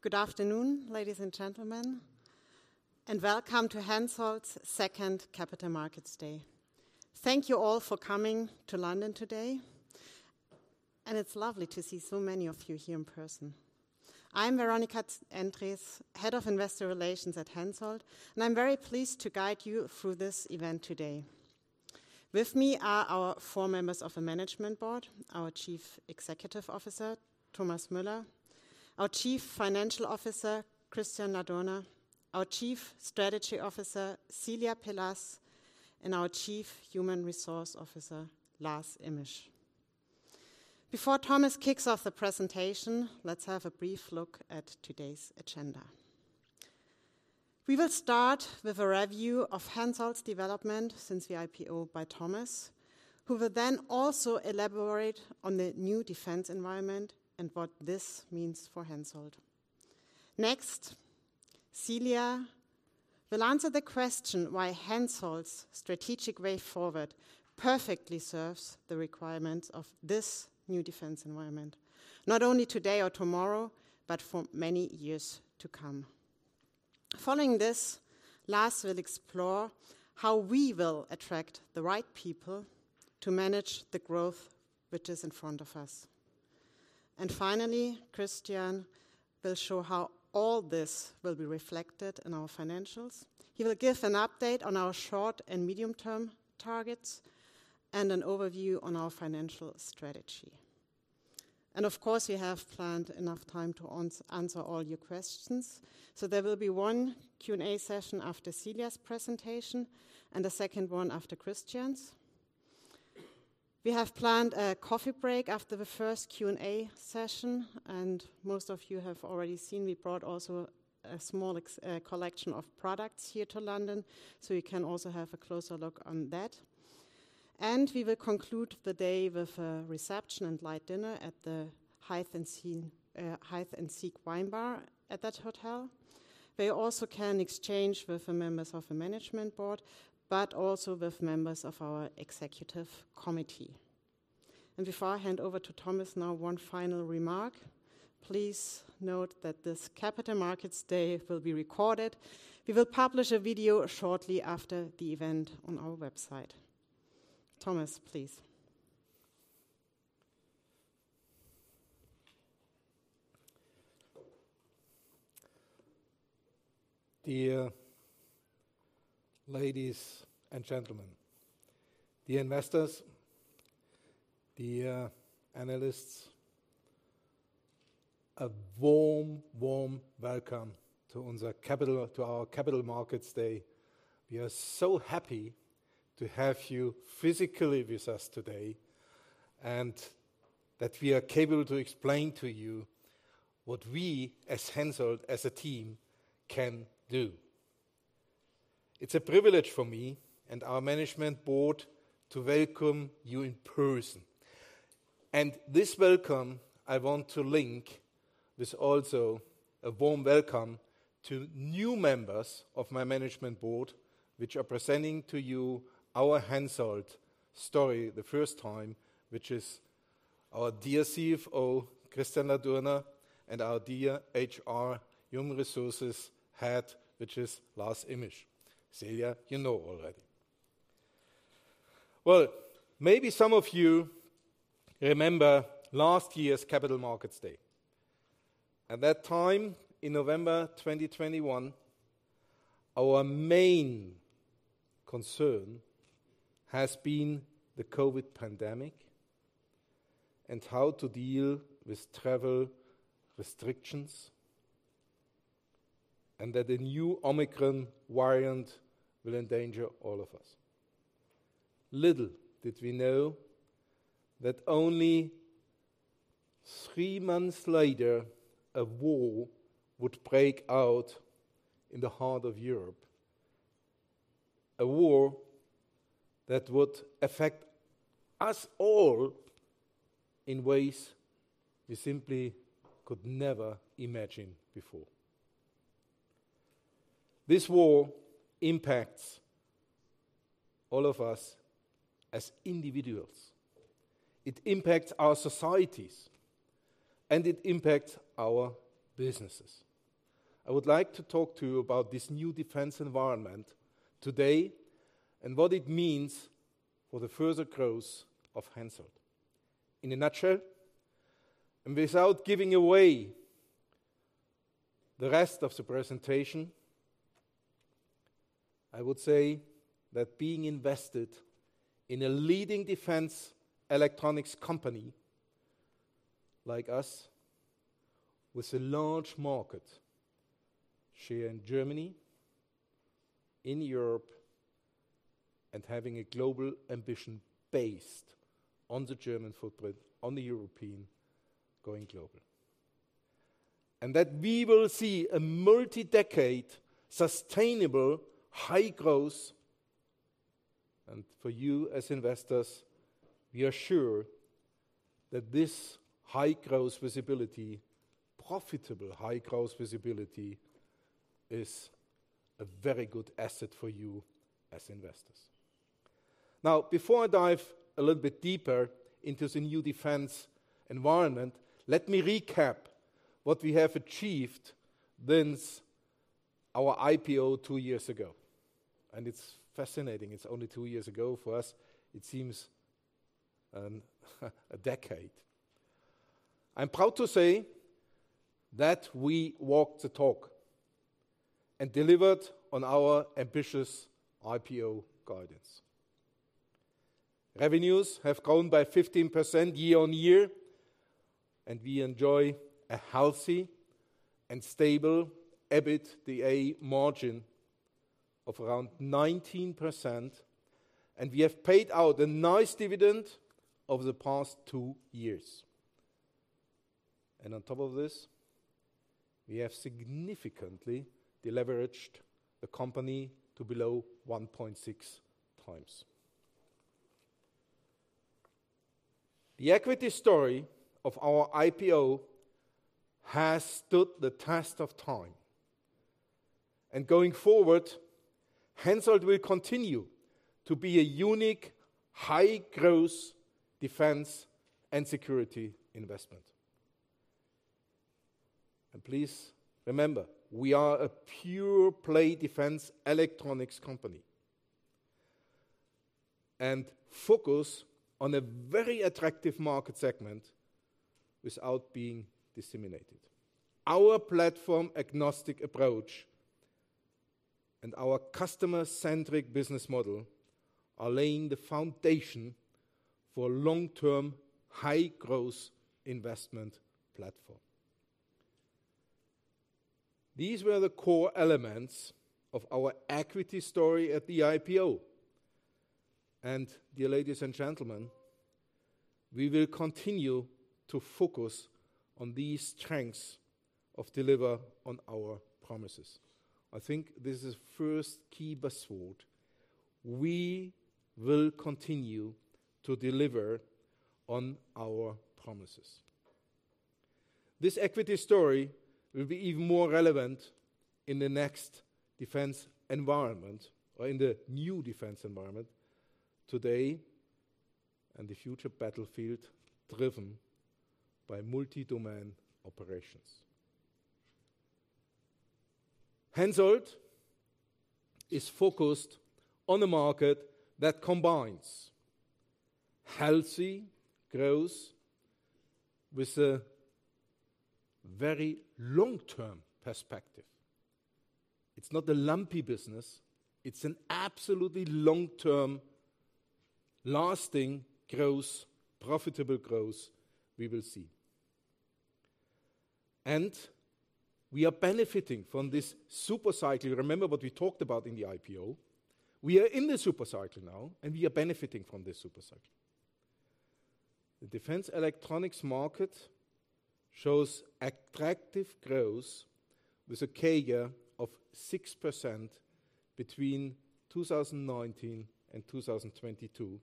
Good afternoon, ladies and gentlemen, welcome to HENSOLDT's second Capital Markets Day. Thank you all for coming to London today, it's lovely to see so many of you here in person. I'm Veronika Endres, head of investor relations at HENSOLDT, I'm very pleased to guide you through this event today. With me are our four members of the management board, our Chief Executive Officer, Thomas Müller, our Chief Financial Officer, Christian Ladurner, our Chief Strategy Officer, Celia Pelaz, and our Chief Human Resource Officer, Lars Immisch. Before Thomas kicks off the presentation, let's have a brief look at today's agenda. We will start with a review of HENSOLDT's development since the IPO by Thomas, who will then also elaborate on the new defense environment and what this means for HENSOLDT. Next, Celia will answer the question why HENSOLDT's strategic way forward perfectly serves the requirements of this new defense environment, not only today or tomorrow, but for many years to come. Following this, Lars will explore how we will attract the right people to manage the growth which is in front of us. Finally, Christian will show how all this will be reflected in our financials. He will give an update on our short and medium-term targets and an overview on our financial strategy. Of course, we have planned enough time to answer all your questions, so there will be one Q&A session after Celia's presentation and a second one after Christian's. We have planned a coffee break after the first Q&A session. Most of you have already seen we brought also a small collection of products here to London, so you can also have a closer look on that. We will conclude the day with a reception and light dinner at the Hide and Seek Wine Bar at that hotel. There you also can exchange with the members of the management board, but also with members of our executive committee. Before I hand over to Thomas now, one final remark, please note that this Capital Markets Day will be recorded. We will publish a video shortly after the event on our website. Thomas, please. Dear ladies and gentlemen, dear investors, dear analysts, a warm welcome to our Capital Markets Day. We are so happy to have you physically with us today, that we are capable to explain to you what we as HENSOLDT, as a team, can do. It's a privilege for me and our management board to welcome you in person. This welcome I want to link with also a warm welcome to new members of my management board, which are presenting to you our HENSOLDT story the first time, which is our dear CFO, Christian Ladurner, and our dear HR, human resources head, which is Lars Immisch. Celia, you know already. Well, maybe some of you remember last year's Capital Markets Day. At that time, in November 2021, our main concern has been the COVID pandemic and how to deal with travel restrictions, and that a new Omicron variant will endanger all of us. Little did we know that only three months later, a war would break out in the heart of Europe, a war that would affect us all in ways we simply could never imagine before. This war impacts all of us as individuals. It impacts our societies, and it impacts our businesses. I would like to talk to you about this new defense environment today and what it means for the further growth of HENSOLDT. In a nutshell, without giving away the rest of the presentation, I would say that being invested in a leading defense electronics company like us with a large market share in Germany, in Europe, and having a global ambition based on the German footprint, on the European going global. That we will see a multi-decade sustainable high growth. For you as investors, we are sure that this high growth visibility, profitable high growth visibility, is a very good asset for you as investors. Now, before I dive a little bit deeper into the new defense environment, let me recap what we have achieved since our IPO two years ago. It's fascinating. It's only two years ago. For us, it seems, a decade. I'm proud to say that we walked the talk and delivered on our ambitious IPO guidance. Revenues have grown by 15% year-over-year, and we enjoy a healthy and stable EBITDA margin of around 19%, and we have paid out a nice dividend over the past two years. On top of this, we have significantly deleveraged the company to below 1.6x. The equity story of our IPO has stood the test of time. Going forward, HENSOLDT will continue to be a unique, high-growth defense and security investment. Please remember, we are a pure-play defense electronics company and focus on a very attractive market segment without being disseminated. Our platform-agnostic approach and our customer-centric business model are laying the foundation for long-term, high-growth investment platform. These were the core elements of our equity story at the IPO. Dear ladies and gentlemen, we will continue to focus on these strengths of deliver on our promises. I think this is first key buzzword. We will continue to deliver on our promises. This equity story will be even more relevant in the next defense environment or in the new defense environment today and the future battlefield driven by multi-domain operations. HENSOLDT is focused on a market that combines healthy growth with a very long-term perspective. It's not a lumpy business. It's an absolutely long-term, lasting growth, profitable growth we will see. And we are benefiting from this super cycle. Remember what we talked about in the IPO. We are in the super cycle now, and we are benefiting from this super cycle. The defense electronics market shows attractive growth with a CAGR of 6% between 2019 and 2022.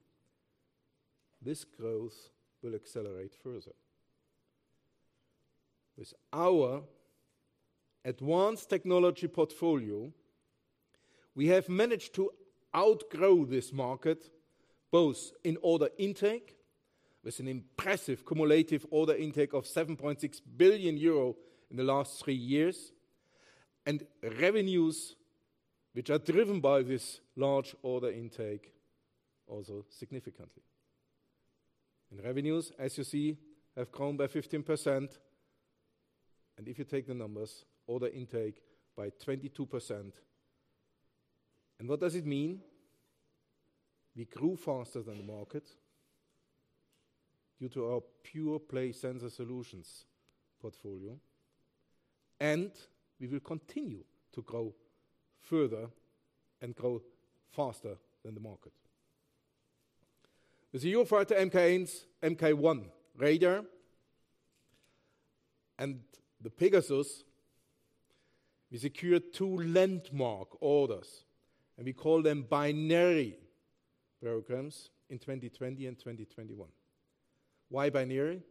This growth will accelerate further. With our advanced technology portfolio, we have managed to outgrow this market, both in order intake with an impressive cumulative order intake of 7.6 billion euro in the last three years, and revenues, which are driven by this large order intake, also significantly. Revenues, as you see, have grown by 15%, and if you take the numbers, order intake by 22%. What does it mean? We grew faster than the market due to our pure-play sensor solutions portfolio, and we will continue to grow further and grow faster than the market. With the Eurofighter Mk1 radar and the PEGASUS, we secured two landmark orders, and we call them binary programs in 2020 and 2021. Why binary?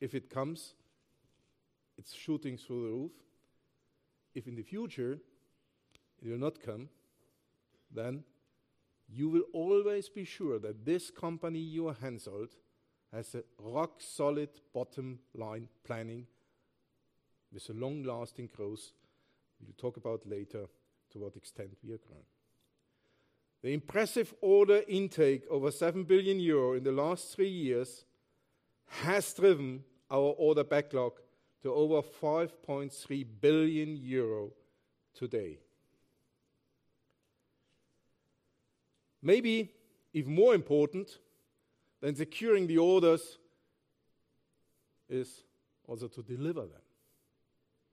If it comes, it's shooting through the roof. If in the future it will not come, then you will always be sure that this company, HENSOLDT, has a rock-solid bottom-line planning with a long-lasting growth. We will talk about later to what extent we are growing. The impressive order intake over 7 billion euro in the last three years has driven our order backlog to over 5.3 billion euro today. Maybe even more important than securing the orders is also to deliver them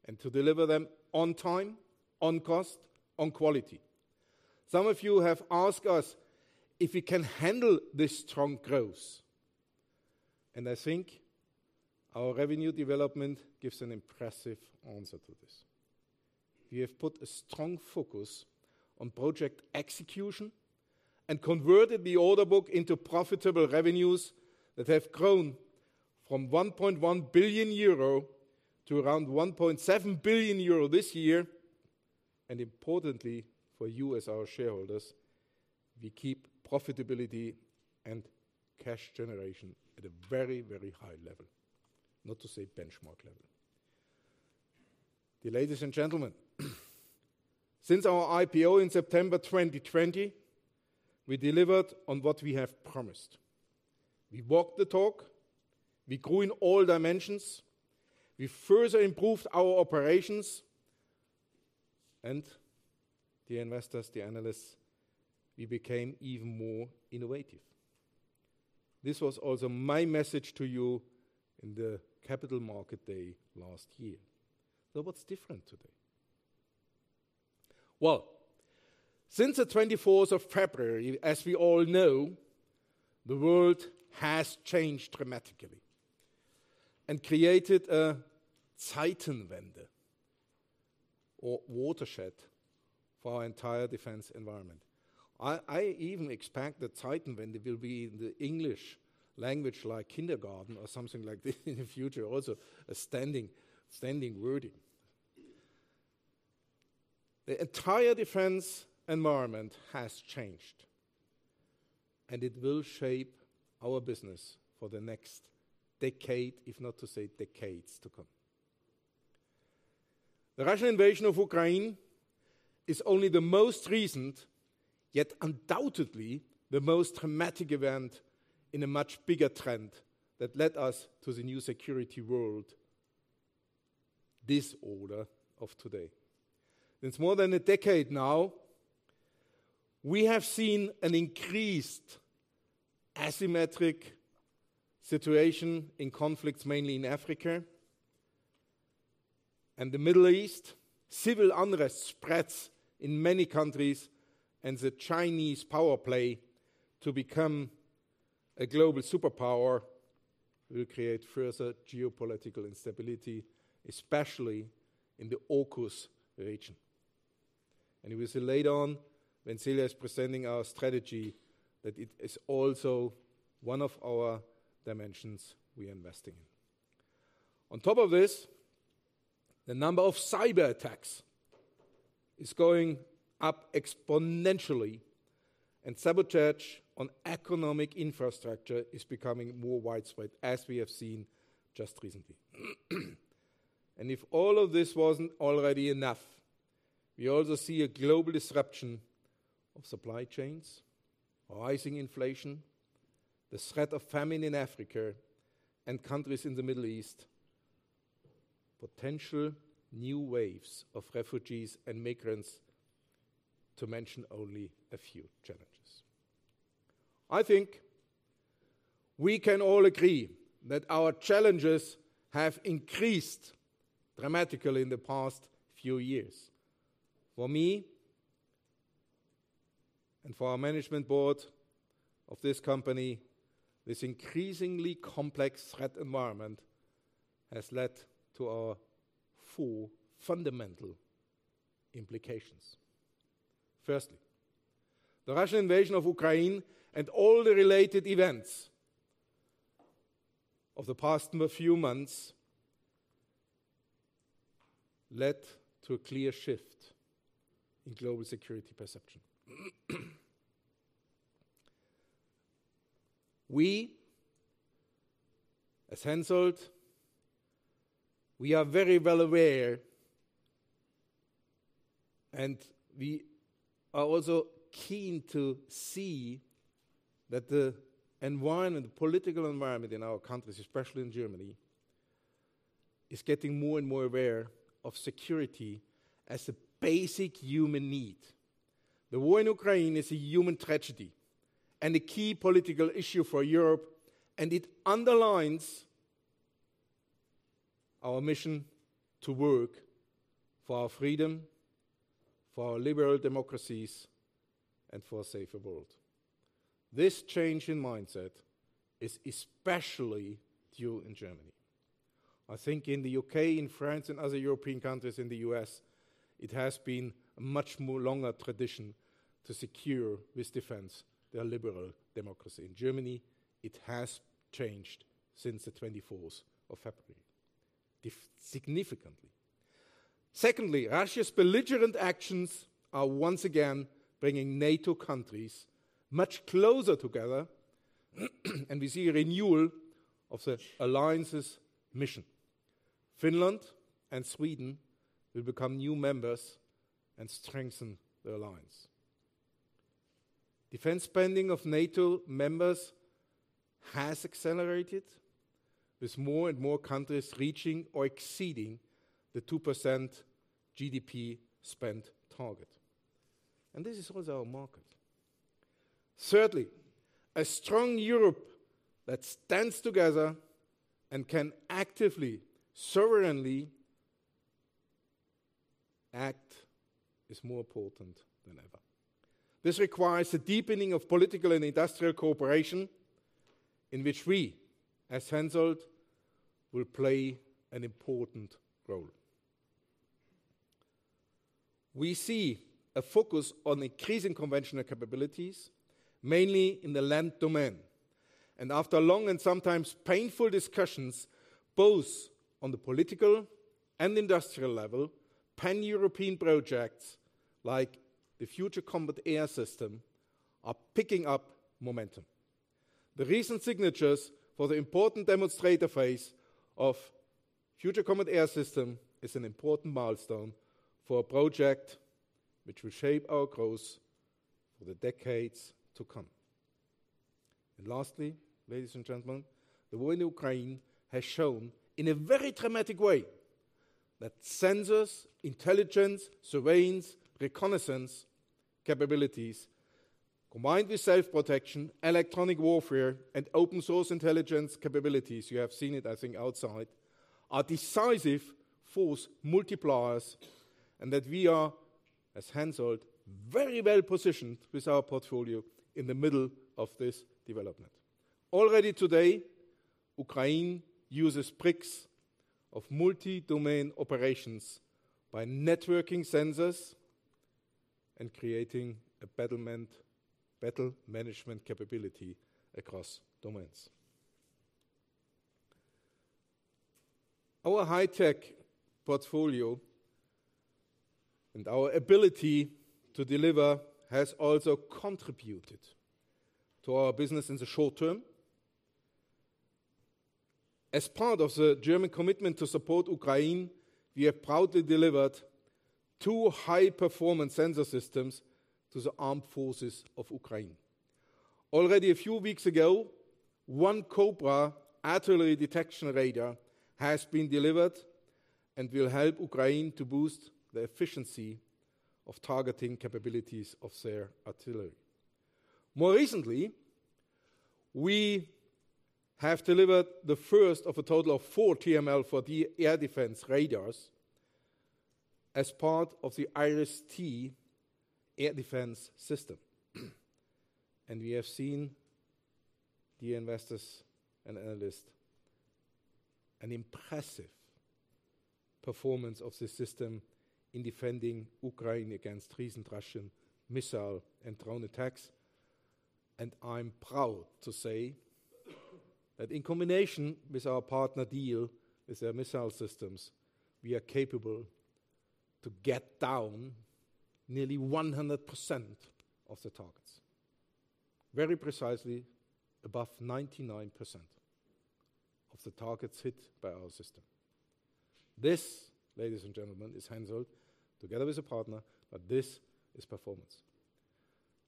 and to deliver them on time, on cost, on quality. Some of you have asked us if we can handle this strong growth, I think our revenue development gives an impressive answer to this. We have put a strong focus on project execution and converted the order book into profitable revenues that have grown from 1.1 billion euro to around 1.7 billion euro this year. Importantly, for you as our shareholders, we keep profitability and cash generation at a very, very high level, not to say benchmark level. Dear ladies and gentlemen, since our IPO in September 2020, we delivered on what we have promised. We walk the talk. We grew in all dimensions. We further improved our operations and the investors, the analysts, we became even more innovative. This was also my message to you in the capital market day last year. What's different today? Since the 24th of February, as we all know, the world has changed dramatically and created a Zeitenwende or watershed for our entire defense environment. I even expect the Zeitenwende will be in the English language like kindergarten or something like this in the future also, a standing wording. The entire defense environment has changed, and it will shape our business for the next decade, if not to say decades to come. The Russian invasion of Ukraine is only the most recent, yet undoubtedly the most dramatic event in a much bigger trend that led us to the new security world disorder of today. It's more than a decade now, we have seen an increased asymmetric situation in conflicts, mainly in Africa and the Middle East. Civil unrest spreads in many countries, and the Chinese power play to become a global superpower will create further geopolitical instability, especially in the AUKUS region. We will see later on when Celia is presenting our strategy that it is also one of our dimensions we are investing in. On top of this, the number of cyberattacks is going up exponentially and sabotage on economic infrastructure is becoming more widespread, as we have seen just recently. If all of this wasn't already enough, we also see a global disruption of supply chains, rising inflation, the threat of famine in Africa and countries in the Middle East, potential new waves of refugees and migrants, to mention only a few challenges. I think we can all agree that our challenges have increased dramatically in the past few years. For me and for our management board of this company, this increasingly complex threat environment has led to our four fundamental implications. The Russian invasion of Ukraine and all the related events of the past few months led to a clear shift in global security perception. We, as HENSOLDT, we are very well aware, we are also keen to see that the environment, political environment in our countries, especially in Germany, is getting more and more aware of security as a basic human need. The war in Ukraine is a human tragedy and a key political issue for Europe, it underlines our mission to work for our freedom, for our liberal democracies, and for a safer world. This change in mindset is especially due in Germany. I think in the U.K., in France and other European countries, in the U.S., it has been a much more longer tradition to secure with defense their liberal democracy. In Germany, it has changed since the 24th of February significantly. Russia's belligerent actions are once again bringing NATO countries much closer together and we see a renewal of the alliance's mission. Finland and Sweden will become new members and strengthen the alliance. Defense spending of NATO members has accelerated, with more and more countries reaching or exceeding the 2% GDP spend target, and this is also our market. A strong Europe that stands together and can actively, sovereignly act is more important than ever. This requires a deepening of political and industrial cooperation in which we, as HENSOLDT, will play an important role. We see a focus on increasing conventional capabilities, mainly in the land domain. After long and sometimes painful discussions, both on the political and industrial level, Pan-European projects like the Future Combat Air System are picking up momentum. The recent signatures for the important demonstrator phase of Future Combat Air System is an important milestone for a project which will shape our growth for the decades to come. Lastly, ladies and gentlemen, the war in Ukraine has shown in a very dramatic way that sensors, intelligence, surveillance, reconnaissance capabilities combined with self-protection, electronic warfare, and open-source intelligence capabilities, you have seen it, I think, outside, are decisive force multipliers and that we are, as HENSOLDT, very well positioned with our portfolio in the middle of this development. Already today, Ukraine uses pricks of multi-domain operations by networking sensors and creating a battle management capability across domains. Our high-tech portfolio and our ability to deliver has also contributed to our business in the short-term. As part of the German commitment to support Ukraine, we have proudly delivered two high-performance sensor systems to the armed forces of Ukraine. Already a few weeks ago, one COBRA artillery detection radar has been delivered and will help Ukraine to boost the efficiency of targeting capabilities of their artillery. More recently, we have delivered the first of a total of four TRML-4D air defense radars as part of the IRIS-T air defense system. We have seen, dear investors and analysts, an impressive performance of this system in defending Ukraine against recent Russian missile and drone attacks. I'm proud to say that in combination with our partner, Diehl, with their missile systems, we are capable to get down nearly 100% of the targets. Very precisely above 99% of the targets hit by our system. This, ladies and gentlemen, is HENSOLDT together with a partner. This is performance.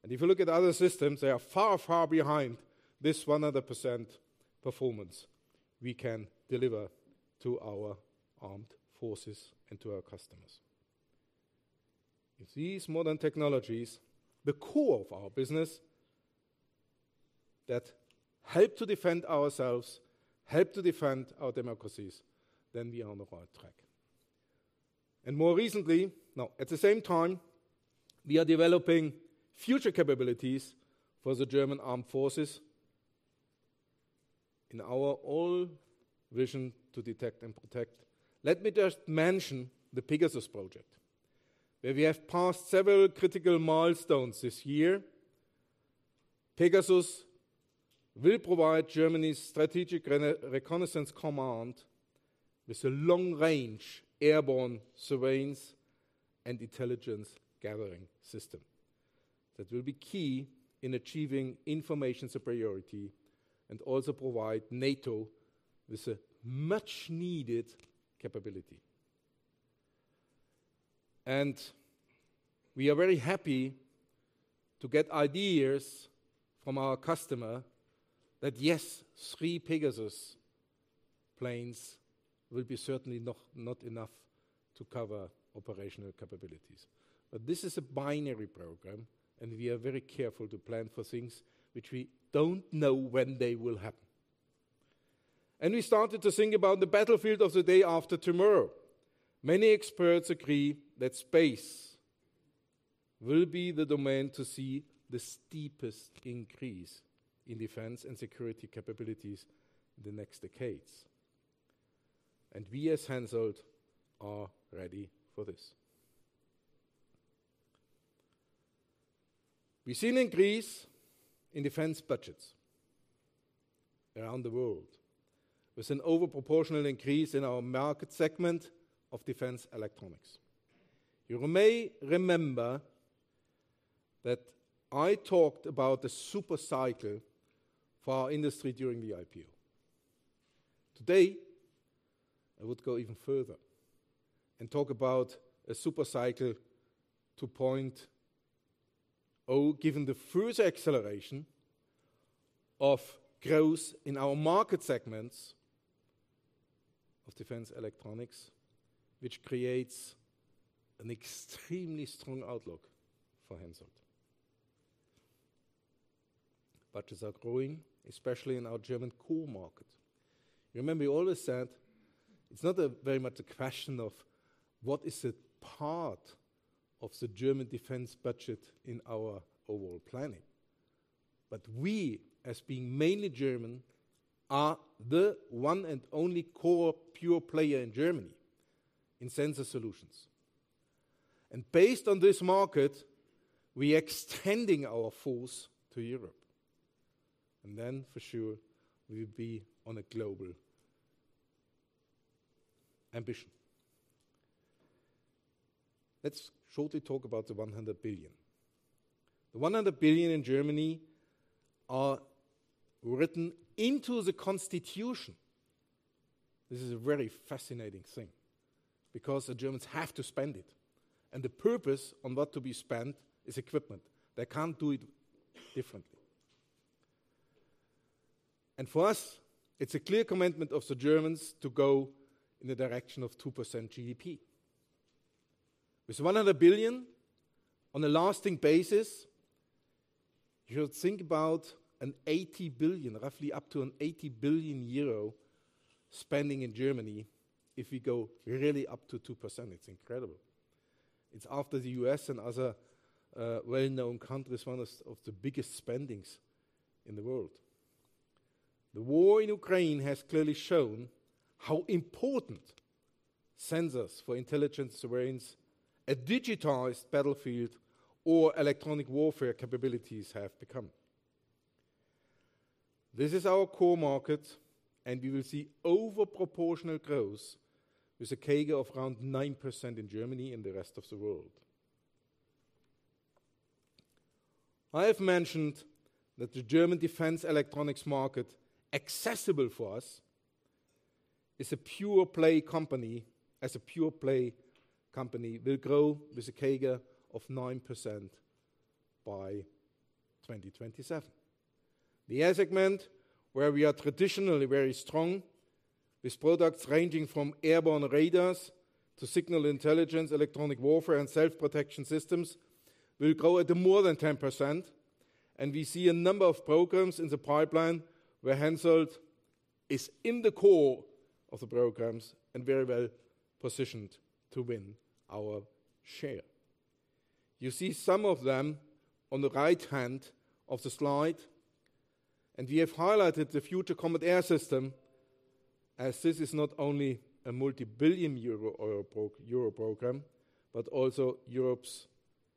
If you look at other systems, they are far, far behind this 100% performance we can deliver to our armed forces and to our customers. If these modern technologies, the core of our business, that help to defend ourselves, help to defend our democracies, then we are on the right track. Now, at the same time, we are developing future capabilities for the German armed forces in our own vision to detect and protect. Let me just mention the Pegasus project, where we have passed several critical milestones this year. Pegasus will provide Germany's strategic reconnaissance command with a long-range airborne surveillance and intelligence-gathering system that will be key in achieving information superiority and also provide NATO with a much-needed capability. We are very happy to get ideas from our customer that, yes, three Pegasus planes will be certainly not enough to cover operational capabilities. This is a binary program, and we are very careful to plan for things which we don't know when they will happen. We started to think about the battlefield of the day after tomorrow. Many experts agree that space will be the domain to see the steepest increase in defense and security capabilities in the next decades. We as HENSOLDT are ready for this. We've seen an increase in defense budgets around the world with an overproportional increase in our market segment of defense electronics. You may remember that I talked about the super cycle for our industry during the IPO. Today, I would go even further and talk about a super cycle 2.0, given the further acceleration of growth in our market segments of defense electronics, which creates an extremely strong outlook for HENSOLDT. Budgets are growing, especially in our German core market. Remember we always said it's not a very much a question of what is the part of the German defense budget in our overall planning, but we, as being mainly German, are the one and only core pure player in Germany in sensor solutions. Based on this market, we extending our force to Europe. For sure, will be on a global ambition. Let's shortly talk about the 100 billion. The 100 billion in Germany are written into the constitution. This is a very fascinating thing because the Germans have to spend it, the purpose on what to be spent is equipment. They can't do it differently. For us, it's a clear commitment of the Germans to go in the direction of 2% GDP. With 100 billion on a lasting basis, you should think about an 80 billion, roughly up to an 80 billion euro spending in Germany if we go really up to 2%. It's incredible. It's after the U.S. and other, well-known countries, one of the biggest spendings in the world. The war in Ukraine has clearly shown how important sensors for intelligence surveillance, a digitized battlefield or electronic warfare capabilities have become. We will see over-proportional growth with a CAGR of around 9% in Germany and the rest of the world. I have mentioned that the German defense electronics market accessible for us as a pure-play company will grow with a CAGR of 9% by 2027. The air segment, where we are traditionally very strong with products ranging from airborne radars to signal intelligence, electronic warfare, and self-protection systems will grow at more than 10%. We see a number of programs in the pipeline where HENSOLDT is in the core of the programs and very well-positioned to win our share. You see some of them on the right hand of the slide. We have highlighted the Future Combat Air System as this is not only a multi-billion euro program, but also Europe's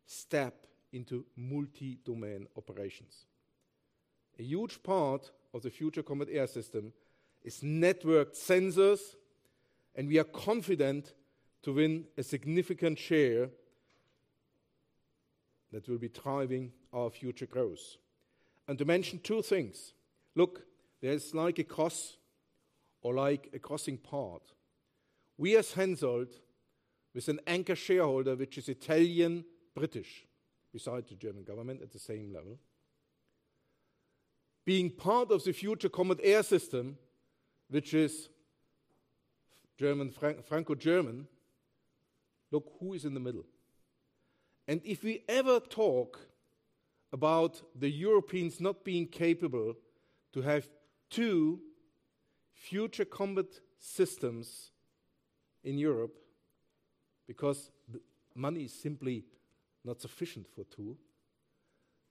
step into multi-domain operations. A huge part of the Future Combat Air System is networked sensors. We are confident to win a significant share that will be driving our future growth. To mention two things, look, there's like a cross or like a crossing path. We as HENSOLDT with an anchor shareholder, which is Italian, British, beside the German government at the same level, being part of the Future Combat Air System, which is German, Franco-German. Look who is in the middle. If we ever talk about the Europeans not being capable to have two future combat systems in Europe because money is simply not sufficient for two,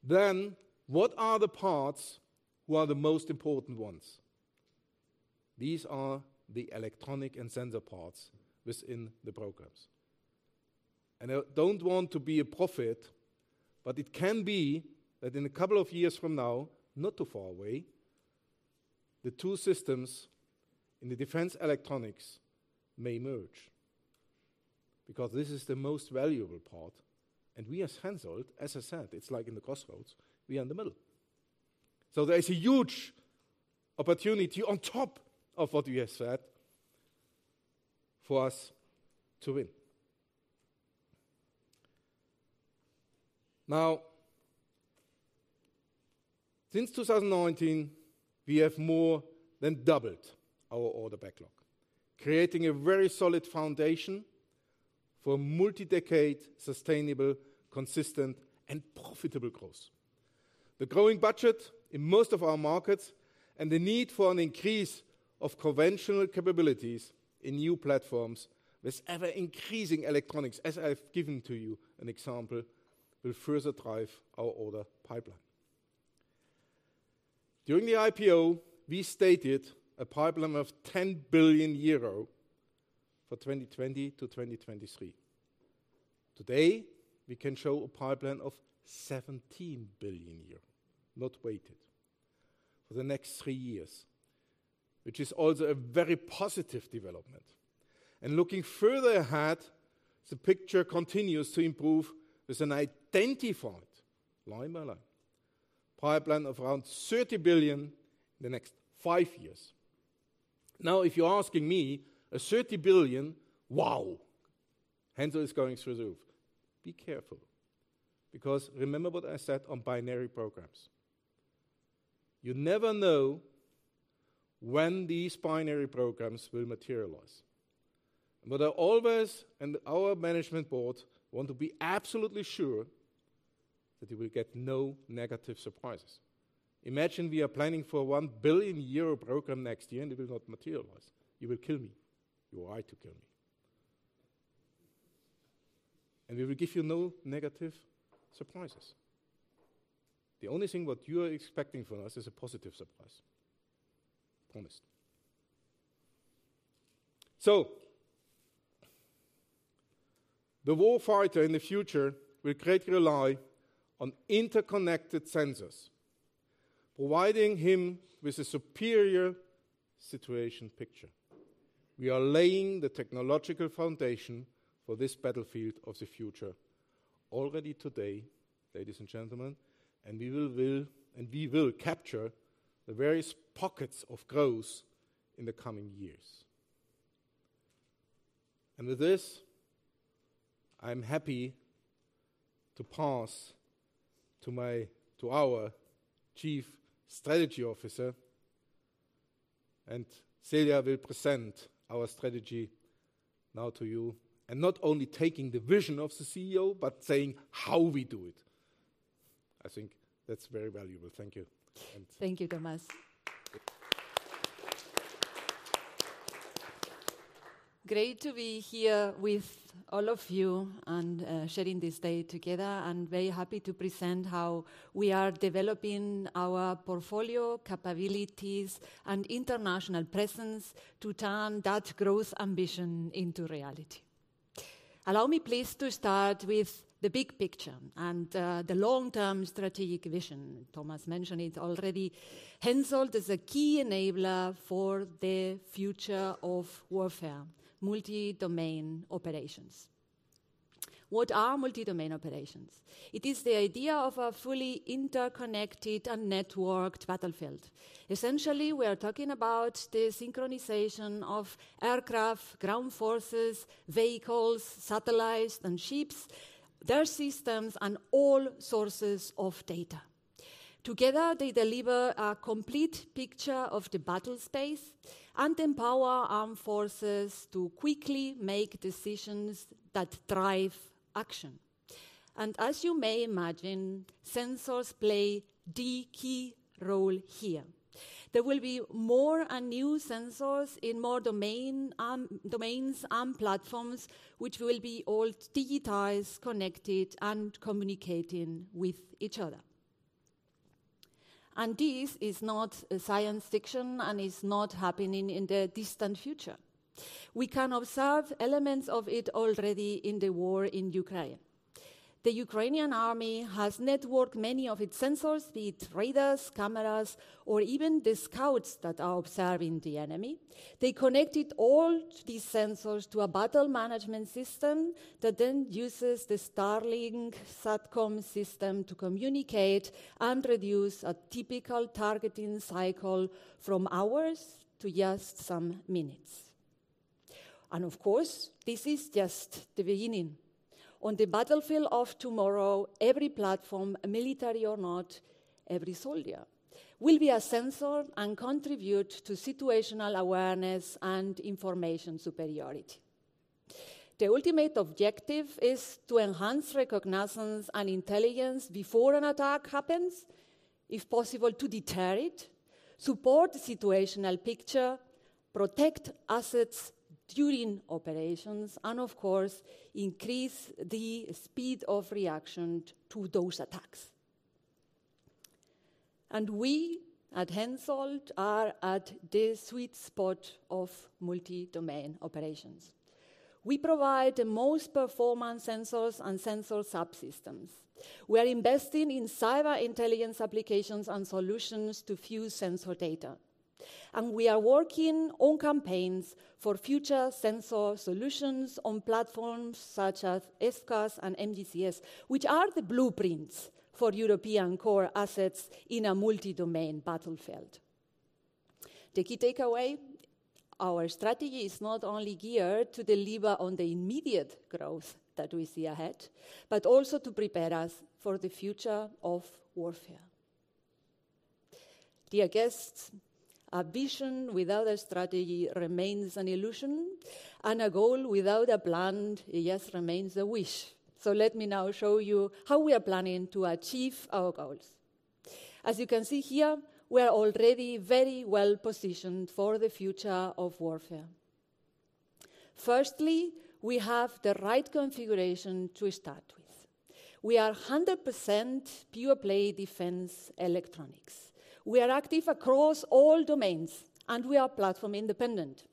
then what are the parts who are the most important ones? These are the electronic and sensor parts within the programs. I don't want to be a prophet, but it can be that in a couple of years from now, not too far away, the two systems in the defense electronics may merge because this is the most valuable part. We as HENSOLDT, as I said, it's like in the crossroads, we are in the middle. There is a huge opportunity on top of what we have said for us to win. Now, since 2019, we have more than doubled our order backlog, creating a very solid foundation for multi-decade sustainable, consistent and profitable growth. The growing budget in most of our markets and the need for an increase of conventional capabilities in new platforms with ever-increasing electronics, as I've given to you an example, will further drive our order pipeline. During the IPO, we stated a pipeline of 10 billion euro for 2020-2023. Today, we can show a pipeline of 17 billion euros, not weighted, for the next three years, which is also a very positive development. Looking further ahead, the picture continues to improve with an identified line by line pipeline of around 30 billion in the next five years. If you're asking me 30 billion, wow, HENSOLDT is going through the roof. Be careful because remember what I said on binary programs. You never know when these binary programs will materialize. I always, and our management board want to be absolutely sure that we will get no negative surprises. Imagine we are planning for a 1 billion euro program next year, and it will not materialize. You will kill me. You are to kill me. We will give you no negative surprises. The only thing what you are expecting from us is a positive surprise. Promise. The war fighter in the future will greatly rely on interconnected sensors, providing him with a superior situation picture. We are laying the technological foundation for this battlefield of the future already today, ladies and gentlemen, and we will capture the various pockets of growth in the coming years. With this, I'm happy to pass to our Chief Strategy Officer, and Celia will present our strategy now to you, and not only taking the vision of the CEO, but saying how we do it. I think that's very valuable. Thank you. Thank you, Thomas. Great to be here with all of you and sharing this day together. I'm very happy to present how we are developing our portfolio capabilities and international presence to turn that growth ambition into reality. Allow me please to start with the big picture and the long-term strategic vision. Thomas mentioned it already. HENSOLDT is a key enabler for the future of warfare, multi-domain operations. What are multi-domain operations? It is the idea of a fully interconnected and networked battlefield. Essentially, we are talking about the synchronization of aircraft, ground forces, vehicles, satellites, and ships, their systems, and all sources of data. Together, they deliver a complete picture of the battle space and empower armed forces to quickly make decisions that drive action. As you may imagine, sensors play the key role here. There will be more and new sensors in more domains and platforms, which will be all digitized, connected, and communicating with each other. This is not a science fiction and is not happening in the distant future. We can observe elements of it already in the war in Ukraine. The Ukrainian army has networked many of its sensors, be it radars, cameras, or even the scouts that are observing the enemy. They connected all these sensors to a battle management system that then uses the Starlink SATCOM system to communicate and reduce a typical targeting cycle from hours to just some minutes. Of course, this is just the beginning. On the battlefield of tomorrow, every platform, military or not, every soldier will be a sensor and contribute to situational awareness and information superiority. The ultimate objective is to enhance reconnaissance and intelligence before an attack happens, if possible, to deter it, support situational picture, protect assets during operations, and of course, increase the speed of reaction to those attacks. We at HENSOLDT are at the sweet spot of multi-domain operations. We provide the most performant sensors and sensor subsystems. We are investing in cyber intelligence applications and solutions to fuse sensor data. We are working on campaigns for future sensor solutions on platforms such as FCAS and MGCS, which are the blueprints for European core assets in a multi-domain battlefield. The key takeaway, our strategy is not only geared to deliver on the immediate growth that we see ahead, but also to prepare us for the future of warfare. Dear guests, a vision without a strategy remains an illusion, and a goal without a plan, it just remains a wish. Let me now show you how we are planning to achieve our goals. As you can see here, we are already very well-positioned for the future of warfare. Firstly, we have the right configuration to start with. We are 100% pure-play defense electronics. We are active across all domains, and we are platform independent.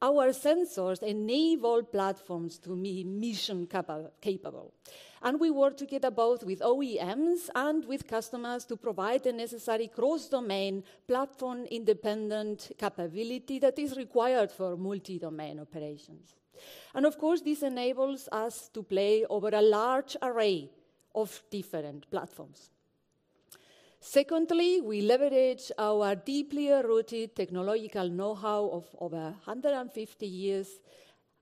Our sensors enable platforms to be mission capable, and we work together both with OEMs and with customers to provide the necessary cross-domain platform-independent capability that is required for multi-domain operations. Of course, this enables us to play over a large array of different platforms. Secondly, we leverage our deeply rooted technological know-how of over 150 years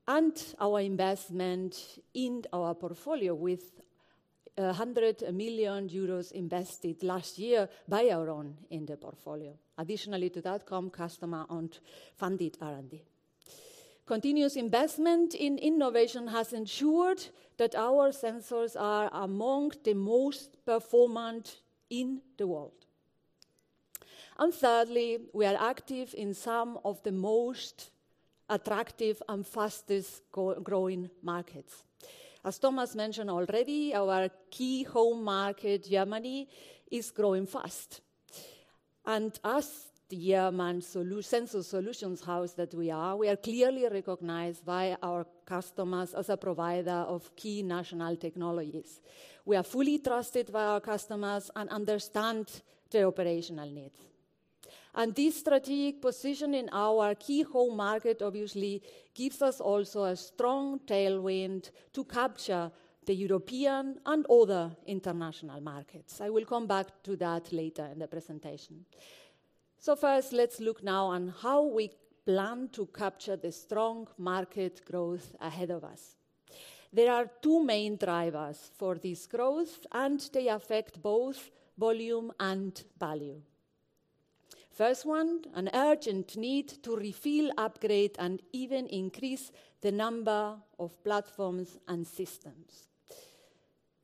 and our investment in our portfolio with 100 million euros invested last year by our own in the portfolio. Additionally to that come customer and funded R&D. Continuous investment in innovation has ensured that our sensors are among the most performant in the world. Thirdly, we are active in some of the most attractive and fastest growing markets. As Thomas mentioned already, our key home market, Germany, is growing fast. As the German sensor solutions house that we are, we are clearly recognized by our customers as a provider of key national technologies. We are fully trusted by our customers and understand their operational needs. This strategic position in our key home market obviously gives us also a strong tailwind to capture the European and other international markets. I will come back to that later in the presentation. First, let's look now on how we plan to capture the strong market growth ahead of us. There are two main drivers for this growth. They affect both volume and value. First one, an urgent need to refill, upgrade, and even increase the number of platforms and systems.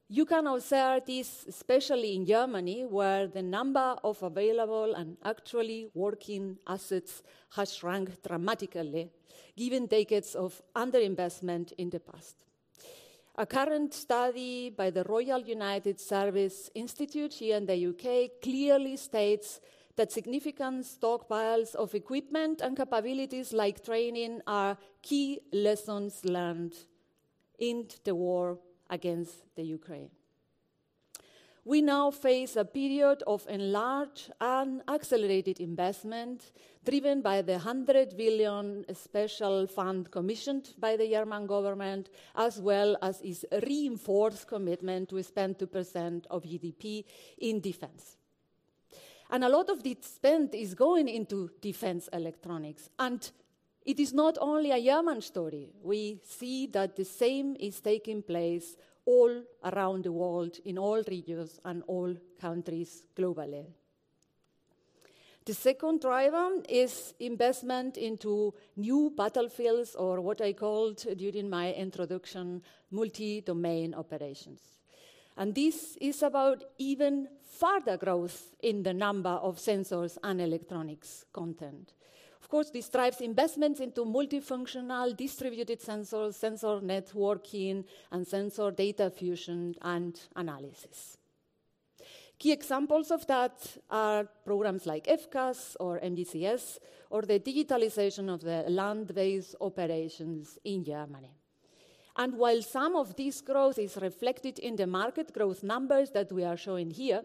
You can observe this especially in Germany, where the number of available and actually working assets has shrunk dramatically given decades of underinvestment in the past. A current study by the Royal United Services Institute here in the U.K. clearly states that significant stockpiles of equipment and capabilities like training are key lessons learned in the war against the Ukraine. We now face a period of enlarged and accelerated investment driven by the 100 billion special fund commissioned by the German government, as well as its reinforced commitment to spend 2% of GDP in defense. A lot of the spend is going into defense electronics, and it is not only a German story. We see that the same is taking place all around the world in all regions and all countries globally. The second driver is investment into new battlefields, or what I called during my introduction, multi-domain operations. This is about even further growth in the number of sensors and electronics content. Of course, this drives investments into multifunctional distributed sensors, sensor networking, and sensor data fusion and analysis. Key examples of that are programs like FCAS or MGCS or the digitalization of the land-based operations in Germany. While some of this growth is reflected in the market growth numbers that we are showing here,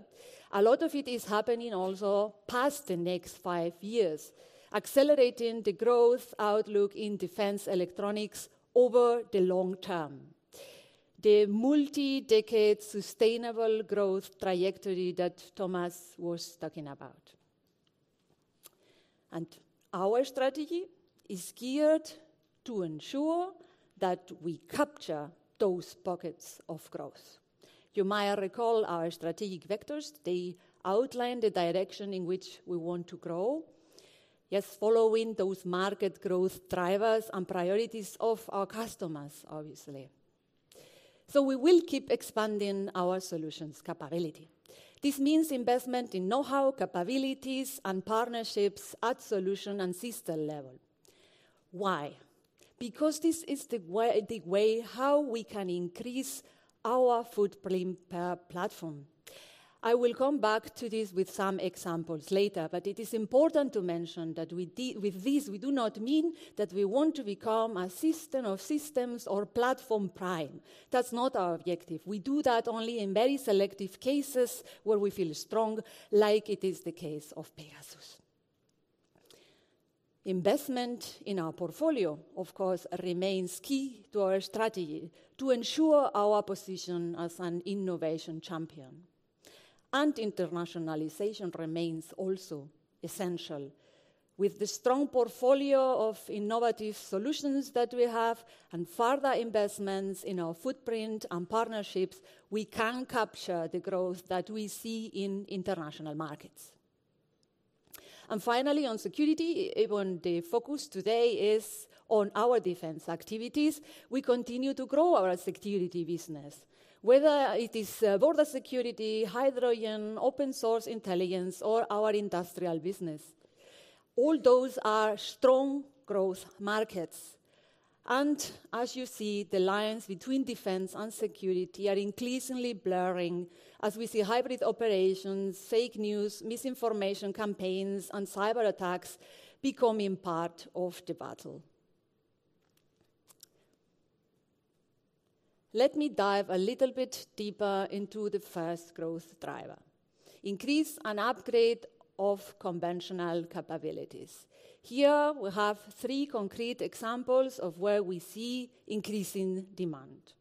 a lot of it is happening also past the next five years, accelerating the growth outlook in defense electronics over the long-term, the multi-decade sustainable growth trajectory that Thomas was talking about. Our strategy is geared to ensure that we capture those pockets of growth. You might recall our strategic vectors. They outline the direction in which we want to grow. Yes, following those market growth drivers and priorities of our customers, obviously. We will keep expanding our solutions capability. This means investment in know-how, capabilities, and partnerships at solution and system level. Why? This is the way how we can increase our footprint per platform. I will come back to this with some examples later. It is important to mention that with this, we do not mean that we want to become a system of systems or platform prime. That's not our objective. We do that only in very selective cases where we feel strong, like it is the case of Pegasus. Investment in our portfolio, of course, remains key to our strategy to ensure our position as an innovation champion. Internationalization remains also essential. With the strong portfolio of innovative solutions that we have and further investments in our footprint and partnerships, we can capture the growth that we see in international markets. Finally, on security, even the focus today is on our defense activities. We continue to grow our security business, whether it is border security, hydrogen, open source intelligence, or our industrial business. All those are strong growth markets. As you see, the lines between defense and security are increasingly blurring as we see hybrid operations, fake news, misinformation campaigns, and cyberattacks becoming part of the battle. Let me dive a little bit deeper into the first growth driver, increase and upgrade of conventional capabilities. Here we have three concrete examples of where we see increasing demand.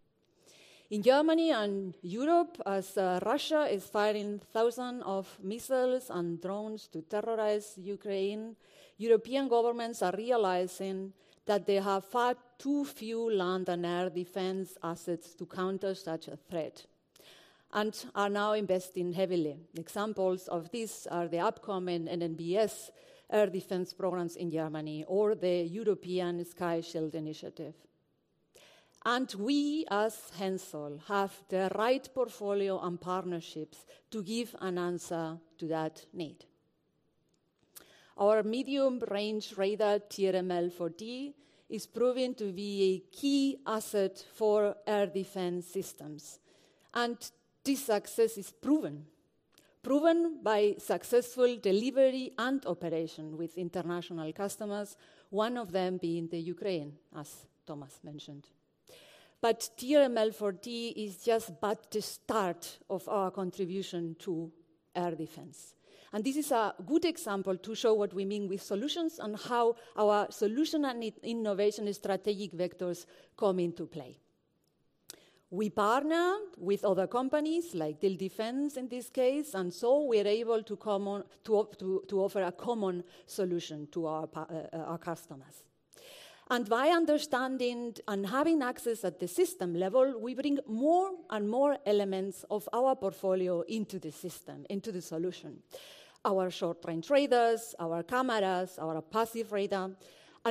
In Germany and Europe, as Russia is firing thousands of missiles and drones to terrorize Ukraine, European governments are realizing that they have far too few land and air defense assets to counter such a threat and are now investing heavily. Examples of this are the upcoming NNbS air defense programs in Germany or the European Sky Shield Initiative. We as HENSOLDT have the right portfolio and partnerships to give an answer to that need. Our medium-range radar TRML-4D is proving to be a key asset for air defense systems, and this success is proven by successful delivery and operation with international customers, one of them being the Ukraine, as Thomas mentioned. TRML-4D is just but the start of our contribution to air defense. This is a good example to show what we mean with solutions and how our solution and in-innovation strategic vectors come into play. We partner with other companies like Diehl Defence in this case, and so we're able to offer a common solution to our customers. By understanding and having access at the system level, we bring more and more elements of our portfolio into the system, into the solution. Our short-range radars, our cameras, our passive radar.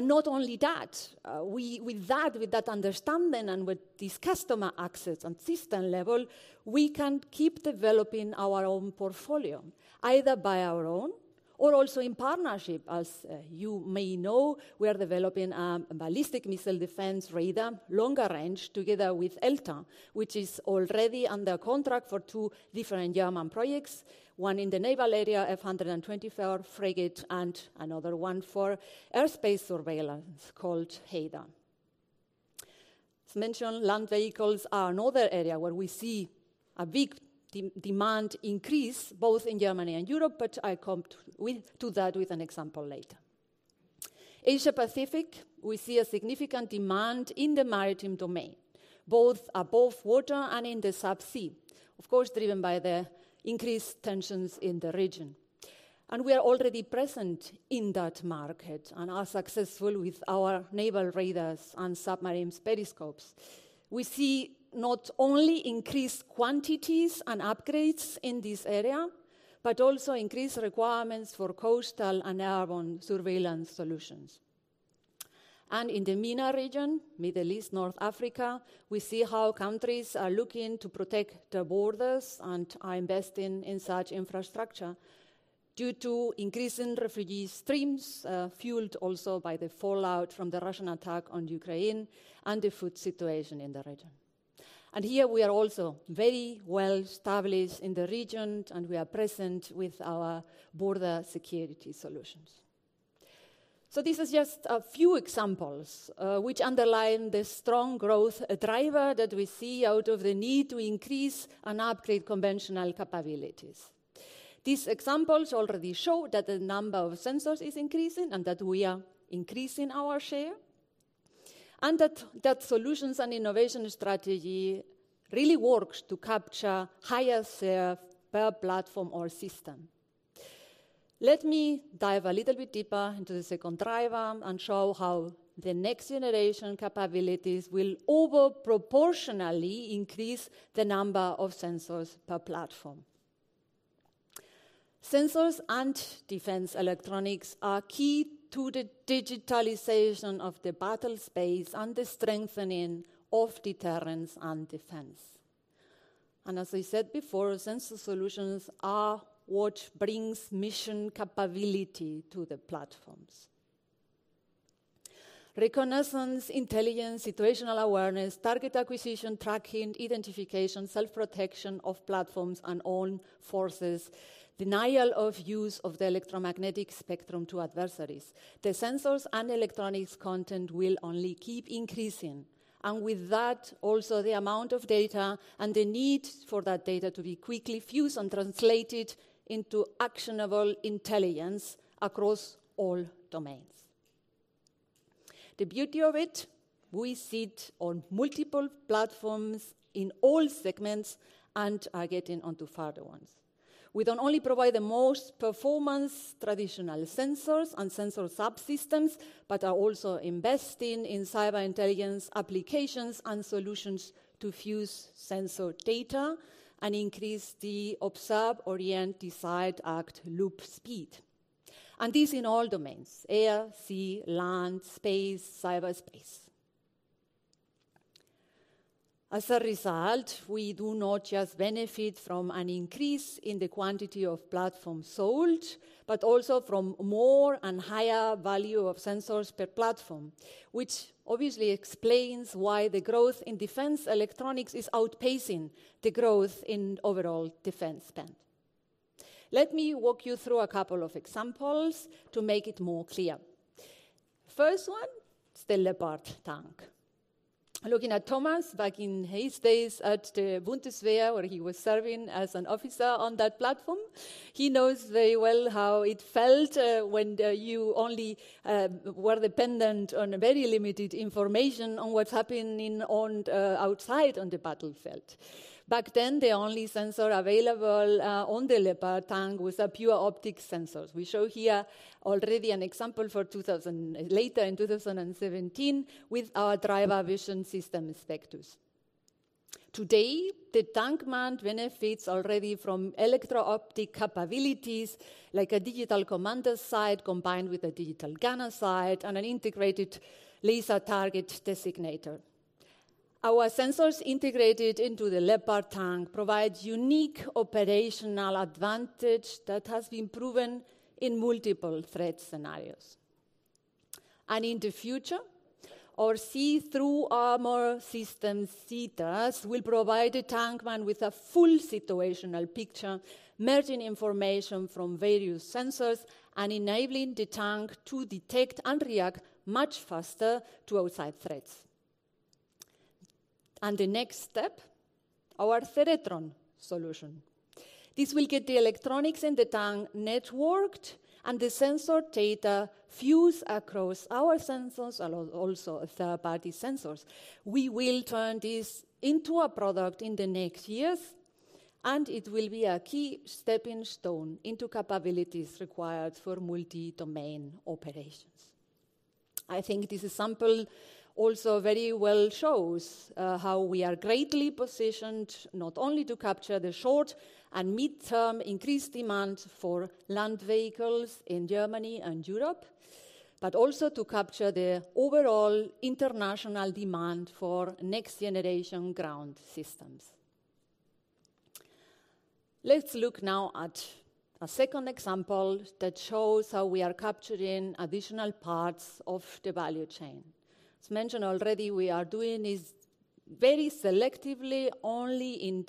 Not only that, we with that understanding and with this customer access on system level, we can keep developing our own portfolio, either by our own or also in partnership. As you may know, we are developing ballistic missile defense radar, longer range, together with ELTA, which is already under contract for two different German projects, one in the naval area, F124 frigate, and another one for airspace surveillance called HEDAH. As mentioned, land vehicles are another area where we see a big demand increase both in Germany and Europe, I come to that with an example later. Asia Pacific, we see a significant demand in the maritime domain, both above water and in the subsea, of course, driven by the increased tensions in the region. We are already present in that market and are successful with our naval radars and submarines periscopes. We see not only increased quantities and upgrades in this area, but also increased requirements for coastal and airborne surveillance solutions. In the MENA region, Middle East, North Africa, we see how countries are looking to protect their borders and are investing in such infrastructure due to increasing refugee streams, fueled also by the fallout from the Russian attack on Ukraine and the food situation in the region. Here we are also very well established in the region, and we are present with our border security solutions. This is just a few examples, which underline the strong growth driver that we see out of the need to increase and upgrade conventional capabilities. These examples already show that the number of sensors is increasing and that we are increasing our share, and that solutions and innovation strategy really works to capture higher serve per platform or system. Let me dive a little bit deeper into the second driver and show how the next-generation capabilities will over proportionally increase the number of sensors per platform. Sensors and defense electronics are key to the digitalization of the battle space and the strengthening of deterrence and defense. As I said before, sensor solutions are what brings mission capability to the platforms. Reconnaissance, intelligence, situational awareness, target acquisition, tracking, identification, self-protection of platforms and own forces, denial of use of the electromagnetic spectrum to adversaries. The sensors and electronics content will only keep increasing, and with that also the amount of data and the need for that data to be quickly fused and translated into actionable intelligence across all domains. The beauty of it, we sit on multiple platforms in all segments and are getting onto further ones. We don't only provide the most performance traditional sensors and sensor subsystems, but are also investing in cyber intelligence applications and solutions to fuse sensor data and increase the observe, orient, decide, act loop speed. This in all domains: air, sea, land, space, cyberspace. As a result, we do not just benefit from an increase in the quantity of platforms sold, but also from more and higher value of sensors per platform, which obviously explains why the growth in defense electronics is outpacing the growth in overall defense spend. Let me walk you through a couple of examples to make it more clear. First one is the Leopard tank. Looking at Thomas back in his days at the Bundeswehr, where he was serving as an officer on that platform, he knows very well how it felt, when you only were dependent on very limited information on what's happening outside on the battlefield. Back then, the only sensor available on the Leopard tank was a pure optics sensors. We show here already an example later in 2017 with our driver vision system, SPECTUS II. Today, the tank man benefits already from electro-optic capabilities like a digital commander sight combined with a digital gunner sight and an integrated laser target designator. Our sensors integrated into the Leopard tank provide unique operational advantage that has been proven in multiple threat scenarios. In the future, our See Through Armour System, SETAS, will provide a tank man with a full situational picture, merging information from various sensors and enabling the tank to detect and react much faster to outside threats. The next step, our Ceretron solution. This will get the electronics in the tank networked and the sensor data fused across our sensors and also third-party sensors. We will turn this into a product in the next years, and it will be a key stepping stone into capabilities required for multi-domain operations. I think this example also very well shows how we are greatly positioned not only to capture the short and mid-term increased demand for land vehicles in Germany and Europe, but also to capture the overall international demand for next-generation ground systems. Let's look now at a second example that shows how we are capturing additional parts of the value chain. As mentioned already, we are doing this very selectively only in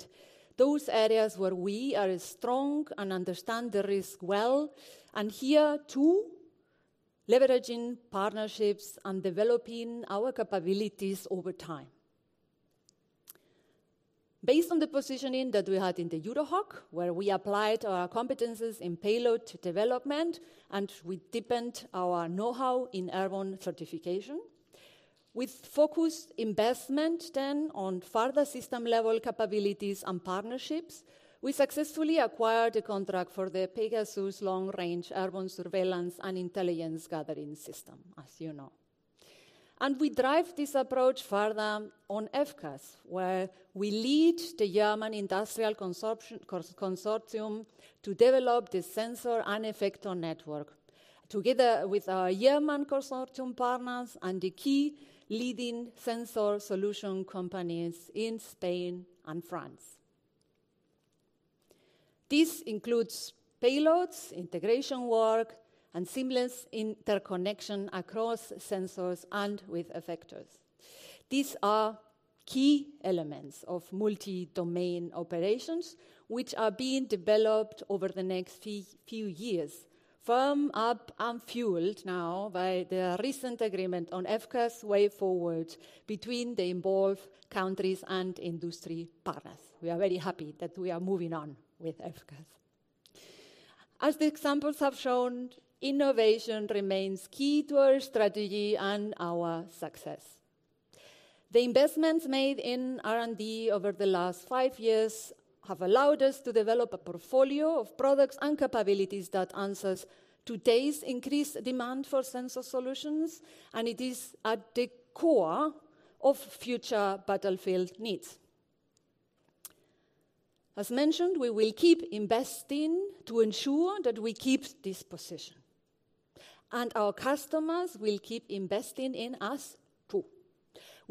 those areas where we are strong and understand the risk well, and here too, leveraging partnerships and developing our capabilities over time. Based on the positioning that we had in the EuroHawk, where we applied our competencies in payload development and we deepened our know-how in airborne certification. With focused investment on further system-level capabilities and partnerships, we successfully acquired a contract for the PEGASUS long-range airborne surveillance and intelligence gathering system, as you know. We drive this approach further on FCAS, where we lead the German Industrial Consortium to develop the sensor and effector network together with our German consortium partners and the key leading sensor solution companies in Spain and France. This includes payloads, integration work, and seamless interconnection across sensors and with effectors. These are key elements of multi-domain operations which are being developed over the next few years, firmed up and fueled now by the recent agreement on FCAS way forward between the involved countries and industry partners. We are very happy that we are moving on with FCAS. As the examples have shown, innovation remains key to our strategy and our success. The investments made in R&D over the last five years have allowed us to develop a portfolio of products and capabilities that answers today's increased demand for sensor solutions, and it is at the core of future battlefield needs. As mentioned, we will keep investing to ensure that we keep this position, and our customers will keep investing in us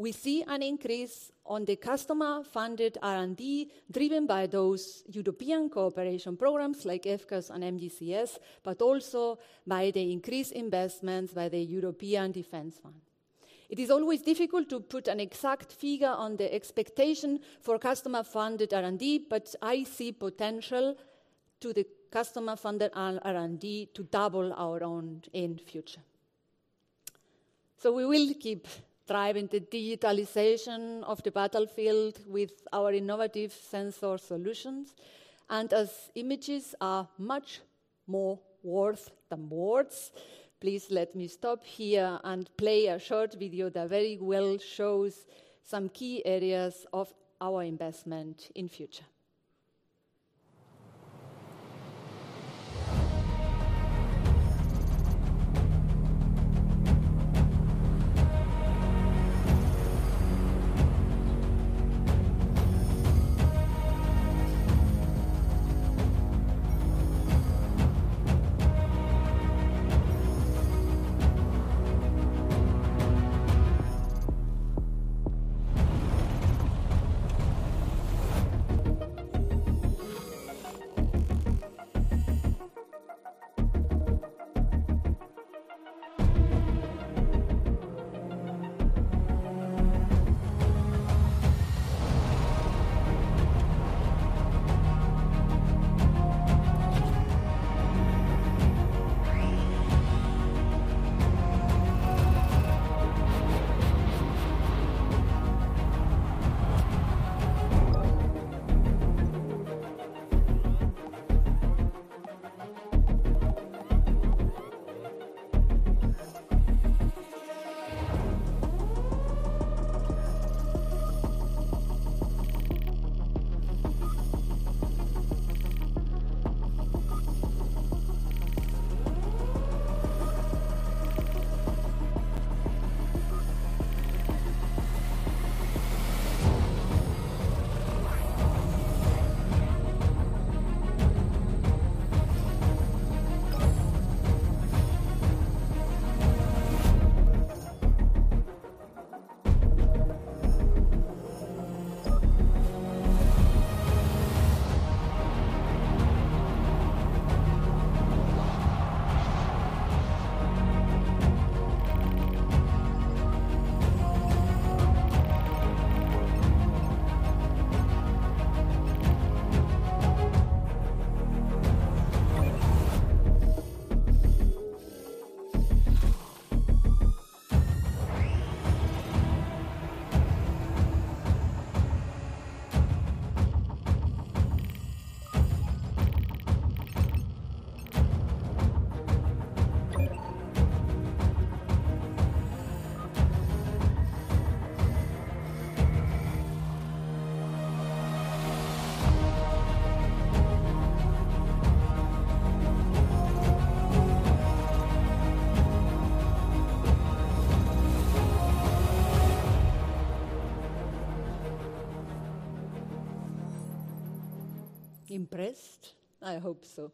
too. We see an increase on the customer-funded R&D driven by those European cooperation programs like FCAS and MGCS, but also by the increased investments by the European Defence Fund. It is always difficult to put an exact figure on the expectation for customer-funded R&D, but I see potential to the customer-funded R&D to double our own in future. We will keep driving the digitalization of the battlefield with our innovative sensor solutions, and as images are much more worth than words, please let me stop here and play a short video that very well shows some key areas of our investment in future. Impressed? I hope so.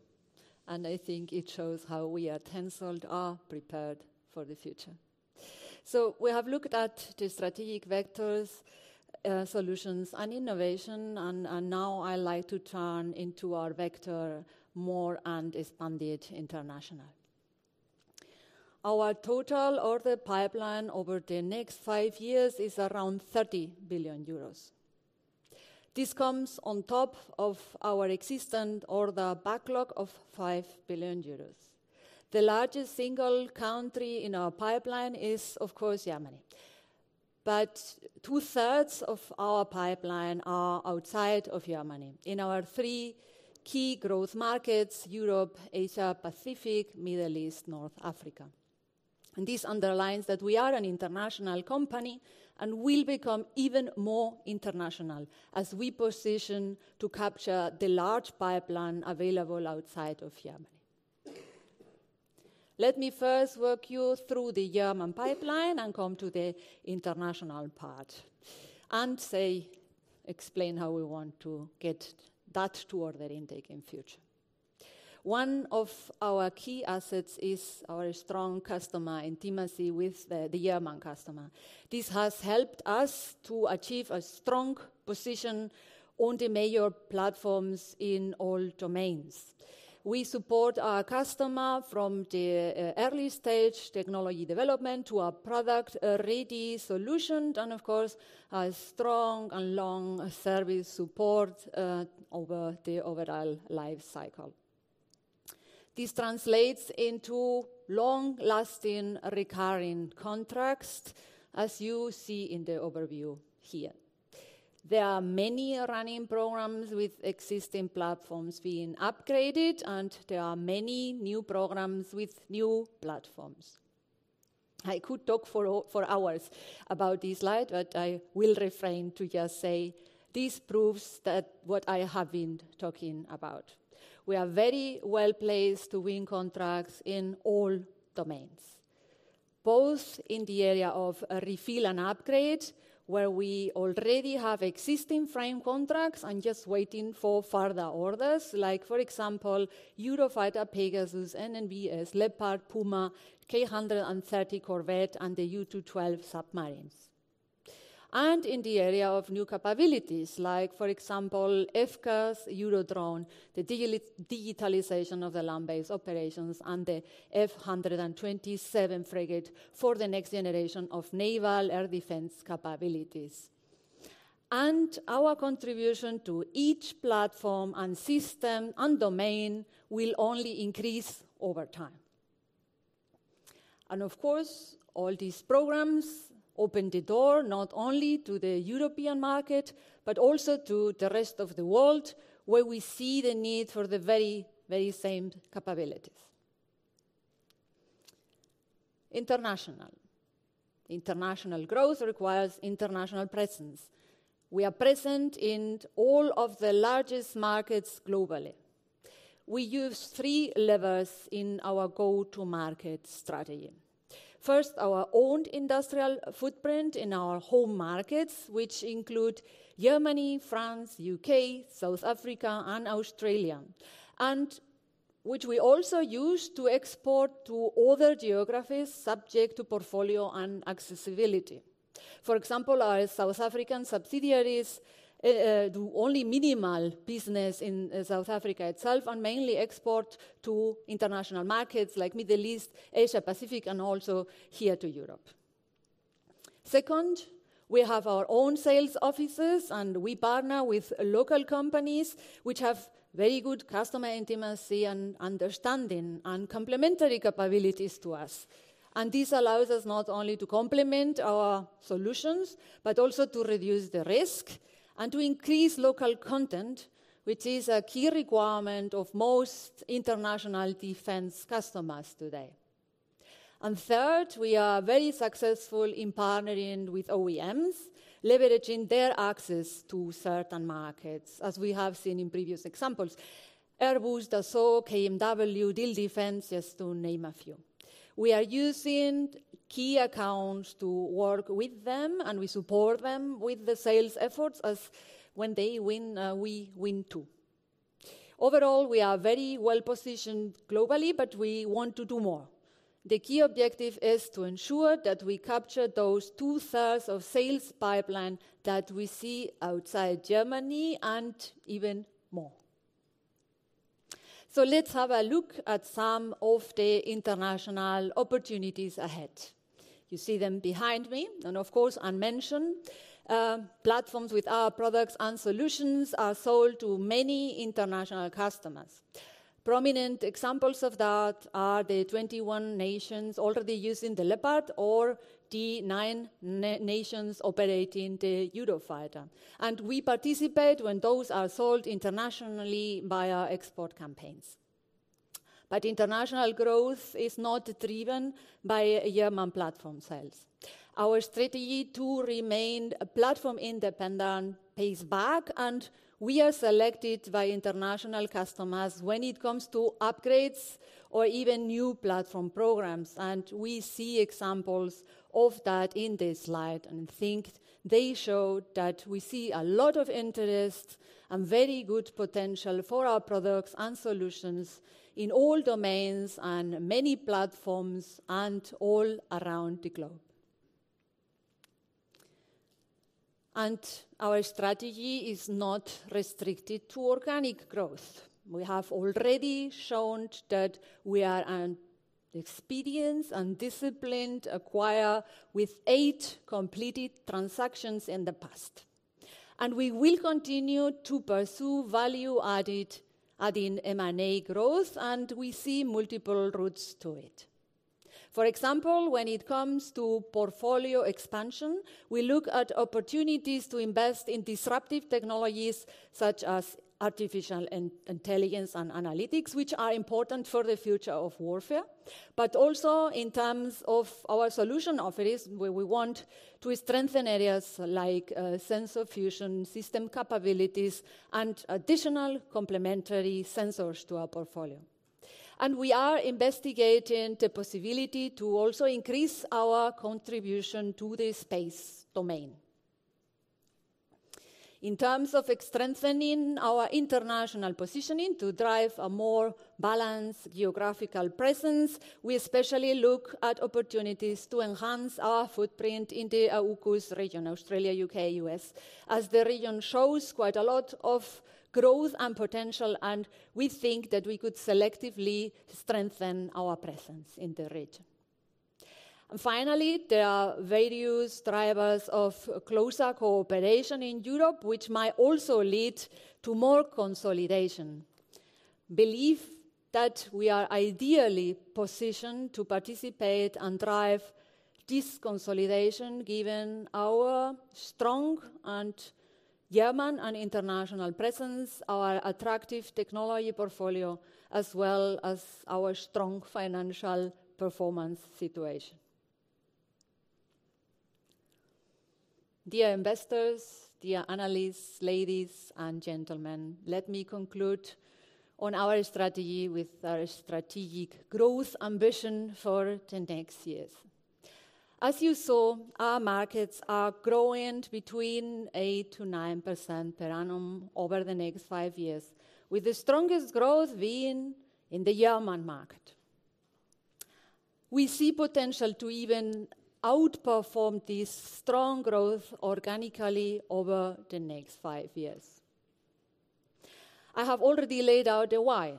I think it shows how we at HENSOLDT are prepared for the future. We have looked at the strategic vectors, solutions and innovation and now I like to turn into our vector more and expanded international. Our total order pipeline over the next five years is around 30 billion euros. This comes on top of our existent order backlog of 5 billion euros. The largest single country in our pipeline is, of course, Germany. Two-thirds of our pipeline are outside of Germany in our three key growth markets, Europe, Asia, Pacific, Middle East, North Africa. This underlines that we are an international company and will become even more international as we position to capture the large pipeline available outside of Germany. Let me first walk you through the German pipeline and come to the international part and explain how we want to get that to order intake in future. One of our key assets is our strong customer intimacy with the German customer. This has helped us to achieve a strong position on the major platforms in all domains. We support our customer from the early stage technology deeelopment to a product, a ready solution, and of course, a strong and long service support over the overall life cycle. This translates into long-lasting recurring contracts, as you see in the overview here. There are many running programs with existing platforms being upgraded, and there are many new programs with new platforms. I could talk for hours about this slide, but I will refrain to just say this proves that what I have been talking about. We are very well placed to win contracts in all domains, both in the area of refill and upgrade, where we already have existing frame contracts and just waiting for further orders like, for example, Eurofighter, Pegasus, NNbS, Leopard, Puma, K130 corvette, and the U212 submarines. In the area of new capabilities, like for example, FCAS Eurodrone, the digitalization of the land-based operations, and the F127 frigate for the next generation of naval air defense capabilities. Our contribution to each platform and system and domain will only increase over time. Of course, all these programs open the door not only to the European market but also to the rest of the world, where we see the need for the very same capabilities. International. International growth requires international presence. We are present in all of the largest markets globally. We use three levers in our go-to-market strategy. First, our owned industrial footprint in our home markets, which include Germany, France, U.K., South Africa, and Australia, and which we also use to export to other geographies subject to portfolio and accessibility. For example, our South African subsidiaries do only minimal business in South Africa itself and mainly export to international markets like Middle East, Asia Pacific, and also here to Europe. Second, we have our own sales offices, and we partner with local companies which have very good customer intimacy and understanding and complementary capabilities to us. This allows us not only to complement our solutions but also to reduce the risk and to increase local content, which is a key requirement of most international defense customers today. Third, we are very successful in partnering with OEMs, leveraging their access to certain markets, as we have seen in previous examples. Airbus, Dassault, KMW, Diehl Defence, just to name a few. We are using key accounts to work with them, and we support them with the sales efforts as when they win, we win too. Overall, we are very well-positioned globally, but we want to do more. The key objective is to ensure that we capture those 2/3 of sales pipeline that we see outside Germany and even more. Let's have a look at some of the international opportunities ahead. You see them behind me and of course unmentioned. Platforms with our products and solutions are sold to many international customers. Prominent examples of that are the 21 nations already using the Leopard or the nine nations operating the Eurofighter, and we participate when those are sold internationally via export campaigns. International growth is not driven by German platform sales. Our strategy to remain platform independent pays back. We are selected by international customers when it comes to upgrades or even new platform programs, and we see examples of that in this slide and think they show that we see a lot of interest and very good potential for our products and solutions in all domains and many platforms and all around the globe. Our strategy is not restricted to organic growth. We have already shown that we are an experienced and disciplined acquirer with eight completed transactions in the past. We will continue to pursue value added, adding M&A growth, and we see multiple routes to it. For example, when it comes to portfolio expansion, we look at opportunities to invest in disruptive technologies such as artificial intelligence and analytics, which are important for the future of warfare, but also in terms of our solution offerings where we want to strengthen areas like sensor fusion system capabilities and additional complementary sensors to our portfolio. We are investigating the possibility to also increase our contribution to the space domain. In terms of strengthening our international positioning to drive a more balanced geographical presence, we especially look at opportunities to enhance our footprint in the AUKUS region, Australia, U.K., U.S., as the region shows quite a lot of growth and potential, and we think that we could selectively strengthen our presence in the region. Finally, there are various drivers of closer cooperation in Europe which might also lead to more consolidation. Believe that we are ideally positioned to participate and drive this consolidation given our strong and German and international presence, our attractive technology portfolio, as well as our strong financial performance situation. Dear investors, dear analysts, ladies and gentlemen, let me conclude on our strategy with our strategic growth ambition for the next years. As you saw, our markets are growing between 8%-9% per annum over the next five years, with the strongest growth being in the German market. We see potential to even outperform this strong growth organically over the next five years. I have already laid out the why.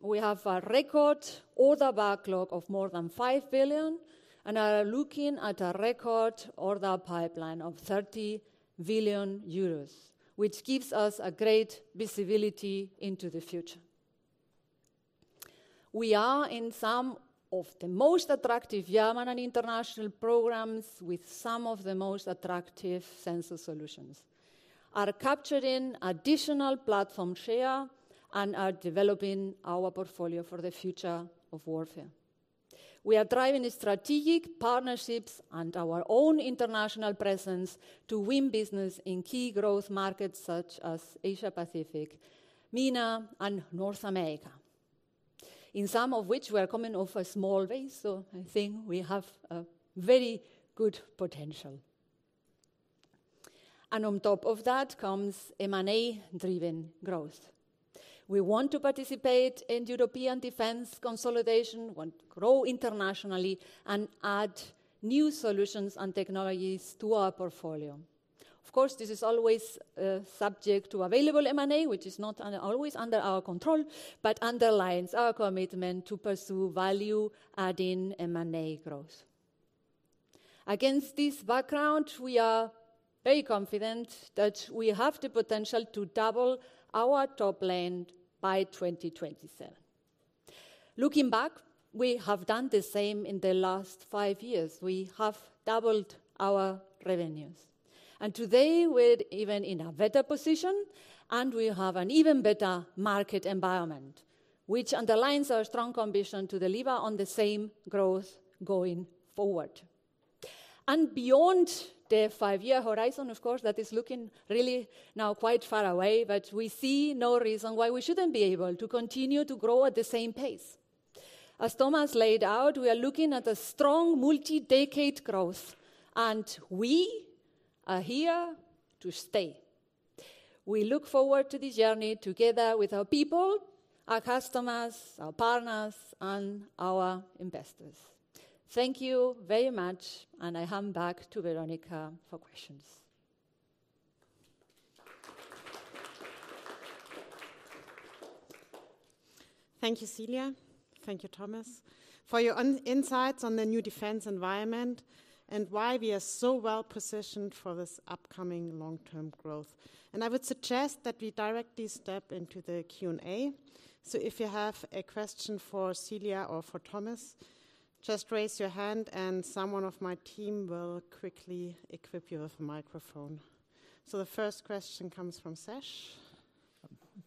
We have a record order backlog of more than 5 billion and are looking at a record order pipeline of 30 billion euros, which gives us a great visibility into the future. We are in some of the most attractive German and international programs with some of the most attractive sensor solutions, are capturing additional platform share, and are developing our portfolio for the future of warfare. We are driving strategic partnerships and our own international presence to win business in key growth markets such as Asia-Pacific, MENA, and North America. In some of which we are coming off a small base, so I think we have a very good potential. On top of that comes M&A-driven growth. We want to participate in European defense consolidation, want to grow internationally and add new solutions and technologies to our portfolio. Of course, this is always subject to available M&A, which is not always under our control, but underlines our commitment to pursue value-adding M&A growth. Against this background, we are very confident that we have the potential to double our top line by 2027. Looking back, we have done the same in the last five years. We have doubled our revenues. Today we're even in a better position, and we have an even better market environment, which underlines our strong conviction to deliver on the same growth going forward. Beyond the five-year horizon, of course, that is looking really now quite far away, but we see no reason why we shouldn't be able to continue to grow at the same pace. As Thomas laid out, we are looking at a strong multi-decade growth, and we are here to stay. We look forward to this journey together with our people, our customers, our partners, and our investors. Thank you very much. I hand back to Veronika for questions. Thank you, Celia. Thank you, Thomas, for your insights on the new defense environment and why we are so well-positioned for this upcoming long-term growth. I would suggest that we directly step into the Q&A. If you have a question for Celia or for Thomas, just raise your hand and someone of my team will quickly equip you with a microphone. The first question comes from Sesh.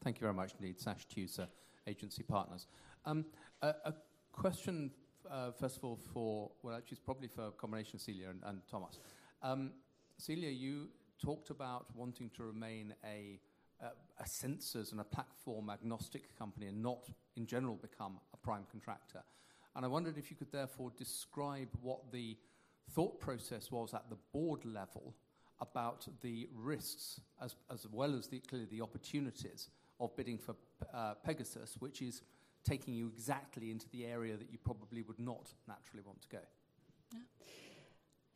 Thank you very much indeed. Sash Tusa, sir. Agency Partners. A question, actually it's probably for a combination of Celia and Thomas. Celia, you talked about wanting to remain a sensors and a platform-agnostic company and not in general become a prime contractor. I wondered if you could therefore describe what the thought process was at the board level about the risks as well as the clearly the opportunities of bidding for PEGASUS, which is taking you exactly into the area that you probably would not naturally want to go. Yeah.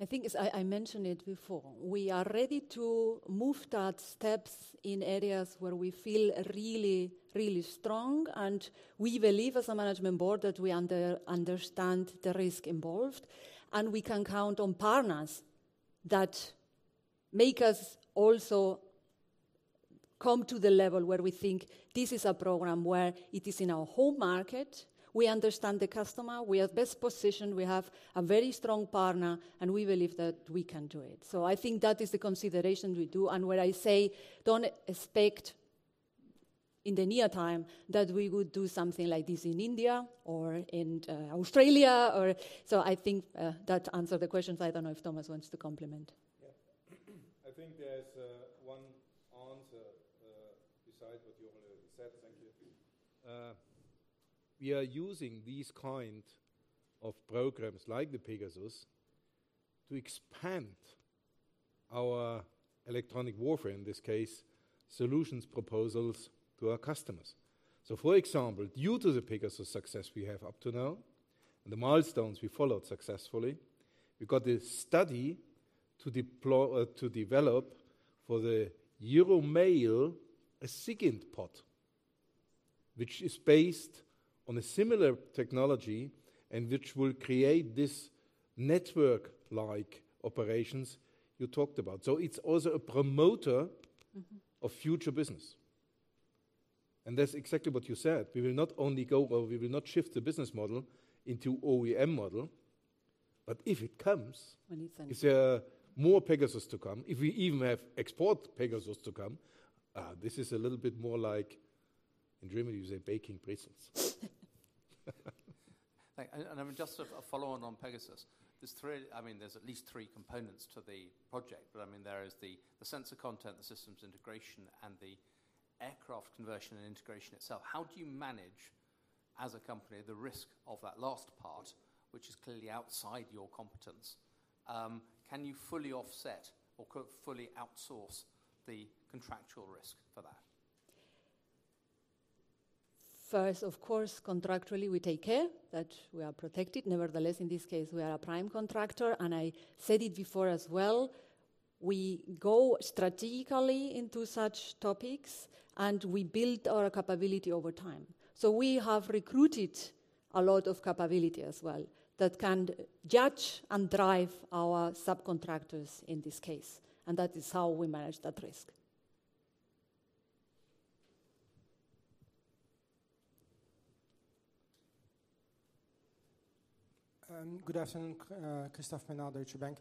I think as I mentioned it before, we are ready to move that steps in areas where we feel really, really strong, we believe as a management board that we understand the risk involved, and we can count on partners that make us also come to the level where we think this is a program where it is in our home market, we understand the customer, we are best positioned, we have a very strong partner, and we believe that we can do it. I think that is the consideration we do. When I say don't expect in the near time that we would do something like this in India or in Australia or... I think that answered the question, so I don't know if Thomas wants to complement. I think there's one answer beside what you already said. Thank you. We are using these kind of programs like the PEGASUS to expand our electronic warfare, in this case, solutions proposals to our customers. For example, due to the PEGASUS success we have up to now and the milestones we followed successfully, we got a study to develop for the Eurodrone a SIGINT pod, which is based on a similar technology and which will create this network-like operations you talked about. It's also a promoter- Mm-hmm. Of future business. That's exactly what you said. Well, we will not shift the business model into OEM model. When it comes. If there are more Pegasus to come, if we even have export Pegasus to come, this is a little bit more like in Germany we say baking pretzels. Thank you. I mean, just a follow-on on Pegasus. I mean, there's at least three components to the project. I mean, there is the sensor content, the systems integration, and the aircraft conversion and integration itself. How do you manage, as a company, the risk of that last part, which is clearly outside your competence? Can you fully offset or co-fully outsource the contractual risk for that? First, of course, contractually we take care that we are protected. Nevertheless, in this case, we are a prime contractor, and I said it before as well, we go strategically into such topics, and we build our capability over time. We have recruited a lot of capability as well that can judge and drive our subcontractors in this case, and that is how we manage that risk. Good afternoon. Christophe Menard, Deutsche Bank.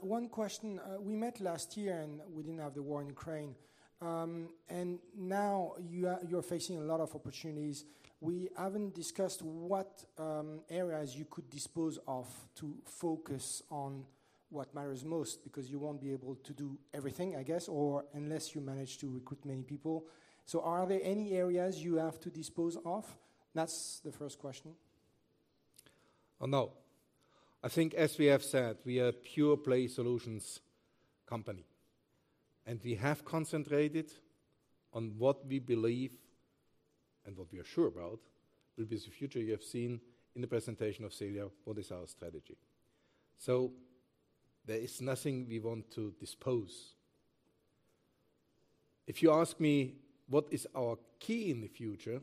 one question. We met last year, and we didn't have the war in Ukraine. Now you are facing a lot of opportunities. We haven't discussed what areas you could dispose of to focus on what matters most because you won't be able to do everything, I guess, or unless you manage to recruit many people. Are there any areas you have to dispose of? That's the first question. Oh, no. I think as we have said, we are a pure-play solutions company, and we have concentrated on what we believe and what we are sure about will be the future you have seen in the presentation of Celia, what is our strategy. There is nothing we want to dispose. If you ask me what is our key in the future,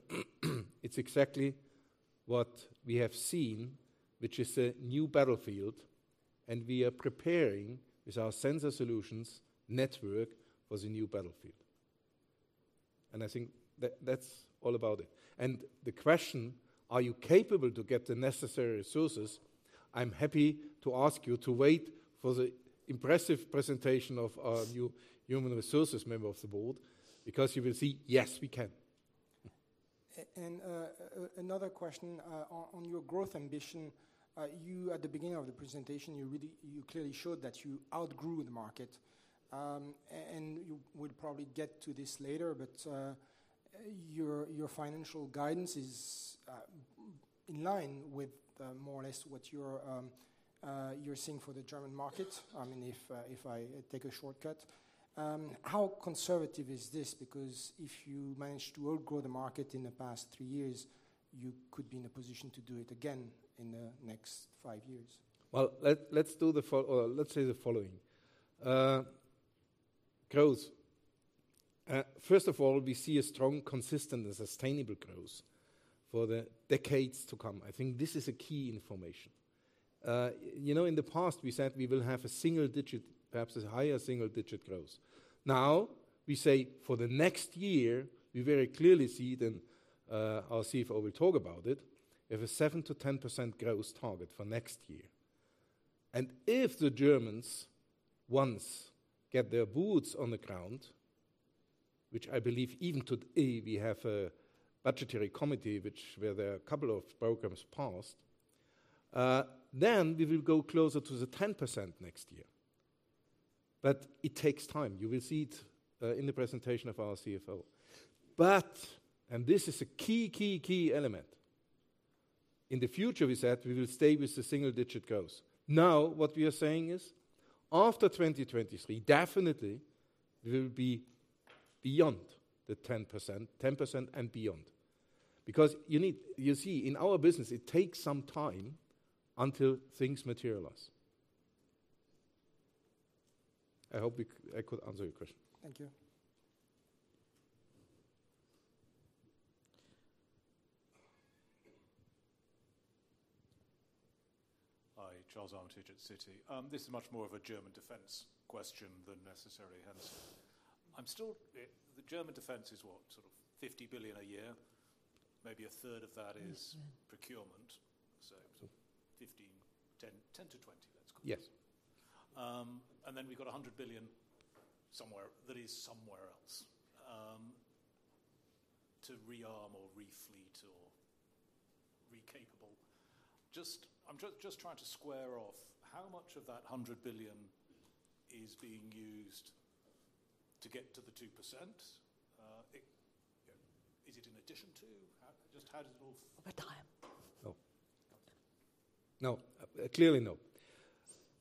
it's exactly what we have seen, which is a new battlefield, and we are preparing with our sensor solutions network for the new battlefield. I think that's all about it. The question, are you capable to get the necessary resources? I'm happy to ask you to wait for the impressive presentation of our new human resources member of the board because you will see, yes, we can. Another question on your growth ambition. You at the beginning of the presentation, you clearly showed that you outgrew the market. You would probably get to this later, but your financial guidance is in line with more or less what you're seeing for the German market. I mean, if I take a shortcut, how conservative is this? Because if you managed to outgrow the market in the past three years, you could be in a position to do it again in the next five years. Well, let's do or let's say the following. Growth. First of all, we see a strong, consistent, and sustainable growth for the decades to come. I think this is a key information. You know, in the past, we said we will have a single digit, perhaps a higher single-digit growth. Now, we say for the next year, we very clearly see, then, our CFO will talk about it, we have a 7%-10% growth target for next year. If the Germans once get their boots on the ground, which I believe even today we have a budgetary committee which where there are a couple of programs passed, then we will go closer to the 10% next year. It takes time. You will see it in the presentation of our CFO. And this is a key element. In the future, we said we will stay with the single-digit growth. Now, what we are saying is, after 2023, definitely we will be beyond the 10%. 10% and beyond. Because you see, in our business, it takes some time until things materialize. I hope I could answer your question. Thank you. Hi. Charles Armitage at Citi. This is much more of a German defense question than necessarily HENSOLDT. I'm still, the German defense is what? Sort of 50 billion a year. Maybe a third of that is- Mm-hmm. Procurement. Sort of 15, 10-20, that's close. Yes. We've got 100 billion somewhere that is somewhere else to re-arm or re-fleet or re-capable. I'm just trying to square off how much of that 100 billion is being used to get to the 2%? It, you know, is it in addition to? How, just how does it all. Over time. No. Over time. No. Clearly no.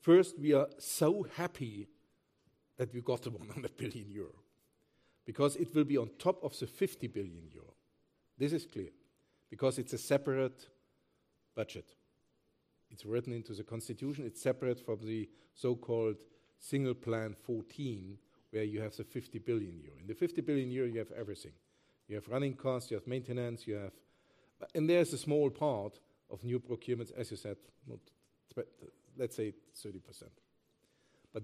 First, we are so happy that we got the 100 billion euro, because it will be on top of the 50 billion euro. This is clear, because it's a separate budget. It's written into the Constitution. It's separate from the so-called single Plan Fourteen, where you have the 50 billion euro. In the 50 billion euro, you have everything. You have running costs, you have maintenance, you have. There's a small part of new procurements, as you said, not, but let's say 30%.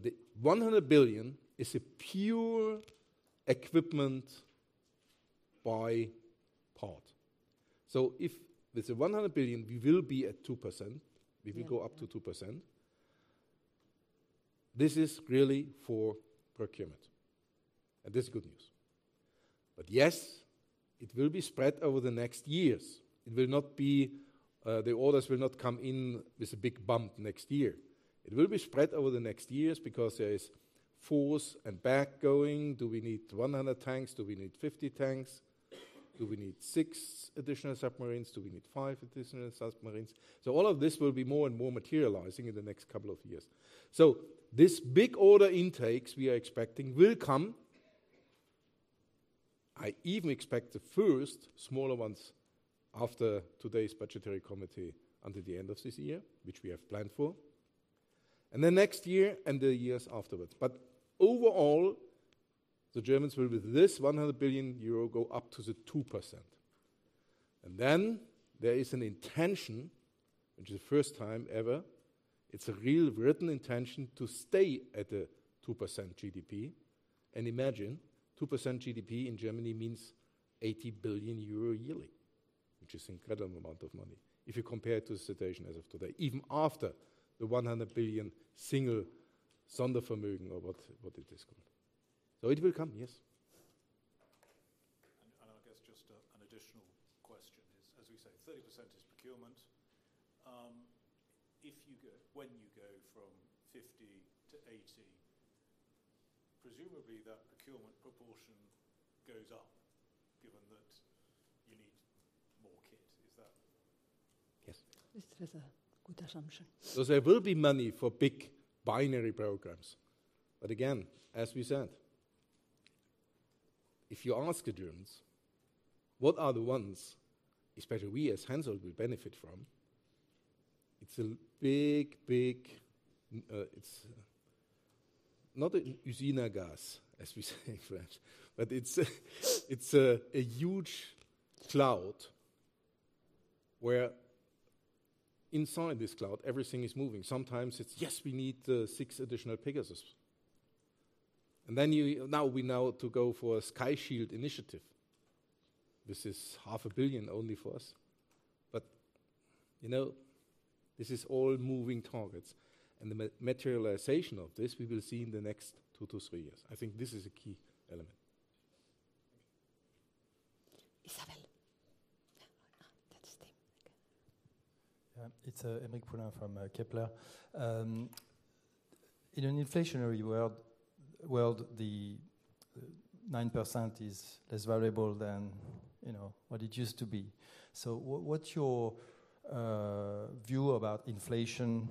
The 100 billion is a pure equipment buy part. If with the 100 billion, we will be at 2%. Yeah. We will go up to 2%, this is really for procurement, and this is good news. Yes, it will be spread over the next years. It will not be, the orders will not come in with a big bump next year. It will be spread over the next years because there is forth and back going. Do we need 100 tanks? Do we need 50 tanks? Do we need six additional submarines? Do we need five additional submarines? All of this will be more and more materializing in the next couple of years. This big order intakes we are expecting will come. I even expect the first smaller ones after today's Budgetary Committee until the end of this year, which we have planned for. Next year and the years afterwards. Overall, the Germans will, with this 100 billion euro, go up to the 2%. Then there is an intention, which is the first time ever, it's a real written intention to stay at the 2% GDP. Imagine, 2% GDP in Germany means 80 billion euro yearly, which is incredible amount of money if you compare it to the situation as of today, even after the 100 billion single Sondervermögen or what it is called. It will come, yes. I guess just an additional question is, as we say, 30% is procurement. When you go from 50-80, presumably that procurement proportion goes up, given that you need more kit. Is that. Yes. This is a good assumption. There will be money for big binary programs. Again, as we said, if you ask the Germans, what are the ones, especially we as HENSOLDT will benefit from? It's a big, not a usine à gaz, as we say in French, but it's a huge cloud where inside this cloud, everything is moving. Sometimes it's, "Yes, we need six additional PEGASUSes." Now we go for a Sky Shield Initiative. This is half a billion only for us. You know, this is all moving targets, and the materialization of this we will see in the next two to three years. I think this is a key element. Yeah, that's him. Okay. Yeah. It's Aymeric Poulain from Kepler. In an inflationary world, the 9% is less variable than, you know, what it used to be. What's your view about inflation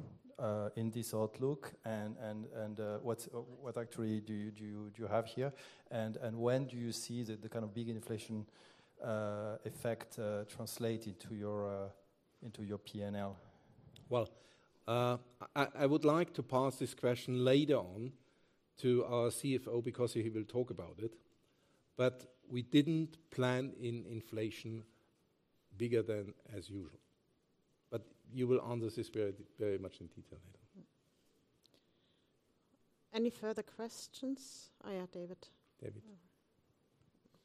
in this outlook, and what's what actually do you have here? When do you see the kind of big inflation effect translated to your into your P&L? Well, I would like to pass this question later on to our CFO because he will talk about it, but we didn't plan in inflation bigger than as usual. You will answer this very much in detail later. Any further questions? Oh, yeah, David. David.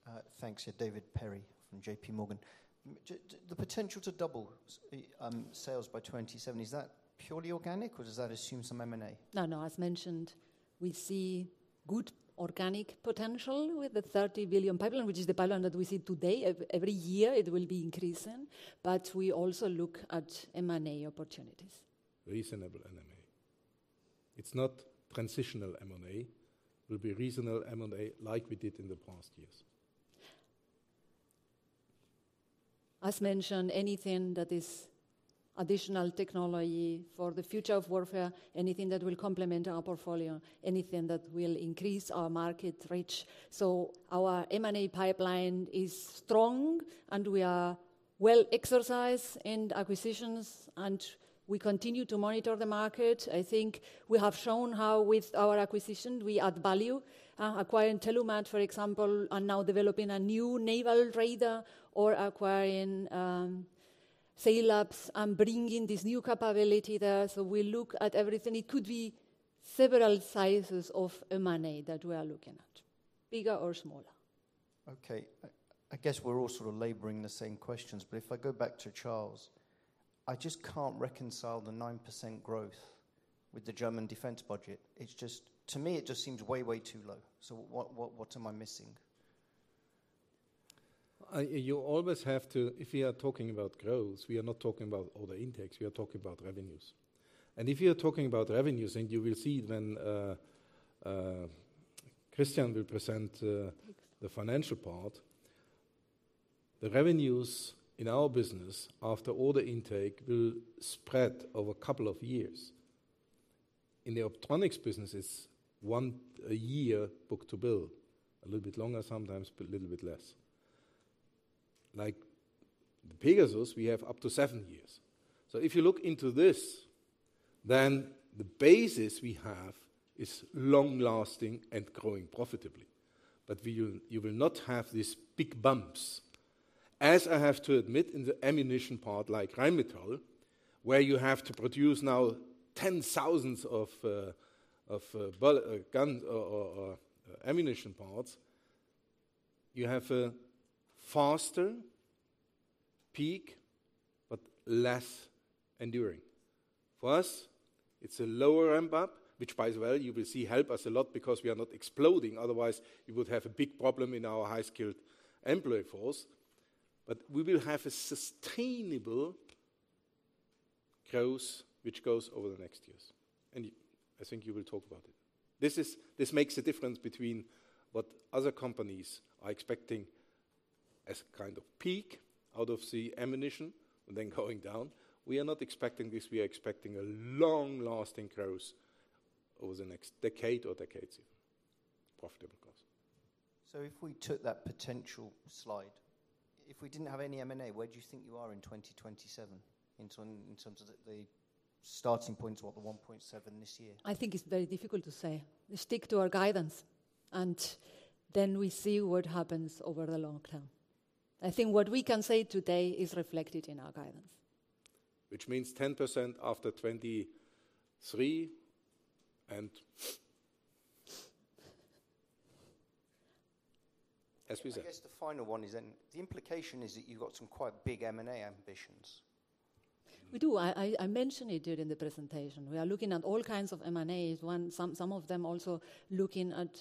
Oh. Thanks. Yeah, David Perry from JPMorgan. The potential to double sales by 2027, is that purely organic, or does that assume some M&A? No, no. As mentioned, we see good organic potential with the 30 billion pipeline, which is the pipeline that we see today. Every year it will be increasing, we also look at M&A opportunities. Reasonable M&A. It's not transitional M&A. Will be reasonable M&A like we did in the past years. As mentioned, anything that is additional technology for the future of warfare, anything that will complement our portfolio, anything that will increase our market reach. Our M&A pipeline is strong, and we are well-exercised in acquisitions, and we continue to monitor the market. I think we have shown how with our acquisition we add value. Acquiring Tellumat, for example, and now developing a new naval radar or acquiring SAIL LABS and bringing this new capability there. We look at everything. It could be several sizes of M&A that we are looking at, bigger or smaller. Okay. I guess we're all sort of laboring the same questions, but if I go back to Charles, I just can't reconcile the 9% growth with the German defense budget. To me, it just seems way too low. What am I missing? You always have to. If we are talking about growth, we are not talking about order intakes, we are talking about revenues. If you're talking about revenues, you will see when Christian will present the financial part, the revenues in our business after order intake will spread over a couple of years. In the optronics business is one a year book-to-bill. A little bit longer sometimes, but a little bit less. Like the PEGASUS, we have up to seven years. If you look into this, the basis we have is long-lasting and growing profitably. You will not have these big bumps. As I have to admit, in the ammunition part like Rheinmetall, where you have to produce now 10,000 of guns or ammunition parts, you have a faster peak but less enduring. For us, it's a lower ramp-up, which by the way you will see help us a lot because we are not exploding, otherwise we would have a big problem in our high-skilled employee force. We will have a sustainable growth which goes over the next years, and I think you will talk about it. This makes a difference between what other companies are expecting as kind of peak out of the ammunition and then going down. We are not expecting this. We are expecting a long-lasting growth over the next decade or decades even. Profitable growth. If we took that potential slide, if we didn't have any M&A, where do you think you are in 2027 in terms of the starting point of the 1.7 this year? I think it's very difficult to say. We stick to our guidance. We see what happens over the long-term. I think what we can say today is reflected in our guidance. Which means 10% after 2023, and as we said- I guess the final one is then the implication is that you've got some quite big M&A ambitions. We do. I mentioned it during the presentation. We are looking at all kinds of M&As. Some of them also looking at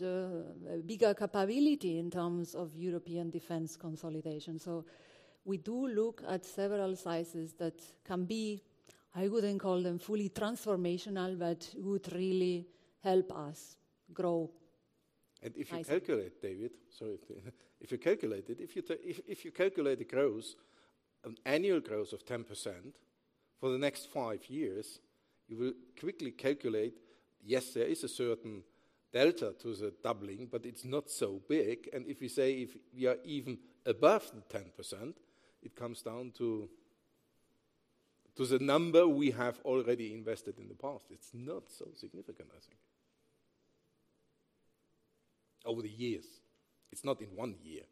bigger capability in terms of European defense consolidation. We do look at several sizes that can be, I wouldn't call them fully transformational, but would really help us grow nicely. If you calculate, David. Sorry. If you calculate it, if you calculate the growth, an annual growth of 10% for the next five years, you will quickly calculate, yes, there is a certain delta to the doubling, but it's not so big. If we say if we are even above the 10%, it comes down to the number we have already invested in the past. It's not so significant, I think. Over the years. It's not in 1 year.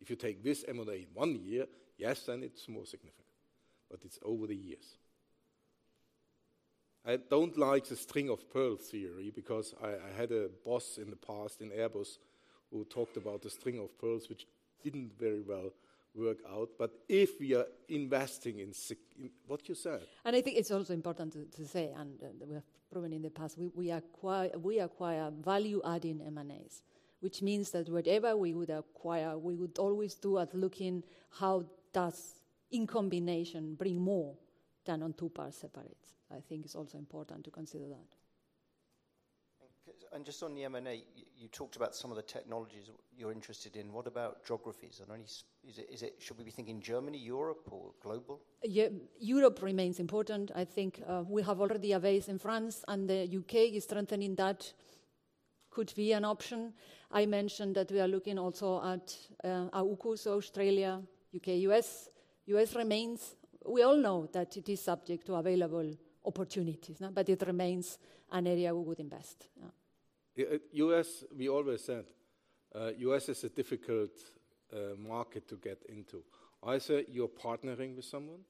If you take this M&A in one year, yes, then it's more significant, but it's over the years. I don't like the string of pearls theory because I had a boss in the past in Airbus who talked about the string of pearls, which didn't very well work out. If we are investing in What you said. I think it's also important to say, and we have proven in the past, we acquire value-adding M&As. Which means that whatever we would acquire, we would always do at looking how does in combination bring more than on two parts separates. I think it's also important to consider that. Just on the M&A, you talked about some of the technologies you're interested in. What about geographies? Are there any Should we be thinking Germany, Europe, or global? Yeah. Europe remains important. I think we have already a base in France and the U.K. is strengthening that. Could be an option. I mentioned that we are looking also at AUKUS, Australia, U.K., U.S. We all know that it is subject to available opportunities, no? It remains an area we would invest. Yeah. Yeah. U.S., we always said, U.S. is a difficult market to get into. Either you're partnering with someone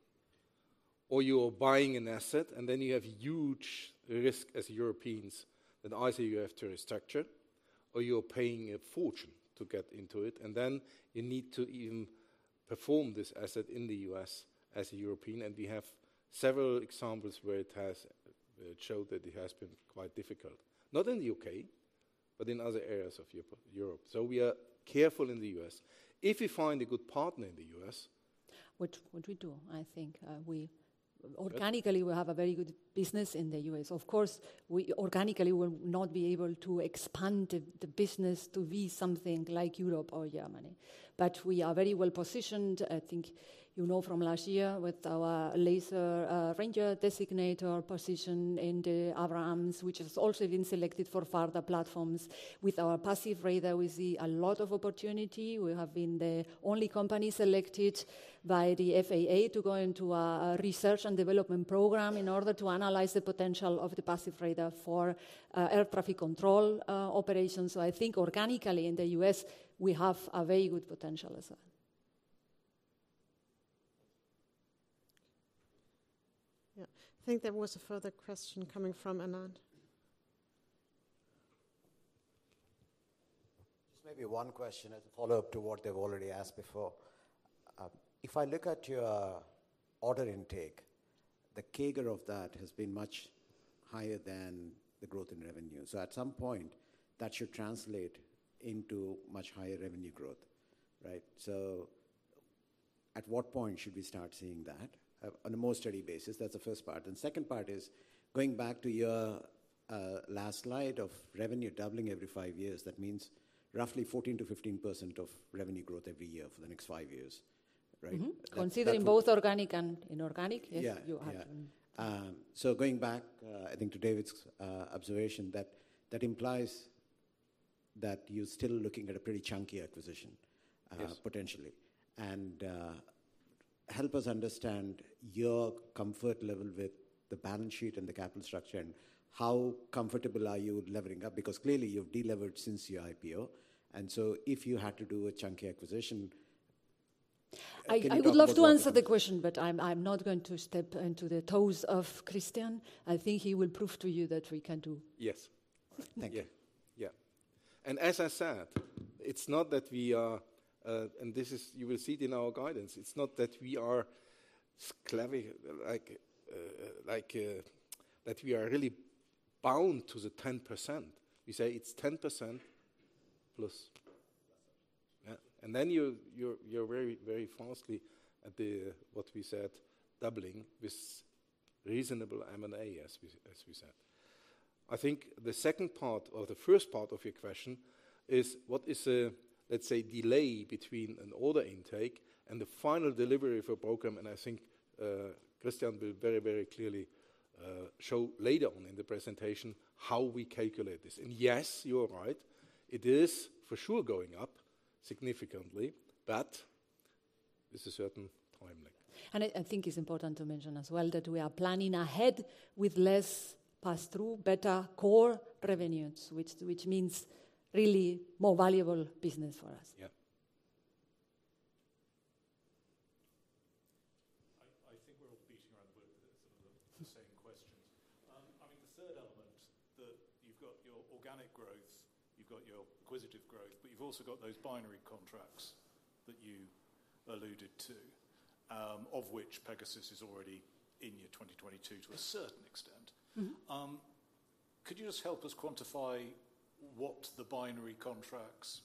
or you're buying an asset, then you have huge risk as Europeans that either you have to restructure or you're paying a fortune to get into it. Then you need to even perform this asset in the U.S. as a European. We have several examples where it has showed that it has been quite difficult. Not in the U.K., but in other areas of Europe. We are careful in the U.S. If we find a good partner in the U.S.- Which we do, I think. Organically, we have a very good business in the U.S. Of course, we organically will not be able to expand the business to be something like Europe or Germany. We are very well-positioned. I think you know from last year with our laser ranger designator position in the Abrams, which has also been selected for further platforms. With our passive radar, we see a lot of opportunity. We have been the only company selected by the FAA to go into a research and development program in order to analyze the potential of the passive radar for air traffic control operations. I think organically in the U.S., we have a very good potential as well. Yeah. I think there was a further question coming from Anand. Just maybe one question as a follow-up to what they've already asked before. If I look at your order intake, the CAGR of that has ben much higher than the growth in revenue. At some point, that should translate into much higher revenue growth, right? At what point should we start seeing that on a more steady basis? That's the first part. Second part is going back to your last slide of revenue doubling every five years, that means roughly 14%-15% of revenue growth every year for the next five years, right? That would- Mm-hmm. Considering both organic and inorganic. Yeah. Yeah. Yes, you have to. Going back, I think to David's observation that that implies that you're still looking at a pretty chunky acquisition- Yes. potentially. Help us understand your comfort level with the balance sheet and the capital structure, and how comfortable are you levering up? Because clearly you've delevered since your IPO, if you had to do a chunky acquisition, can you talk about- I would love to answer the question, but I'm not going to step into the toes of Christian. I think he will prove to you that we can do. Yes. All right. Thank you. Yeah. Yeah. As I said, it's not that we are, and this is, you will see it in our guidance. It's not that we are clever, like, that we are really bound to the 10%. We say it's 10%+. Plus. Yeah. Then you're very fastly at the, what we said, doubling with reasonable M&A, as we said. I think the second part or the first part of your question is what is a, let's say, delay between an order intake and the final delivery of a program. I think Christian will very clearly show later on in the presentation how we calculate this. Yes, you are right, it is for sure going up significantly, but with a certain timeline. I think it's important to mention as well that we are planning ahead with less pass-through, better core revenues, which means really more valuable business for us. Yeah. I think we're all beating around the bush with some of the same questions. I mean, the third element that you've got your organic growth, you've got your acquisitive growth, but you've also got those binary contracts that you alluded to, of which PEGASUS is already in year 2022 to a certain extent. Mm-hmm. Could you just help us quantify what the binary contracts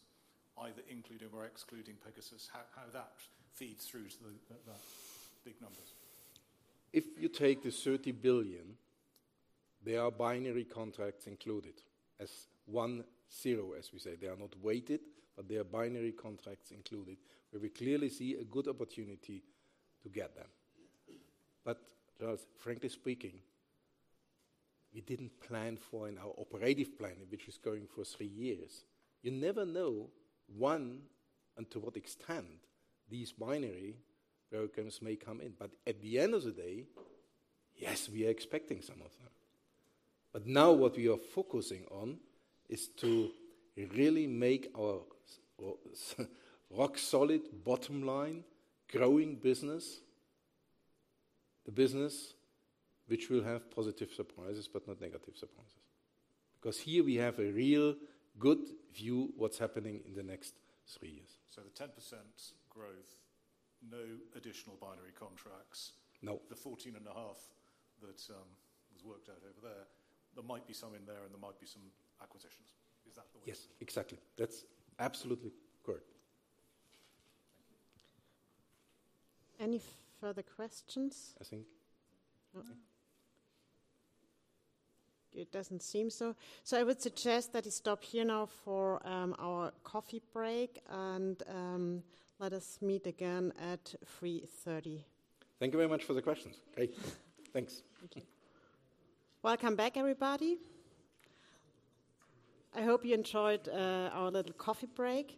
either including or excluding Pegasus, how that feeds through to the big numbers? If you take the 30 billion, there are binary contracts included as one to zero, as we say. They are not weighted. There are binary contracts included where we clearly see a good opportunity to get them. Just frankly speaking, we didn't plan for in our operative planning, which is going for three years. You never know to what extent these binary programs may come in. At the end of the day, yes, we are expecting some of them. Now what we are focusing on is to really make our rock solid bottom line growing business. The business which will have positive surprises but not negative surprises. Here we have a real good view what's happening in the next three years. The 10% growth, no additional binary contracts. No. The 14.5 that was worked out over there. There might be some in there and there might be some acquisitions. Is that the way? Yes, exactly. That's absolutely correct. Thank you. Any further questions? I think... It doesn't seem so. I would suggest that we stop here now for our coffee break and let us meet again at 3:30. Thank you very much for the questions. Great. Thanks. Thank you. Welcome back, everybody. I hope you enjoyed our little coffee break.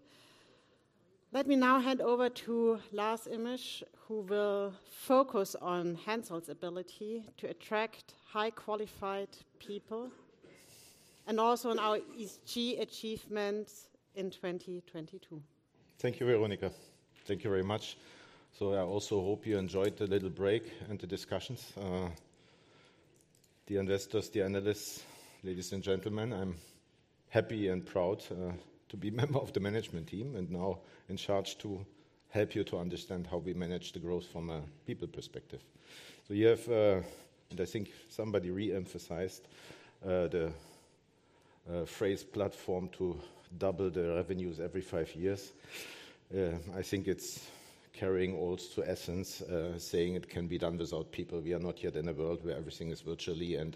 Let me now hand over to Lars Immisch, who will focus on HENSOLDT's ability to attract high qualified people and also on our ESG achievements in 2022. Thank you, Veronika. Thank you very much. I also hope you enjoyed the little break and the discussions. Dear investors, dear analysts, ladies and gentlemen, I'm happy and proud to be member of the management team and now in charge to help you to understand how we manage the growth from a people perspective. You have, and I think somebody re-emphasized the phrase platform to double the revenues every five years. I think it's carrying all to essence, saying it can be done without people. We are not yet in a world where everything is virtually and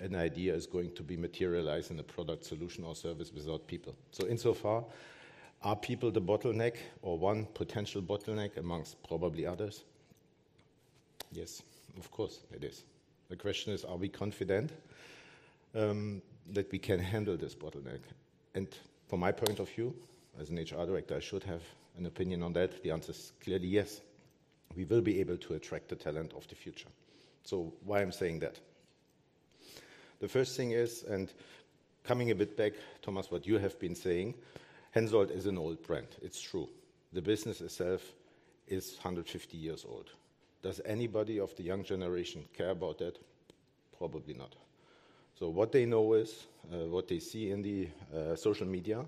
an idea is going to be materialized in a product solution or service without people. Insofar, are people the bottleneck or one potential bottleneck amongst probably others? Yes, of course it is. The question is, are we confident that we can handle this bottleneck? From my point of view, as an HR director, I should have an opinion on that. The answer is clearly yes. We will be able to attract the talent of the future. Why I'm saying that? The first thing is, coming a bit back, Thomas, what you have been saying, HENSOLDT is an old brand. It's true. The business itself is 150 years old. Does anybody of the young generation care about that? Probably not. What they know is, what they see in the social media,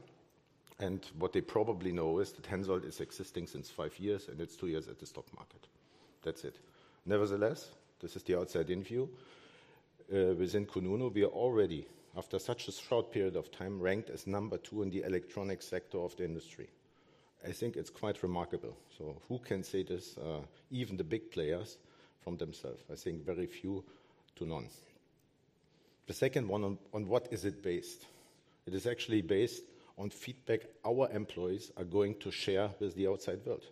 and what they probably know is that HENSOLDT is existing since five years, and it's two years at the stock market. That's it. This is the outside-in view. Within kununu, we are already, after such a short period of time, ranked as number two in the electronic sector of the industry. I think it's quite remarkable. Who can say this, even the big players from themselves? I think very few to none. The second one on what is it based? It is actually based on feedback our employees are going to share with the outside world.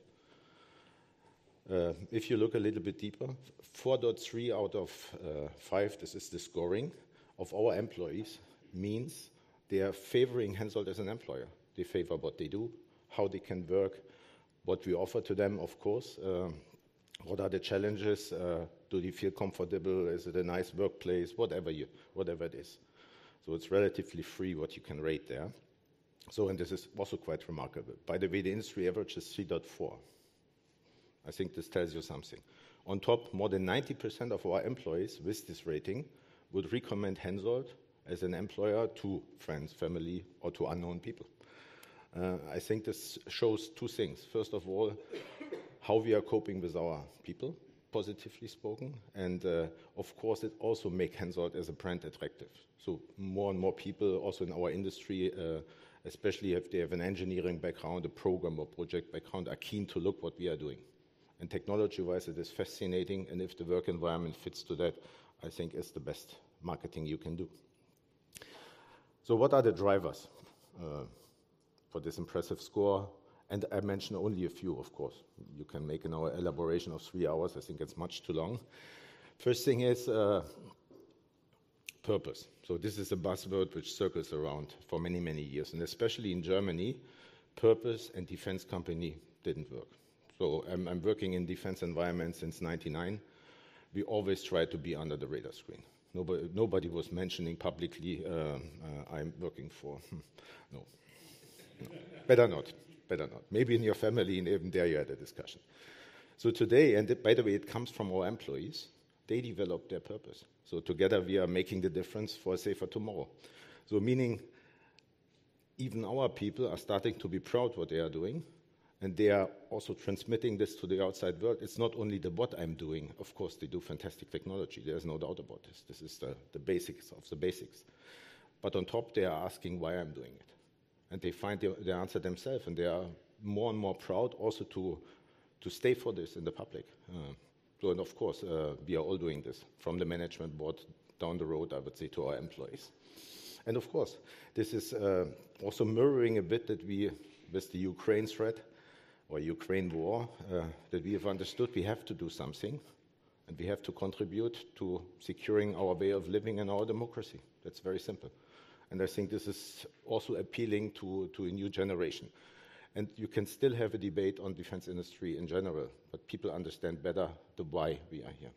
If you look a little bit deeper, 4.3 out of five, this is the scoring of our employees, means they are favoring HENSOLDT as an employer. They favor what they do, how they can work, what we offer to them, of course, what are the challenges, do they feel comfortable? Is it a nice workplace? Whatever you, whatever it is. It's relatively free what you can rate there. This is also quite remarkable. By the way, the industry averages 3.4. I think this tells you something. On top, more than 90% of our employees with this rating would recommend HENSOLDT as an employer to friends, family, or to unknown people. I think this shows two things. First of all, how we are coping with our people, positively spoken, and, of course, it also make HENSOLDT as a brand attractive. More and more people also in our industry, especially if they have an engineering background, a program or project background, are keen to look what we are doing. And technology-wise, it is fascinating, and if the work environment fits to that, I think it's the best marketing you can do. What are the drivers for this impressive score? I mention only a few, of course. You can make an hour elaboration of three hours. I think it's much too long. First thing is, purpose. This is a buzzword which circles around for many, many years, and especially in Germany, purpose and defense company didn't work. I'm working in defense environment since 99. We always try to be under the radar screen. Nobody was mentioning publicly, I'm working for. No. Better not. Better not. Maybe in your family, and even there you had a discussion. Today, and by the way, it comes from our employees, they develop their purpose. Together we are making the difference for a safer tomorrow. Meaning even our people are starting to be proud what they are doing, and they are also transmitting this to the outside world. It's not only the what I'm doing. Of course, they do fantastic technology. There is no doubt about this. This is the basics of the basics. On top, they are asking why I'm doing it, and they find the answer themselves, and they are more and more proud also to stay for this in the public. Of course, we are all doing this from the management board down the road, I would say, to our employees. Of course, this is also mirroring a bit that we, with the Ukraine threat or Ukraine war, that we have understood we have to do something, and we have to contribute to securing our way of living and our democracy. That's very simple. I think this is also appealing to a new generation. You can still have a debate on defense industry in general, but people understand better the why we are here.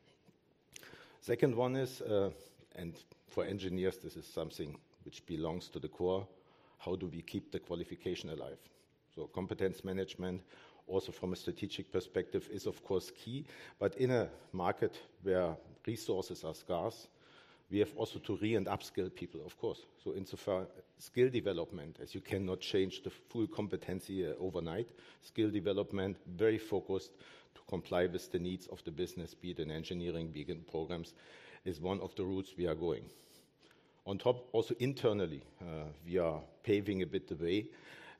Second one is, for engineers, this is something which belongs to the core, how do we keep the qualification alive? Competence management, also from a strategic perspective is of course key, but in a market where resources are scarce, we have also to re and upskill people, of course. Insofar skill development, as you cannot change the full competency overnight, skill development very focused to comply with the needs of the business, be it in engineering, be it in programs, is one of the routes we are going. On top, also internally, we are paving a bit the way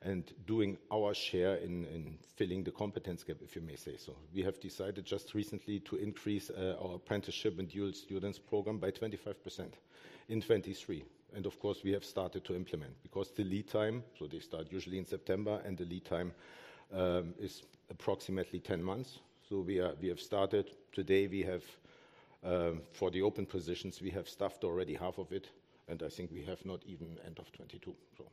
and doing our share in filling the competence gap, if you may say so. We have decided just recently to increase our apprenticeship and dual students program by 25% in 2023. Of course, we have started to implement because the lead time, so they start usually in September, and the lead time is approximately 10 months. We have started. Today we have, for the open positions, we have staffed already half of it, and I think we have not even end of 2022.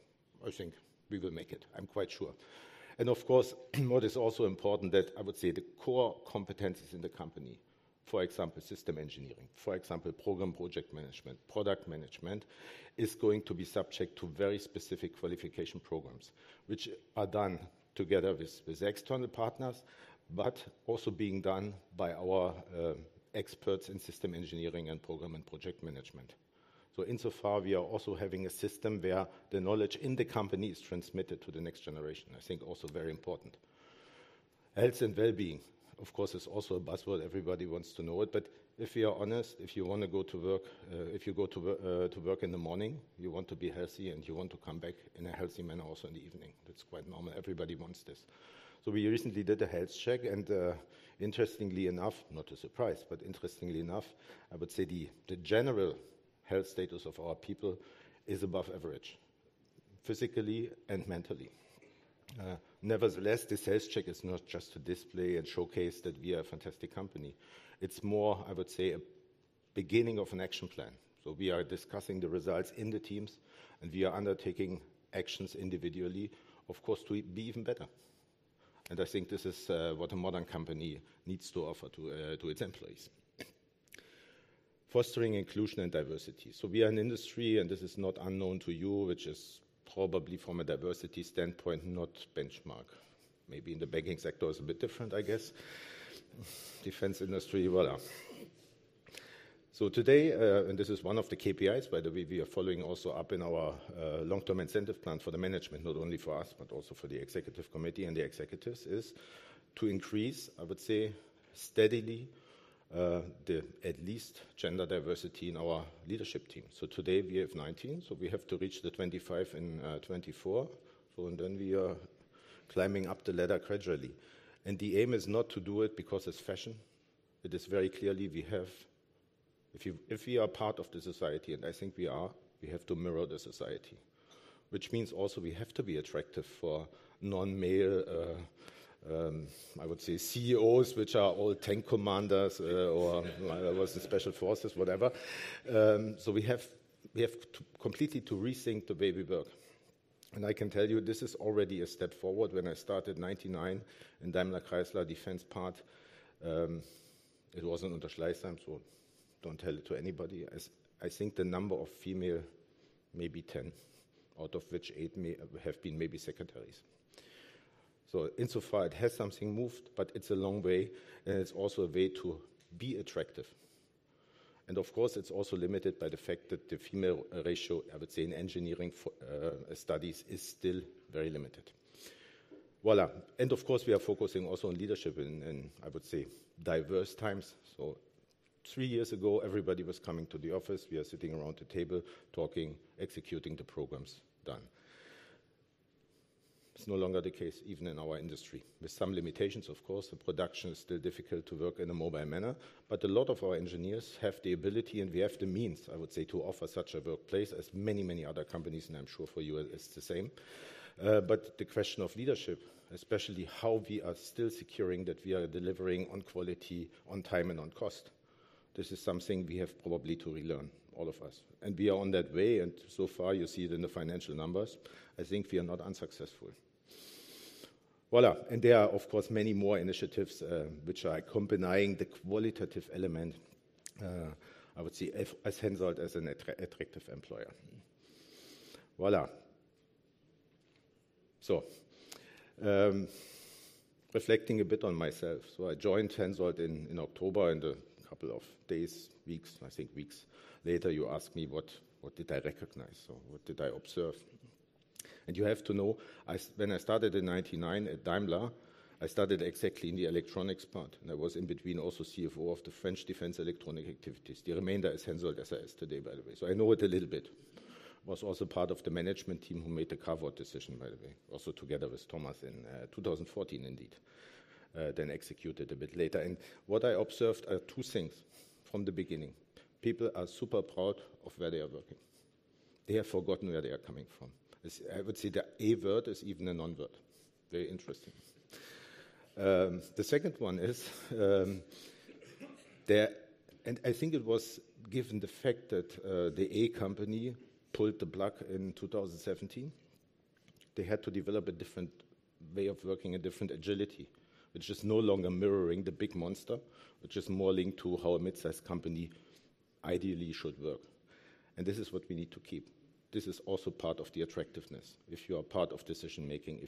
I think we will make it. I'm quite sure. Of course, what is also important that I would say the core competencies in the company, for example, system engineering, for example, program project management, product management, is going to be subject to very specific qualification programs, which are done together with external partners, but also being done by our experts in system engineering and program and project management. Insofar, we are also having a system where the knowledge in the company is transmitted to the next generation. I think also very important. Health and well-being, of course, is also a buzzword. Everybody wants to know it. If we are honest, if you wanna go to work, if you go to work in the morning, you want to be healthy and you want to come back in a healthy manner also in the evening. That's quite normal. Everybody wants this. We recently did a health check, and interestingly enough, not a surprise, but interestingly enough, I would say the general health status of our people is above average, physically and mentally. Nevertheless, this health check is not just to display and showcase that we are a fantastic company. It's more, I would say, a beginning of an action plan. We are discussing the results in the teams, and we are undertaking actions individually, of course, to be even better. I think this is what a modern company needs to offer to its employees. Fostering inclusion and diversity. We are an industry, and this is not unknown to you, which is probably from a diversity standpoint, not benchmark. Maybe in the banking sector is a bit different, I guess. Defense industry, voilà. Today, and this is one of the KPIs, by the way, we are following also up in our long-term incentive plan for the management, not only for us, but also for the executive committee and the executives, is to increase, I would say, steadily, the at least gender diversity in our leadership team. Today we have 19, so we have to reach the 25 in 2024. We are climbing up the ladder gradually. The aim is not to do it because it's fashion. It is very clearly if we are part of the society, and I think we are, we have to mirror the society, which means also we have to be attractive for non-male, I would say CEOs, which are all tank commanders, or was in special forces, whatever. We have to completely to rethink the way we work. I can tell you this is already a step forward. When I started 99 in DaimlerChrysler defense part, it wasn't under Schleißheim, don't tell it to anybody. As I think the number of female may be 10, out of which eight may have been maybe secretaries. Insofar it has something moved, but it's a long way, and it's also a way to be attractive. Of course, it's also limited by the fact that the female ratio, I would say, in engineering for studies is still very limited. Voilà. Of course, we are focusing also on leadership in, I would say, diverse times. Three years ago, everybody was coming to the office. We are sitting around the table talking, executing the programs. Done. It's no longer the case, even in our industry. With some limitations, of course. The production is still difficult to work in a mobile manner, but a lot of our engineers have the ability and we have the means, I would say, to offer such a workplace as many, many other companies, and I'm sure for you it's the same. The question of leadership, especially how we are still securing that we are delivering on quality, on time, and on cost, this is something we have probably to relearn, all of us. We are on that way, and so far you see it in the financial numbers. I think we are not unsuccessful. Voilà. There are, of course, many more initiatives which are combining the qualitative element, I would see as HENSOLDT as an attractive employer. Voilà. Reflecting a bit on myself. I joined HENSOLDT in October, and a couple of days, weeks, I think weeks later, you ask me what did I recognize or what did I observe? You have to know, when I started in 99 at Daimler, I started exactly in the electronics part, and I was in between also CFO of the French defense electronic activities. The remainder is HENSOLDT as I is today, by the way. I know it a little bit. Was also part of the management team who made the carve-out decision, by the way, also together with Thomas in 2014 indeed, then executed a bit later. What I observed are two things from the beginning. People are super proud of where they are working. They have forgotten where they are coming from. I would say the a word is even a non-word. Very interesting. The second one is, I think it was given the fact that the A company pulled the plug in 2017, they had to develop a different way of working, a different agility, which is no longer mirroring the big monster, which is more linked to how a midsize company ideally should work. This is what we need to keep. This is also part of the attractiveness. If you are part of decision-making,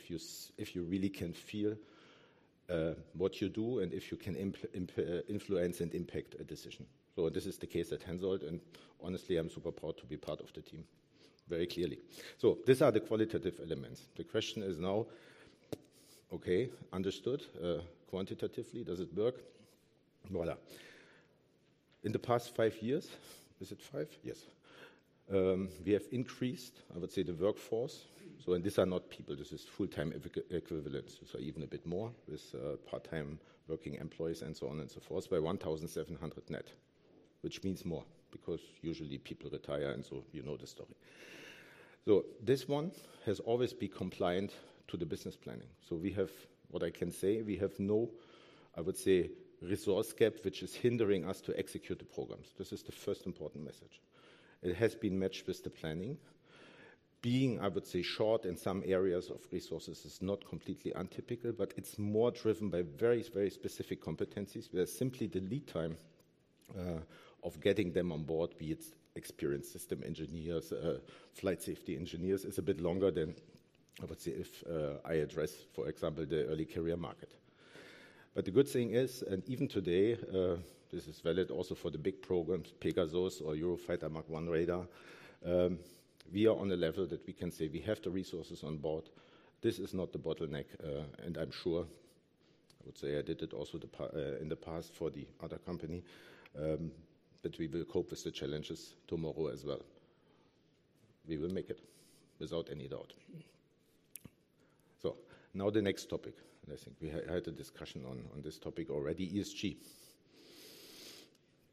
if you really can feel what you do and if you can influence and impact a decision. This is the case at HENSOLDT, and honestly, I'm super proud to be part of the team, very clearly. These are the qualitative elements. The question is now, okay, understood. Quantitatively, does it work? Voilà. In the past five years, is it five? Yes. We have increased, I would say, the workforce. These are not people, this is full-time equi-equivalence, even a bit more with part-time working employees and so on and so forth, by 1,700 net, which means more because usually people retire and so you know the story. This one has always been compliant to the business planning. We have, what I can say, we have no, I would say, resource gap which is hindering us to execute the programs. This is the first important message. It has been matched with the planning. Being, I would say, short in some areas of resources is not completely untypical. It's more driven by very, very specific competencies where simply the lead time of getting them on board, be it experienced system engineers, flight safety engineers, is a bit longer than I would say if I address, for example, the early career market. The good thing is, and even today, this is valid also for the big programs, PEGASUS or Eurofighter Mk1 radar, we are on a level that we can say we have the resources on board. This is not the bottleneck, and I'm sure, I would say I did it also in the past for the other company, that we will cope with the challenges tomorrow as well. We will make it without any doubt. Now the next topic, and I think we had a discussion on this topic already, ESG.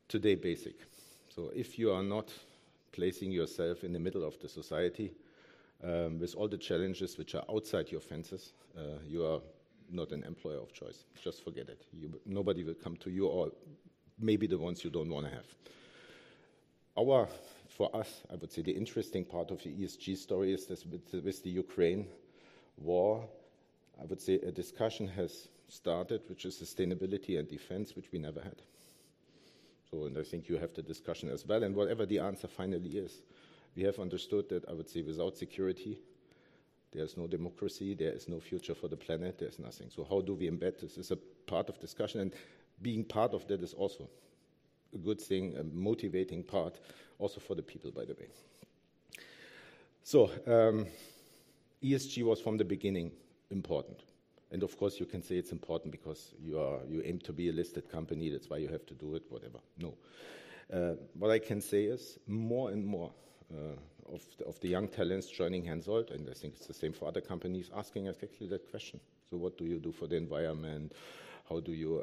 Today basic. If you are not placing yourself in the middle of the society, with all the challenges which are outside your fences, you are not an employer of choice. Just forget it. Nobody will come to you or maybe the ones you don't wanna have. For us, I would say the interesting part of the ESG story is this with the, with the Ukraine war. I would say a discussion has started, which is sustainability and defense, which we never had. I think you have the discussion as well, and whatever the answer finally is, we have understood that, I would say, without security, there is no democracy, there is no future for the planet, there's nothing. How do we embed this? This a part of discussion, Being part of that is also a good thing, a motivating part also for the people, by the way. ESG was from the beginning important. Of course, you can say it's important because you aim to be a listed company. That's why you have to do it, whatever. No. What I can say is more and more of the young talents joining HENSOLDT, and I think it's the same for other companies asking effectively that question. What do you do for the environment? How do you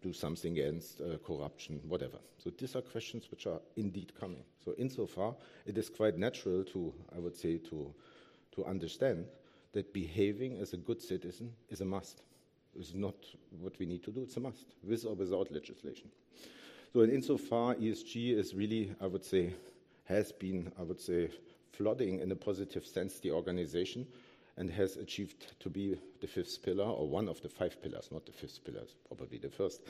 do something against corruption? Whatever. These are questions which are indeed coming. Insofar, it is quite natural to understand that behaving as a good citizen is a must. It's not what we need to do. It's a must, with or without legislation. Insofar, ESG is really, has been flooding in a positive sense the organization and has achieved to be the fifth pillar or one of the five pillars, not the fifth pillar, probably the first.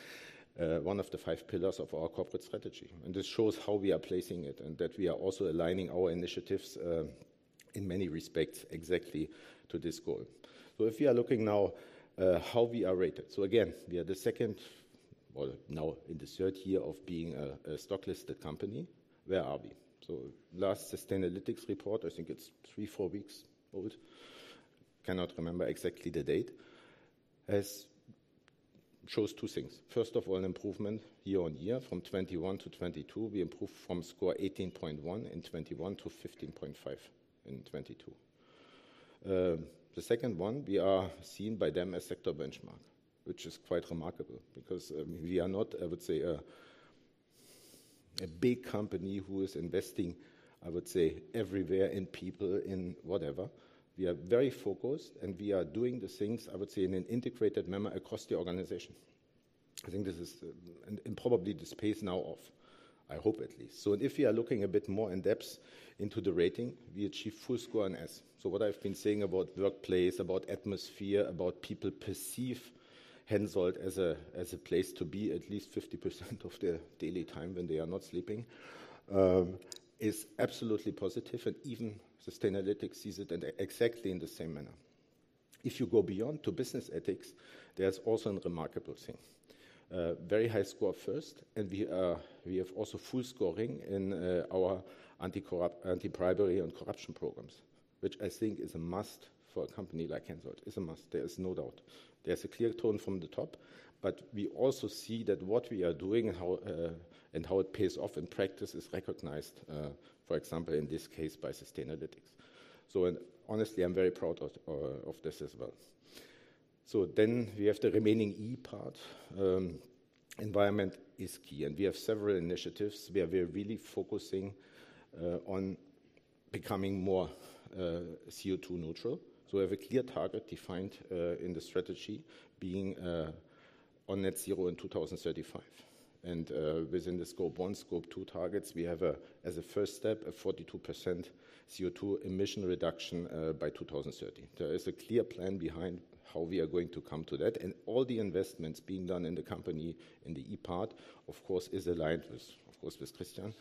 One of the five pillars of our corporate strategy. This shows how we are placing it and that we are also aligning our initiatives in many respects exactly to this goal. If you are looking now, how we are rated. Again, we are the second or now in the third year of being a stock listed company. Where are we? Last Sustainalytics report, I think it's three, four weeks old. Cannot remember exactly the date. Shows two things. First of all, an improvement year-on-year from 2021 to 2022. We improved from score 18.1 in 2021 to 15.5 in 2022. The second one, we are seen by them as sector benchmark, which is quite remarkable because we are not, I would say, a big company who is investing, I would say, everywhere in people, in whatever. We are very focused, and we are doing the things I would say in an integrated manner across the organization. I think this is, and probably the space now of, I hope at least. If you are looking a bit more in depth into the rating, we achieve full score on S. What I've been saying about workplace, about atmosphere, about people perceive HENSOLDT as a place to be at least 50% of their daily time when they are not sleeping, is absolutely positive and even Sustainalytics sees it exactly in the same manner. If you go beyond to business ethics, there's also a remarkable thing. Very high score first, and we have also full scoring in our anti-bribery and corruption programs, which I think is a must for a company like HENSOLDT. It's a must. There is no doubt. There's a clear tone from the top, but we also see that what we are doing and how and how it pays off in practice is recognized, for example, in this case by Sustainalytics. Honestly, I'm very proud of this as well. We have the remaining E-part. Environment is key, and we have several initiatives where we are really focusing on becoming more CO₂ neutral. We have a clear target defined in the strategy being on net zero in 2035. Within the Scope 1, Scope 2 targets, we have, as a first step, a 42% CO₂ emission reduction by 2030. There is a clear plan behind how we are going to come to that and all the investments being done in the company in the E-part, of course, is aligned with, of course, with Christian,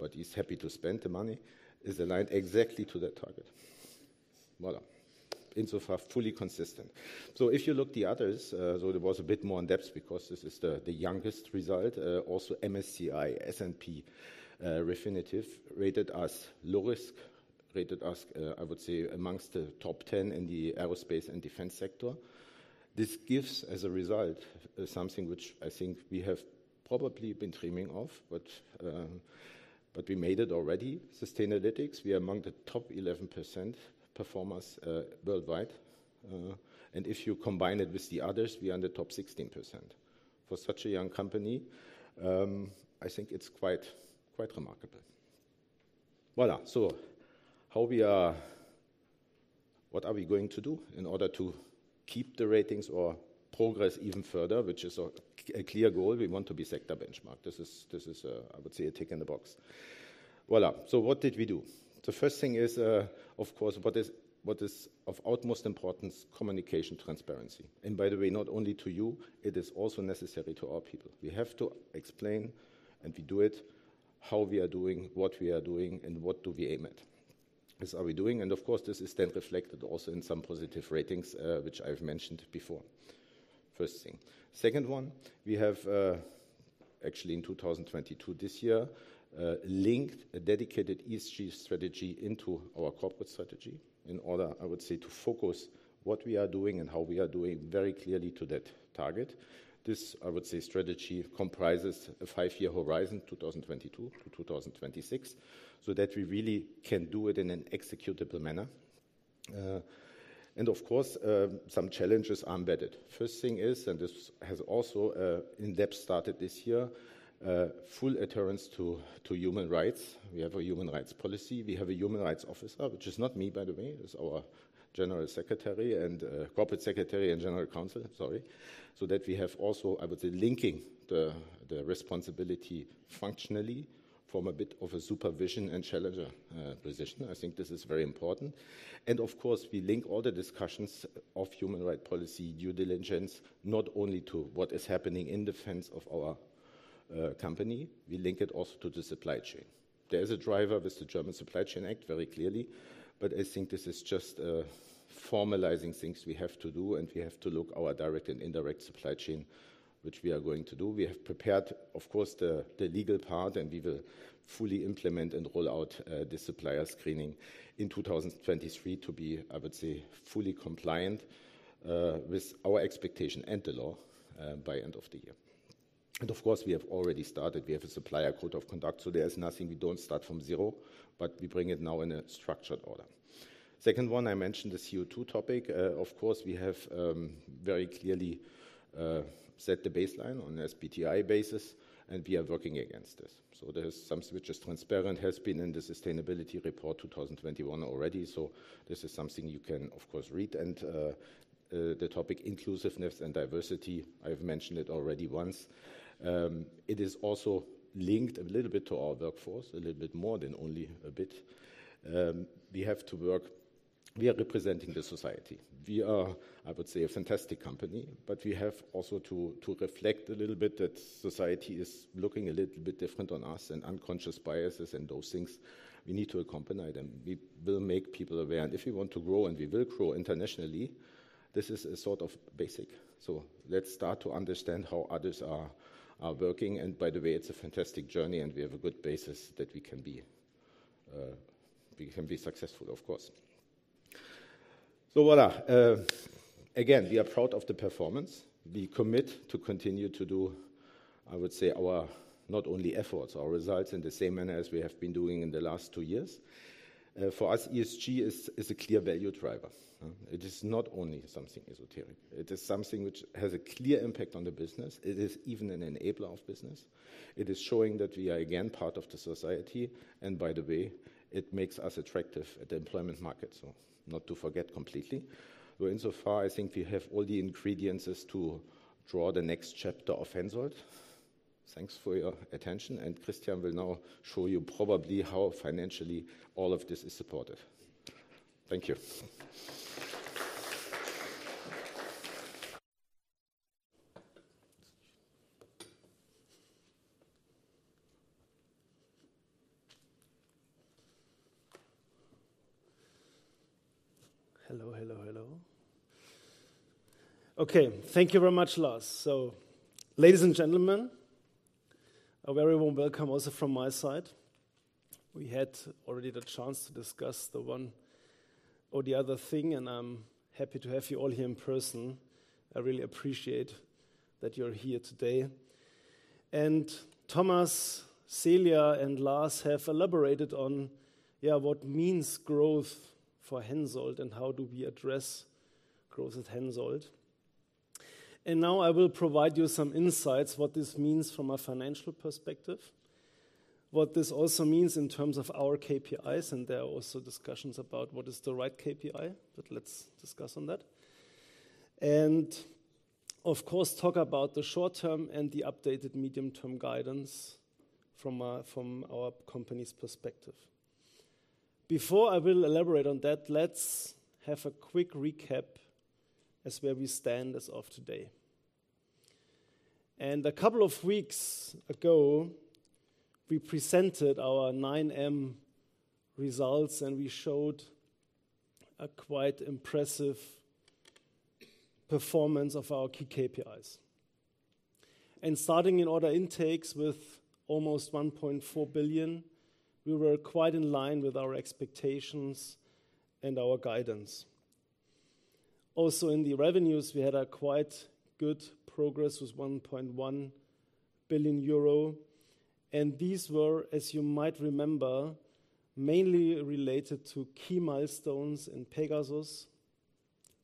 but he's happy to spend the money, is aligned exactly to that target. Voilà. Insofar, fully consistent. If you look the others, there was a bit more in-depth because this is the youngest result. Also MSCI, S&P, Refinitiv rated us low risk, rated us, I would say amongst the top 10 in the aerospace and defense sector. This gives as a result, something which I think we have probably been dreaming of, but we made it already. Sustainalytics, we are among the top 11% performers worldwide. If you combine it with the others, we are in the top 16%. For such a young company, I think it's quite remarkable. Voilà. What are we going to do in order to keep the ratings or progress even further, which is a clear goal? We want to be sector benchmark. This is, I would say a tick in the box. Voilà. What did we do? The first thing is, of course, what is of utmost importance, communication transparency. By the way, not only to you, it is also necessary to our people. We have to explain, and we do it, how we are doing, what we are doing, and what do we aim at. This are we doing, of course, this is then reflected also in some positive ratings, which I've mentioned before. First thing. Second one, we have, actually in 2022, this year, linked a dedicated ESG strategy into our corporate strategy in order, I would say, to focus what we are doing and how we are doing very clearly to that target. This, I would say, strategy comprises a five-year horizon, 2022 to 2026, so that we really can do it in an executable manner. Of course, some challenges are embedded. First thing is, and this has also, in-depth started this year, a full adherence to human rights. We have a human rights policy. We have a human rights officer, which is not me, by the way. It's our general secretary and, corporate secretary and general counsel, sorry. We have also, I would say, linking the responsibility functionally from a bit of a supervision and challenger, position. I think this is very important. Of course, we link all the discussions of human rights policy, due diligence, not only to what is happening in the fence of our company, we link it also to the supply chain. There is a driver with the German Supply Chain Act very clearly, I think this is just formalizing things we have to do, and we have to look our direct and indirect supply chain, which we are going to do. We have prepared, of course, the legal part, we will fully implement and roll out the supplier screening in 2023 to be, I would say, fully compliant with our expectation and the law by end of the year. Of course, we have already started. We have a supplier code of conduct, there is nothing we don't start from zero, but we bring it now in a structured order. Second one, I mentioned the CO₂ topic. Of course, we have very clearly set the baseline on SBTi basis, we are working against this. There is some which is transparent, has been in the sustainability report 2021 already. This is something you can, of course, read and the topic inclusiveness and diversity, I've mentioned it already once. It is also linked a little bit to our workforce, a little bit more than only a bit. We have to work. We are representing the society. We are, I would say, a fantastic company, but we have also to reflect a little bit that society is looking a little bit different on us and unconscious biases and those things. We need to accompany them. We will make people aware, and if we want to grow, and we will grow internationally, this is a sort of basic. Let's start to understand how others are working. It's a fantastic journey, and we have a good basis that we can be, we can be successful, of course. Voilà. Again, we are proud of the performance. We commit to continue to do, I would say, our not only efforts, our results in the same manner as we have been doing in the last two years. For us, ESG is a clear value driver, huh. It is not only something esoteric. It is something which has a clear impact on the business. It is even an enabler of business. It is showing that we are again part of the society, and by the way, it makes us attractive at the employment market, so not to forget completely. Insofar, I think we have all the ingredients as to draw the next chapter of HENSOLDT. Thanks for your attention, and Christian will now show you probably how financially all of this is supported. Thank you. Hello, hello. Okay. Thank you very much, Lars. Ladies and gentlemen, a very warm welcome also from my side. We had already the chance to discuss the one or the other thing, and I'm happy to have you all here in person. I really appreciate that you're here today. Thomas, Celia, and Lars have elaborated on what means growth for HENSOLDT and how do we address growth at HENSOLDT. Now I will provide you some insights what this means from a financial perspective, what this also means in terms of our KPIs, and there are also discussions about what is the right KPI, but let's discuss on that. Of course, talk about the short-term and the updated medium-term guidance from our company's perspective. Before I will elaborate on that, let's have a quick recap as where we stand as of today. A couple of weeks ago, we presented our 9M results, and we showed a quite impressive performance of our key KPIs. Starting in order intakes with almost 1.4 billion, we were quite in line with our expectations and our guidance. Also, in the revenues, we had a quite good progress with 1.1 billion euro, and these were, as you might remember, mainly related to key milestones in PEGASUS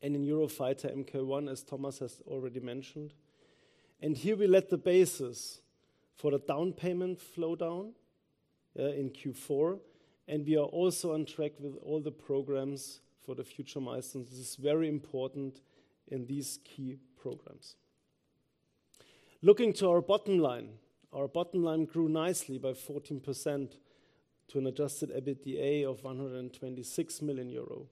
and in Eurofighter Mk1, as Thomas has already mentioned. Here we laid the basis for a down payment flow down in Q4, and we are also on track with all the programs for the future milestones. This is very important in these key programs. Looking to our bottom line. Our bottom line grew nicely by 14% to an adjusted EBITDA of 126 million euro.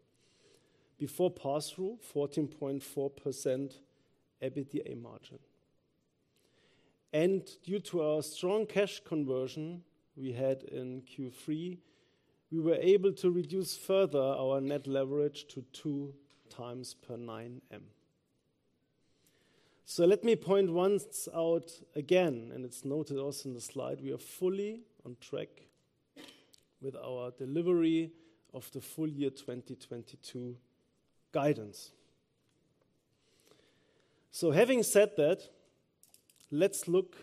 Before pass-through, 14.4% EBITDA margin. Due to our strong cash conversion we had in Q3, we were able to reduce further our net leverage to 2x per 9M. Let me point once out again, and it's noted also in the slide, we are fully on track with our delivery of the full year 2022 guidance. Having said that, let's look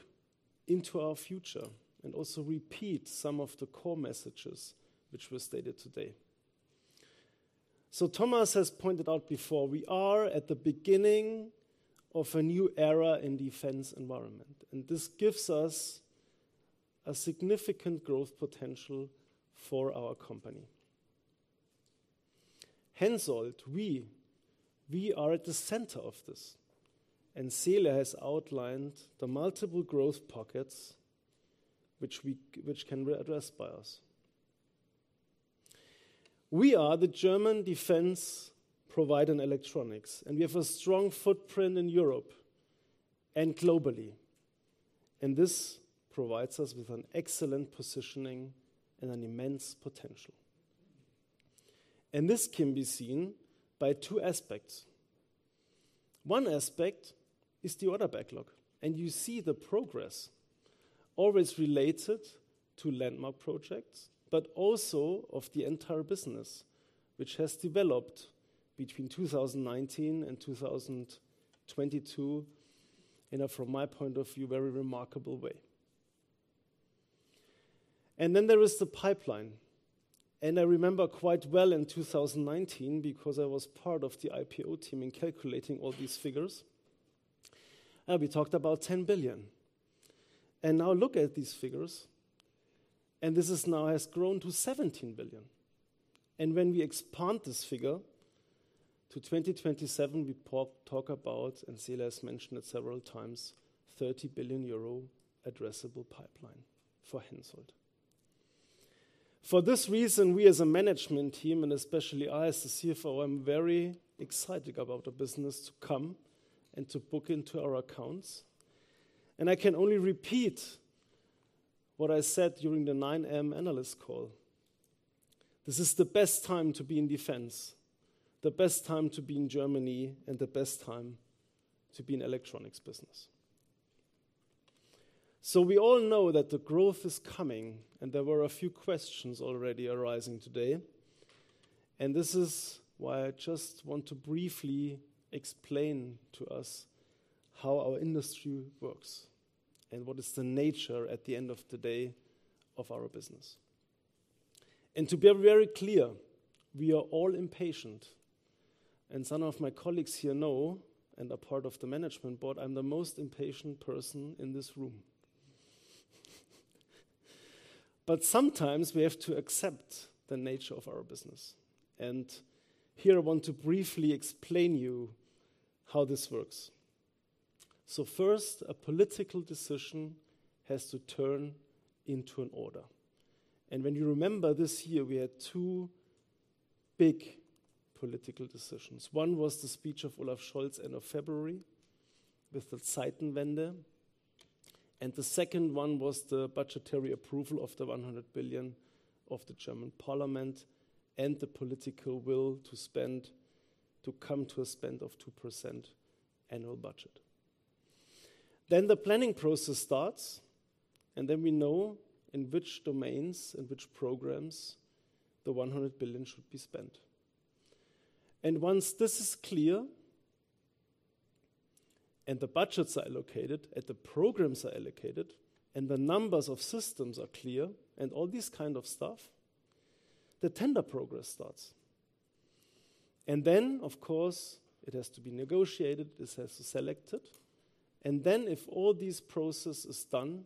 into our future and also repeat some of the core messages which were stated today. Thomas has pointed out before we are at the beginning of a new era in defense environment, and this gives us a significant growth potential for our company. HENSOLDT, we are at the center of this, and Celia has outlined the multiple growth pockets which can be addressed by us. We are the German defense provider in electronics. We have a strong footprint in Europe and globally. This provides us with an excellent positioning and an immense potential. This can be seen by two aspects. One aspect is the order backlog, and you see the progress always related to landmark projects, but also of the entire business, which has developed between 2019 and 2022 in a, from my point of view, very remarkable way. Then there is the pipeline. I remember quite well in 2019, because I was part of the IPO team in calculating all these figures, we talked about 10 billion. Now look at these figures, and this is now has grown to 17 billion. When we expand this figure to 2027, we talk about, and Celia has mentioned it several times, 30 billion euro addressable pipeline for HENSOLDT. For this reason, we as a management team, and especially I as the CFO, I'm very excited about the business to come and to book into our accounts. I can only repeat what I said during the 9M analyst call. This is the best time to be in defense, the best time to be in Germany, and the best time to be in electronics business. We all know that the growth is coming and there were a few questions already arising today, and this is why I just want to briefly explain to us how our industry works and what is the nature at the end of the day of our business. To be very clear, we are all impatient, and some of my colleagues here know and are part of the management board, I'm the most impatient person in this room. Sometimes we have to accept the nature of our business. Here I want to briefly explain you how this works. First, a political decision has to turn into an order. When you remember this year, we had 2 big political decisions. One was the speech of Olaf Scholz end of February with the Zeitenwende, and the second one was the budgetary approval of the 100 billion of the German parliament and the political will to come to a spend of 2% annual budget. The planning process starts, and then we know in which domains and which programs the 100 billion should be spent. Once this is clear and the budgets are allocated and the programs are allocated and the numbers of systems are clear and all this kind of stuff, the tender progress starts. Then, of course, it has to be negotiated, this has to be selected. Then if all this process is done,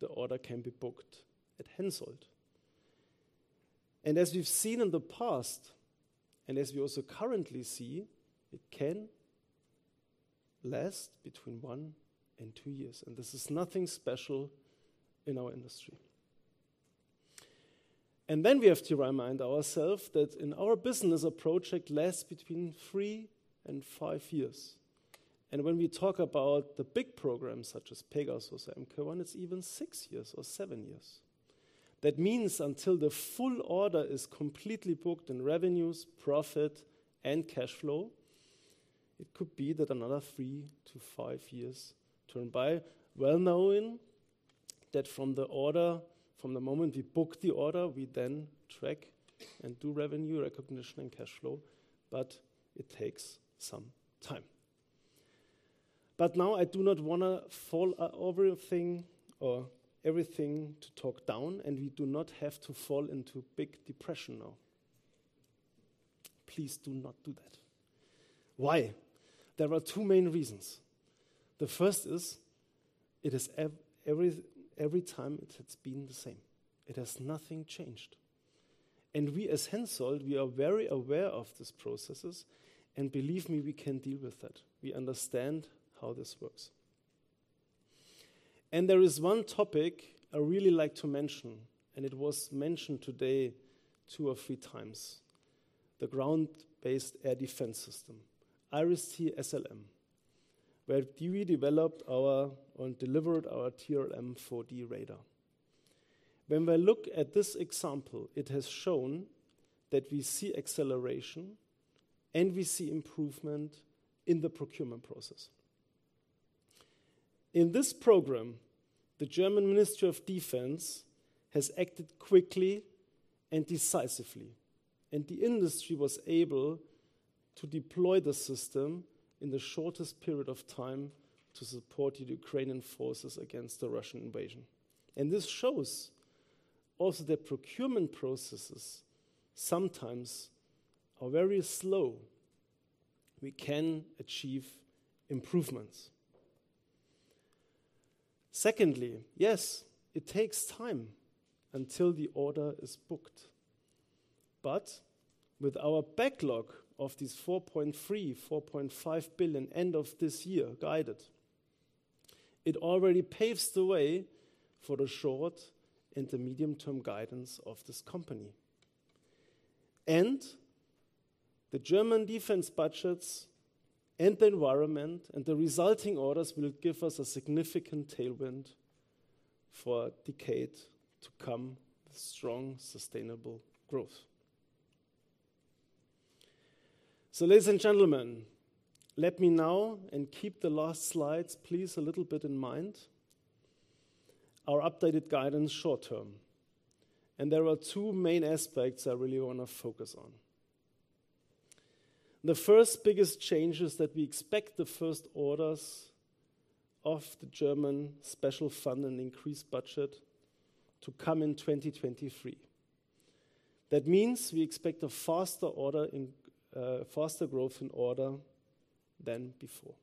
the order can be booked at HENSOLDT. As we've seen in the past, and as we also currently see, it can last between one and two years, and this is nothing special in our industry. Then we have to remind ourselves that in our business, a project lasts between three and five years. When we talk about the big programs such as Pegasus and Mk1, it's even six years or seven years. That means until the full order is completely booked in revenues, profit and cash flow, it could be that another three to five years turn by well knowing that from the order, from the moment we book the order, we then track and do revenue recognition and cash flow, but it takes some time. Now I do not wanna fall over thing or everything to talk down, and we do not have to fall into big depression now. Please do not do that. Why? There are two main reasons. The first is it is every time it has been the same. It has nothing changed. We as HENSOLDT, we are very aware of these processes, and believe me, we can deal with that. We understand how this works. There is one topic I really like to mention, and it was mentioned today two or three times, the ground-based air defense system, IRIS-T SLM, where we delivered our TRML-4D radar. When we look at this example, it has shown that we see acceleration and we see improvement in the procurement process. In this program, the German Ministry of Defense has acted quickly and decisively, and the industry was able to deploy the system in the shortest period of time to support the Ukrainian forces against the Russian invasion. This shows also that procurement processes sometimes are very slow. We can achieve improvements. Secondly, yes, it takes time until the order is booked, with our backlog of 4.3 billion-4.5 billion end of this year guided, it already paves the way for the short and the medium-term guidance of this company. The German defense budgets and the environment and the resulting orders will give us a significant tailwind for a decade to come with strong, sustainable growth. Ladies and gentlemen, let me now, and keep the last slides, please, a little bit in mind our updated guidance short-term. There are two main aspects I really wanna focus on. The first biggest change is that we expect the first orders of the German special fund and increased budget to come in 2023. That means we expect a faster growth in order than before.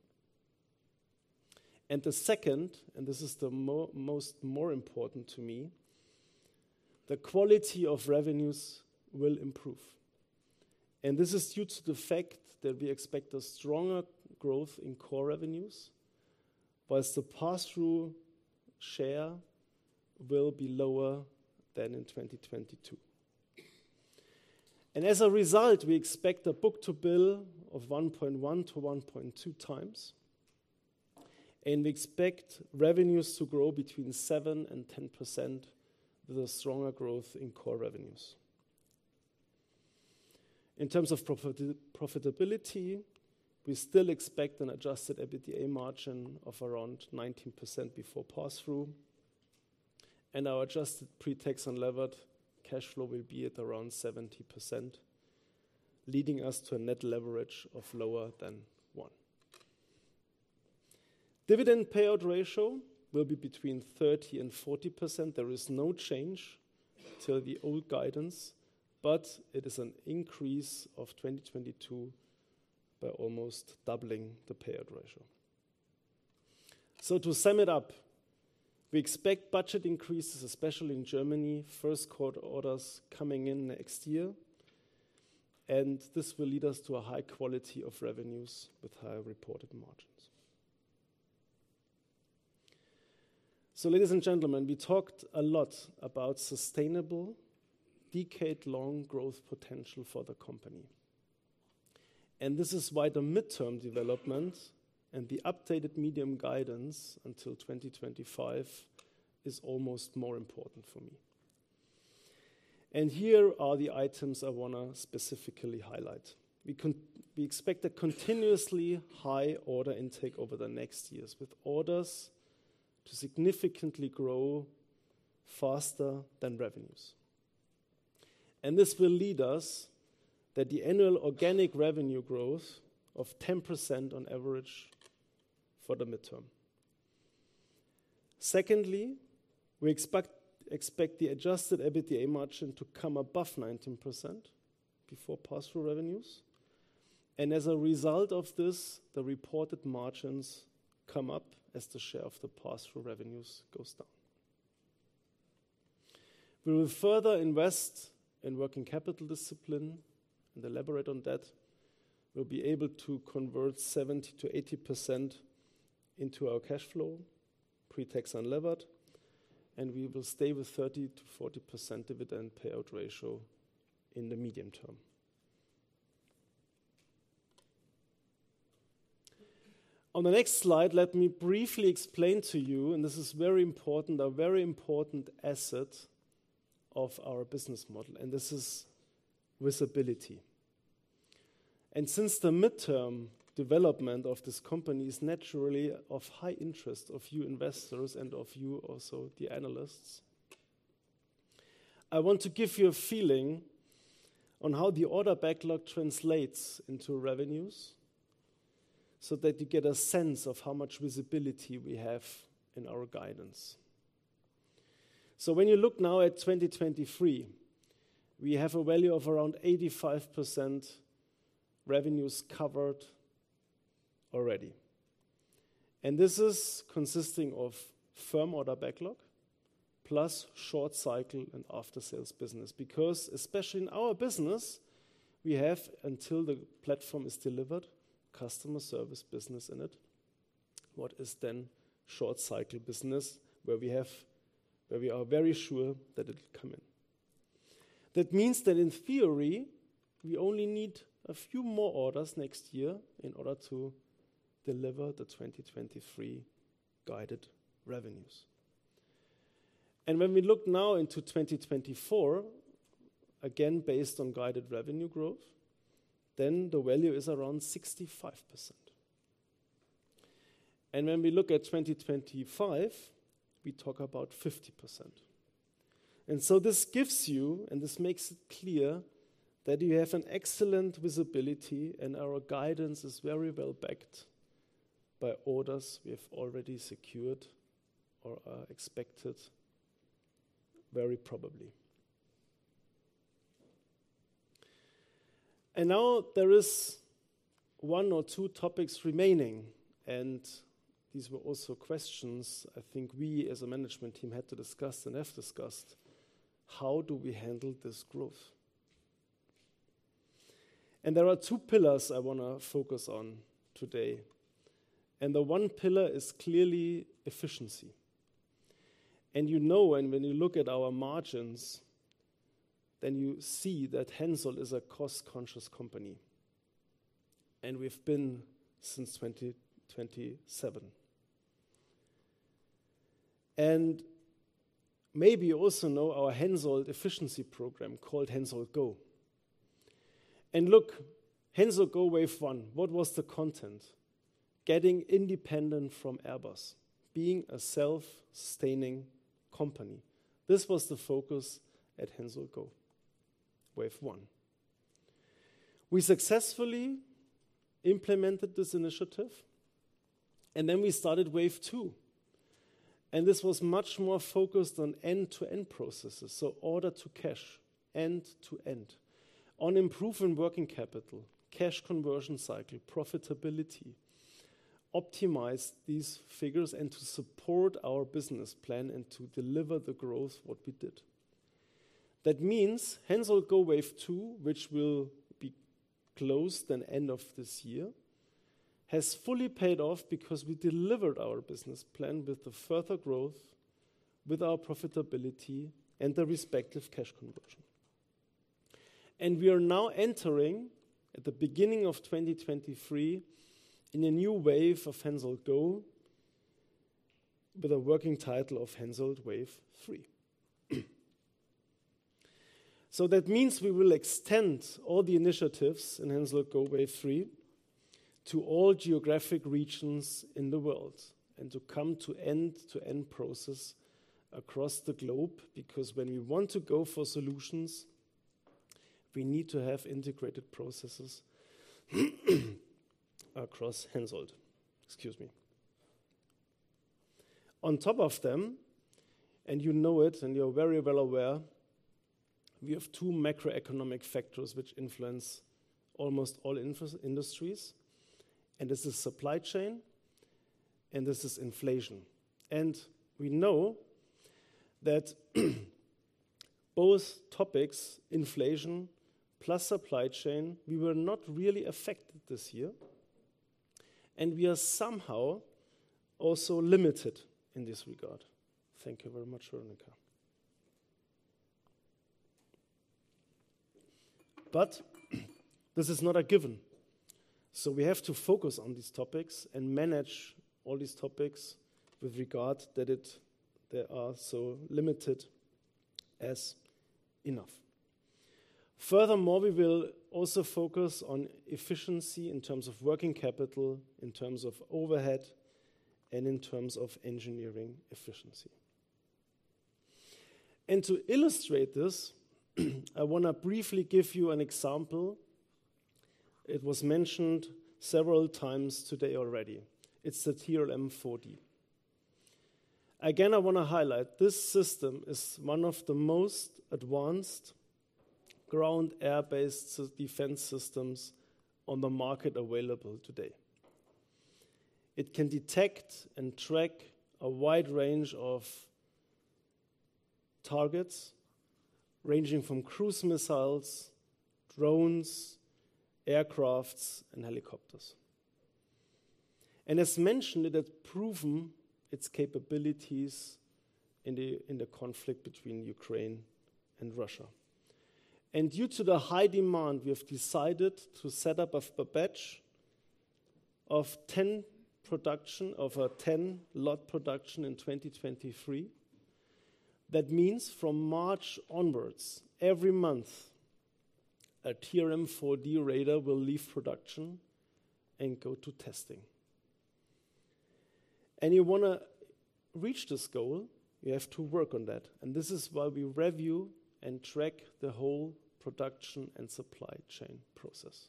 The second, and this is the most more important to me, the quality of revenues will improve. This is due to the fact that we expect a stronger growth in core revenues, whilst the pass-through share will be lower than in 2022. As a result, we expect a book-to-bill of 1.1x-1.2x, and we expect revenues to grow between 7% and 10% with a stronger growth in core revenues. In terms of profitability, we still expect an adjusted EBITDA margin of around 19% before pass-through, and our adjusted pre-tax unlevered cash flow will be at around 70%, leading us to a net leverage of lower than 1. Dividend payout ratio will be between 30% and 40%. There is no change to the old guidance, it is an increase of 2022 by almost doubling the payout ratio. To sum it up, we expect budget increases, especially in Germany, first quarter orders coming in next year, and this will lead us to a high quality of revenues with higher reported margins. Ladies and gentlemen, we talked a lot about sustainable decade-long growth potential for the company, this is why the midterm development and the updated medium guidance until 2025 is almost more important for me. Here are the items I wanna specifically highlight. We expect a continuously high order intake over the next years, with orders to significantly grow faster than revenues. This will lead us that the annual organic revenue growth of 10% on average for the midterm. Secondly, we expect the adjusted EBITDA margin to come above 19% before pass-through revenues. As a result of this, the reported margins come up as the share of the pass-through revenues goes down. We will further invest in working capital discipline and elaborate on that. We'll be able to convert 70%-80% into our cash flow, pre-tax unlevered, and we will stay with 30%-40% dividend payout ratio in the medium term. On the next slide, let me briefly explain to you, and this is very important, a very important asset of our business model, and this is visibility. Since the midterm development of this company is naturally of high interest of you investors and of you also the analysts, I want to give you a feeling on how the order backlog translates into revenues so that you get a sense of how much visibility we have in our guidance. When you look now at 2023, we have a value of around 85% revenues covered already. This is consisting of firm order backlog plus short cycle and after-sales business. Especially in our business, we have, until the platform is delivered, customer service business in it, what is then short cycle business, where we are very sure that it'll come in. That means that in theory, we only need a few more orders next year in order to deliver the 2023 guided revenues. When we look now into 2024, again, based on guided revenue growth, then the value is around 65%. When we look at 2025, we talk about 50%. This gives you, and this makes it clear, that you have an excellent visibility and our guidance is very well backed by orders we have already secured or are expected very probably. Now there is one or two topics remaining, and these were also questions I think we as a management team had to discuss and have discussed. How do we handle this growth? There are two pillars I wanna focus on today, and the one pillar is clearly efficiency. You know when you look at our margins, then you see that HENSOLDT is a cost-conscious company, and we've been since 2027. Maybe you also know our HENSOLDT efficiency program called HENSOLDT GO! Look, HENSOLDT GO! Wave one, what was the content? Getting independent from Airbus, being a self-sustaining company. This was the focus at HENSOLDT GO! Wave one. We successfully implemented this initiative, and then we started Wave two, and this was much more focused on end-to-end processes. Order to cash, end to end. On improving working capital, cash conversion cycle, profitability, optimize these figures, and to support our business plan and to deliver the growth what we did. That means HENSOLDT GO! Wave two, which will be closed on end of this year, has fully paid off because we delivered our business plan with the further growth, with our profitability and the respective cash conversion. We are now entering, at the beginning of 2023, in a new wave of HENSOLDT GO! with a working title of HENSOLDT Wave three. That means we will extend all the initiatives in HENSOLDT GO! Wave three to all geographic regions in the world and to come to end-to-end process across the globe, because when we want to go for solutions, we need to have integrated processes across HENSOLDT. Excuse me. On top of them, and you know it, and you're very well aware, we have two macroeconomic factors which influence almost all industries, and this is supply chain and this is inflation. We know that both topics, inflation plus supply chain, we were not really affected this year and we are somehow also limited in this regard. Thank you very much, Veronika. This is not a given. We have to focus on these topics and manage all these topics with regard that they are so limited as enough. Furthermore, we will also focus on efficiency in terms of working capital, in terms of overhead, and in terms of engineering efficiency. To illustrate this, I want to briefly give you an example. It was mentioned several times today already. It's the TRML-4D. Again, I want to highlight this system is one of the most advanced ground air-based defense systems on the market available today. It can detect and track a wide range of targets, ranging from cruise missiles, drones, aircraft and helicopters. As mentioned, it has proven its capabilities in the conflict between Ukraine and Russia. Due to the high demand, we have decided to set up a batch of 10 lot production in 2023. That means from March onwards, every month, a TRML-4D radar will leave production and go to testing. You wanna reach this goal, you have to work on that. This is why we review and track the whole production and supply chain process.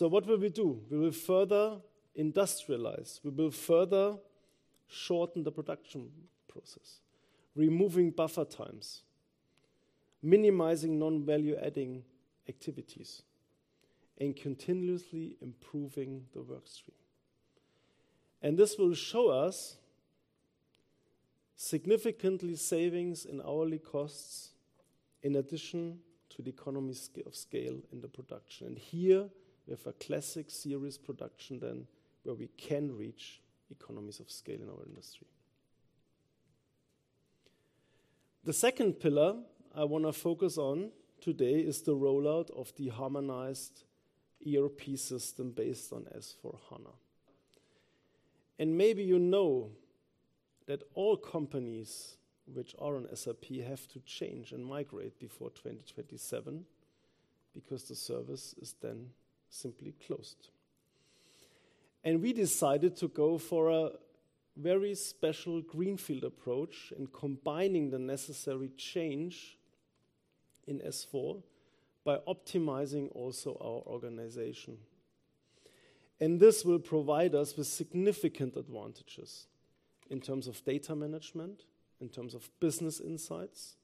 What will we do? We will further industrialize. We will further shorten the production process, removing buffer times, minimizing non-value-adding activities, and continuously improving the work stream. This will show us significantly savings in hourly costs in addition to the economy of scale in the production. Here we have a classic series production then where we can reach economies of scale in our industry. The second pillar I want to focus on today is the rollout of the harmonized ERP system based on S/4HANA. Maybe you know that all companies which are on SAP have to change and migrate before 2027 because the service is then simply closed. We decided to go for a very special greenfield approach in combining the necessary change in S/4 by optimizing also our organization. This will provide us with significant advantages in terms of data management, in terms of business insights,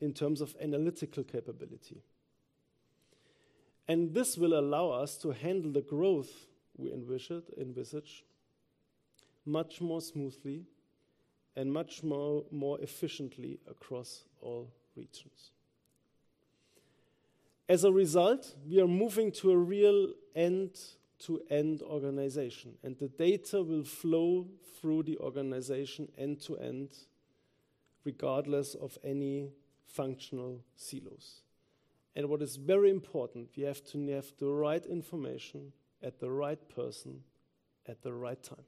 in terms of analytical capability. This will allow us to handle the growth we envisage much more smoothly and much more efficiently across all regions. As a result, we are moving to a real end-to-end organization, and the data will flow through the organization end to end regardless of any functional silos. What is very important, we have to have the right information at the right person at the right time.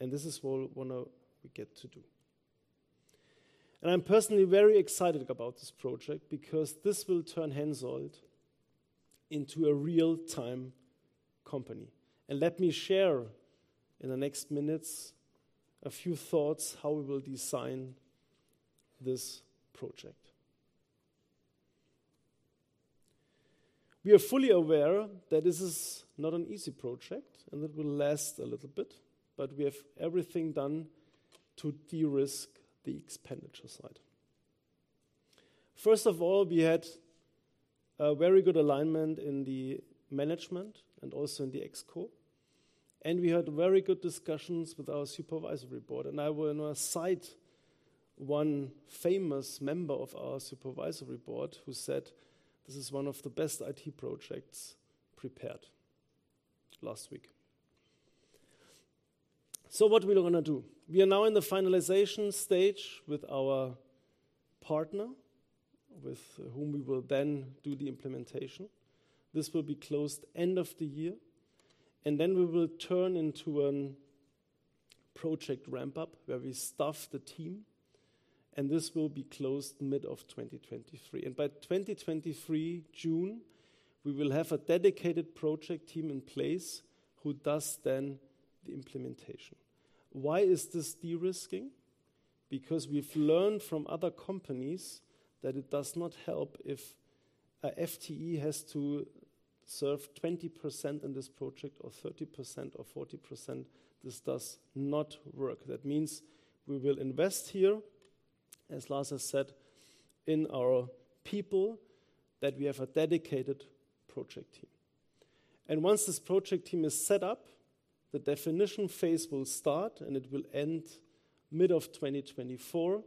This is what we get to do. I'm personally very excited about this project because this will turn HENSOLDT into a real-time company. Let me share in the next minutes a few thoughts how we will design this project. We are fully aware that this is not an easy project and it will last a little bit, but we have everything done to de-risk the expenditure side. First of all, we had a very good alignment in the management and also in the ExCo, and we had very good discussions with our supervisory board. I will now cite one famous member of our supervisory board who said, "This is one of the best IT projects prepared," last week. What we're gonna do? We are now in the finalization stage with our partner with whom we will then do the implementation. This will be closed end of the year. Then we will turn into a project ramp up where we staff the team, and this will be closed mid of 2023. By 2023 June, we will have a dedicated project team in place who does then the implementation. Why is this de-risking? Because we've learned from other companies that it does not help if a FTE has to serve 20% in this project, or 30% or 40%. This does not work. That means we will invest here, as Lars has said, in our people, that we have a dedicated project team. Once this project team is set up, the definition phase will start and it will end mid of 2024.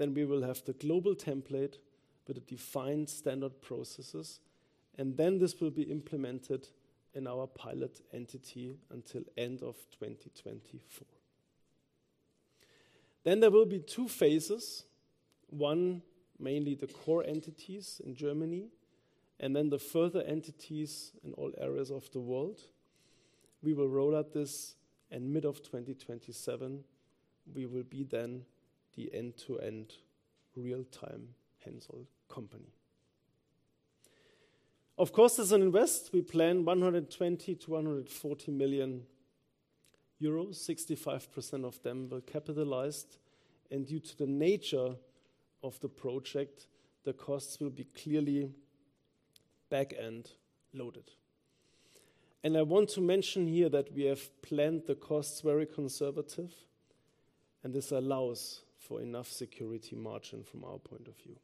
We will have the global template with the defined standard processes, and then this will be implemented in our pilot entity until end of 2024. There will be two phases. One, mainly the core entities in Germany and then the further entities in all areas of the world. We will roll out this in mid of 2027. We will be then the end-to-end real time HENSOLDT company. Of course, as an invest, we plan 120 million-140 million euros. 65% of them were capitalized. Due to the nature of the project, the costs will be clearly back-end loaded. I want to mention here that we have planned the costs very conservative, and this allows for enough security margin from our point of view.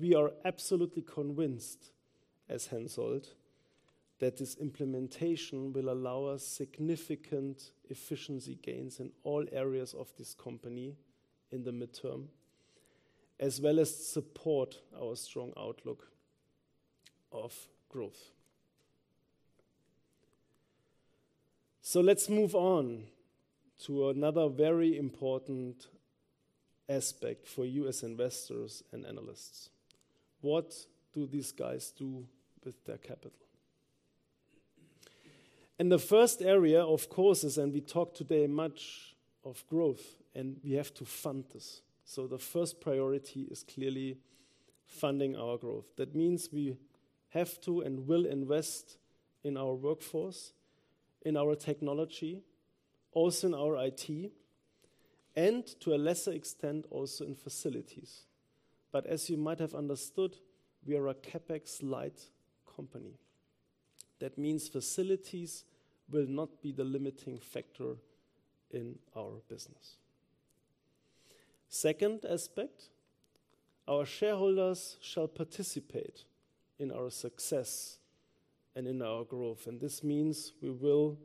We are absolutely convinced, as HENSOLDT, that this implementation will allow us significant efficiency gains in all areas of this company in the midterm, as well as support our strong outlook of growth. Let's move on to another very important aspect for you as investors and analysts. What do these guys do with their capital? The first area, of course, is, and we talked today much of growth, and we have to fund this. The first priority is clearly funding our growth. That means we have to and will invest in our workforce, in our technology, also in our IT, and to a lesser extent, also in facilities. As you might have understood, we are a CapEx-light company. That means facilities will not be the limiting factor in our business. Second aspect, our shareholders shall participate in our success and in our growth, this means we will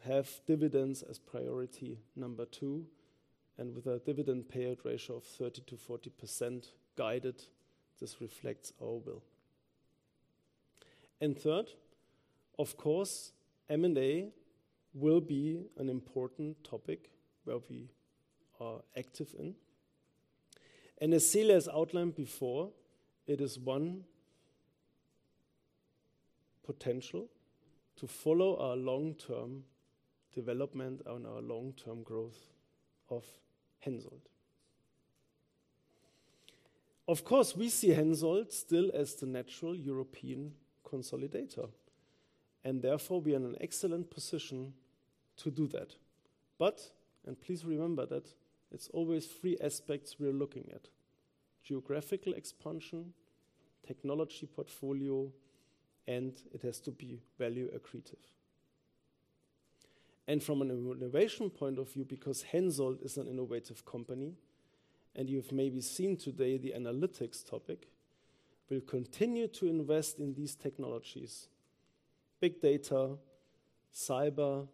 have dividends as priority number two, with a dividend payout ratio of 30%-40% guided, this reflects our will. Third, of course, M&A will be an important topic where we are active in. As Silas outlined before, it is one potential to follow our long-term development and our long-term growth of HENSOLDT. Of course, we see HENSOLDT still as the natural European consolidator, and therefore we are in an excellent position to do that. Please remember that it's always three aspects we are looking at: geographical expansion, technology portfolio, and it has to be value accretive. From an innovation point of view, because HENSOLDT is an innovative company, and you've maybe seen today the analytics topic, we'll continue to invest in these technologies: big data, cyber,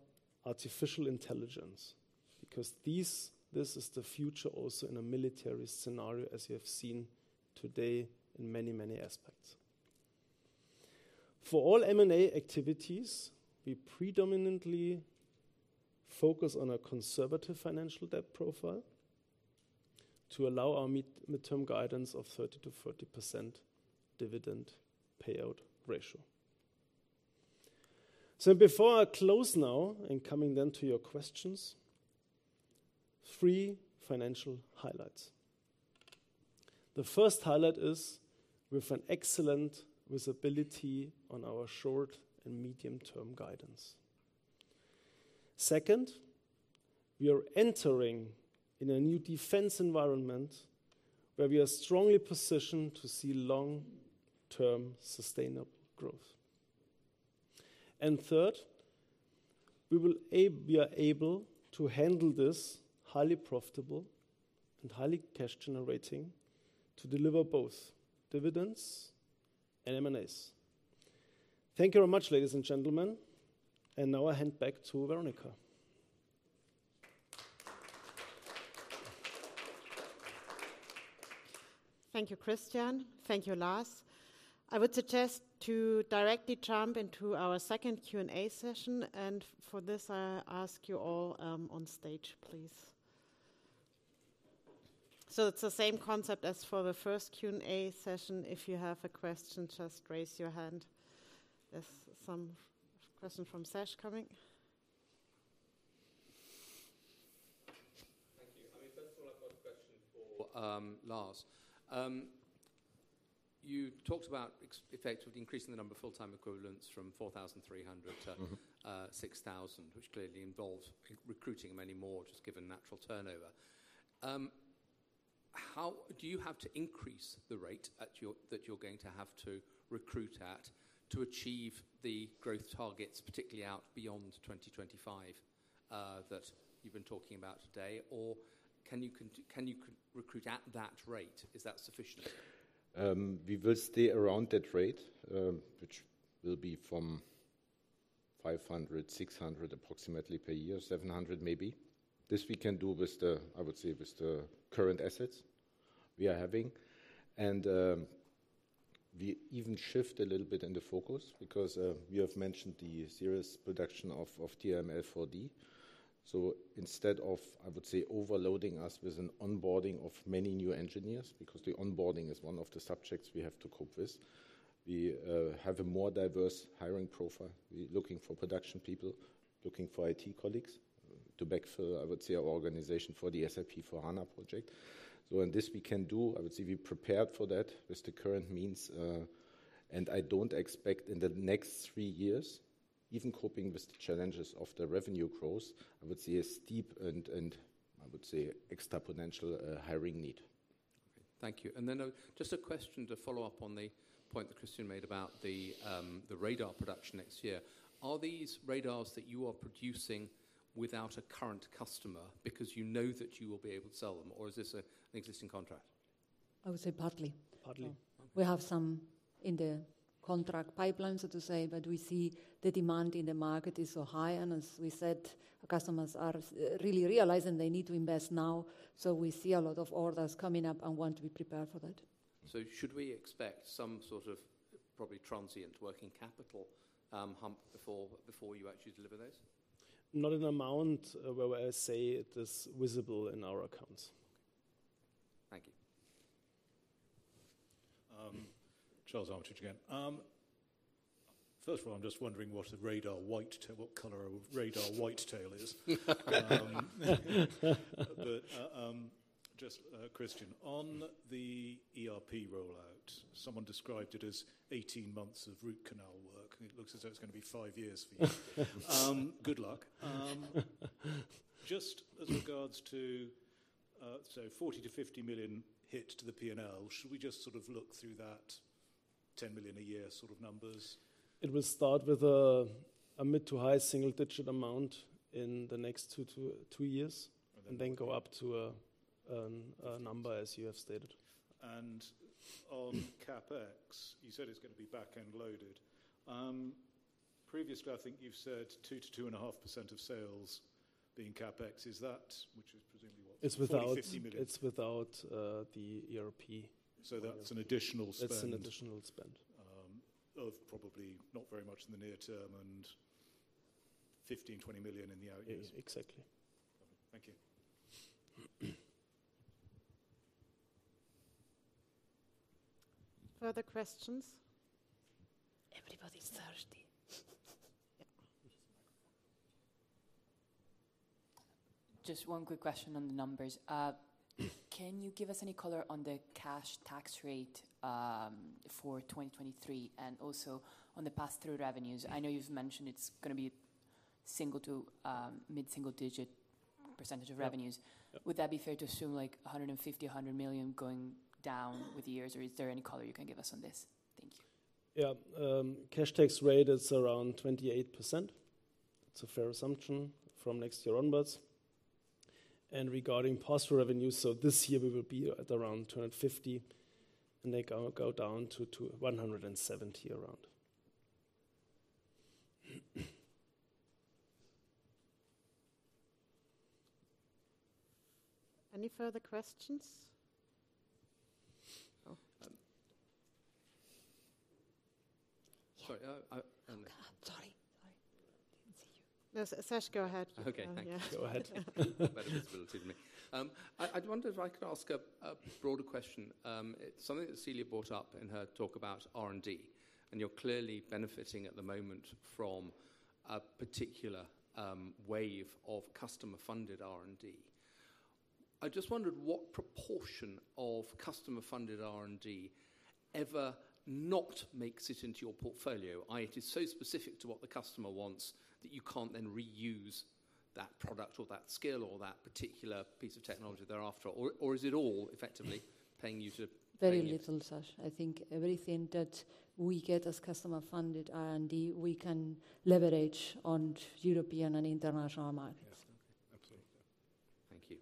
artificial intelligence, because this is the future also in a military scenario, as you have seen today in many, many aspects. For all M&A activities, we predominantly focus on a conservative financial debt profile to allow our midterm guidance of 30%-40% dividend payout ratio. Before I close now and coming then to your questions, three financial highlights. The first highlight is we've an excellent visibility on our short and medium-term guidance. Second, we are entering in a new defense environment where we are strongly positioned to see long-term sustainable growth. Third, we are able to handle this highly profitable and highly cash generating to deliver both dividends and M&As. Thank you very much, ladies and gentlemen, and now I hand back to Veronika. Thank you, Christian. Thank you, Lars. I would suggest to directly jump into our second Q&A session. For this, I ask you all on stage, please. It's the same concept as for the first Q&A session. If you have a question, just raise your hand. There's some question from Sash coming. Thank you. I mean, first of all, I've got a question for Lars. You talked about effect of increasing the number of full-time equivalents from 4,300. Mm-hmm... 6,000, which clearly involves recruiting many more just given natural turnover. How do you have to increase the rate that you're going to have to recruit at to achieve the growth targets, particularly out beyond 2025, that you've been talking about today? Or can you recruit at that rate? Is that sufficient? We will stay around that rate, which will be from 500, 600 approximately per year, 700 maybe. This we can do with the, I would say, with the current assets we are having. We even shift a little bit in the focus because, we have mentioned the serious production of TRML-4D. Instead of, I would say, overloading us with an onboarding of many new engineers, because the onboarding is one of the subjects we have to cope with, we have a more diverse hiring profile. We're looking for production people, looking for IT colleagues to backfill, I would say, our organization for the SAP S/4HANA project. This we can do. I would say, we prepared for that with the current means. I don't expect in the next three years Even coping with the challenges of the revenue growth, I would see a steep and I would say exponential, hiring need. Okay. Thank you. Just a question to follow up on the point that Christian made about the radar production next year. Are these radars that you are producing without a current customer because you know that you will be able to sell them or is this an existing contract? I would say partly. Partly. Okay. We have some in the contract pipeline, so to say, but we see the demand in the market is so high and as we said, customers are really realizing they need to invest now. We see a lot of orders coming up and want to be prepared for that. Should we expect some sort of probably transient working capital hump before you actually deliver those? Not an amount where I say it is visible in our accounts. Thank you. Charles Armitage again. First of all, I'm just wondering what a radar white what color a radar white tail is. Just Christian, on the ERP rollout, someone described it as 18 months of root canal work, and it looks as though it's gonna be five years for you. Good luck. Just as regards to, so 40 million-50 million hit to the P&L, should we just sort of look through that 10 million a year sort of numbers? It will start with a mid to high single-digit amount in the next two years. And then go up to a number as you have stated. On CapEx, you said it's gonna be back-end loaded. Previously I think you've said 2%-2.5% of sales being CapEx. Is that which is presumably, what? EUR 40 million-EUR 50 million. It's without the ERP. that's an additional spend. That's an additional spend. of probably not very much in the near term and 15 million-20 million in the out years. Ex-exactly. Thank you. Further questions? Everybody's thirsty. Yeah. Just one quick question on the numbers. Can you give us any color on the cash tax rate for 2023 and also on the pass-through revenues? I know you've mentioned it's gonna be single- to mid-single-digit percentage of revenues. Yeah. Would that be fair to assume like 150 million, 100 million going down with the years, or is there any color you can give us on this? Thank you. Yeah. cash tax rate is around 28%. It's a fair assumption from next year onwards. Regarding pass-through revenues, this year we will be at around 250, and they go down to 170 around. Any further questions? Oh. Sorry, I. Sorry. Didn't see you. No, Sash, go ahead. Okay, thank you. Yeah. Go ahead. Better visibility for me. I'd wondered if I could ask a broader question. Something that Celia brought up in her talk about R&D, and you're clearly benefiting at the moment from a particular wave of customer-funded R&D. I just wondered what proportion of customer-funded R&D ever not makes it into your portfolio, i.e., it is so specific to what the customer wants that you can't then reuse that product or that skill or that particular piece of technology thereafter? Or is it all effectively paying you to? Very little, Sash. I think everything that we get as customer-funded R&D, we can leverage on European and international markets. Yeah. Absolutely. Thank you.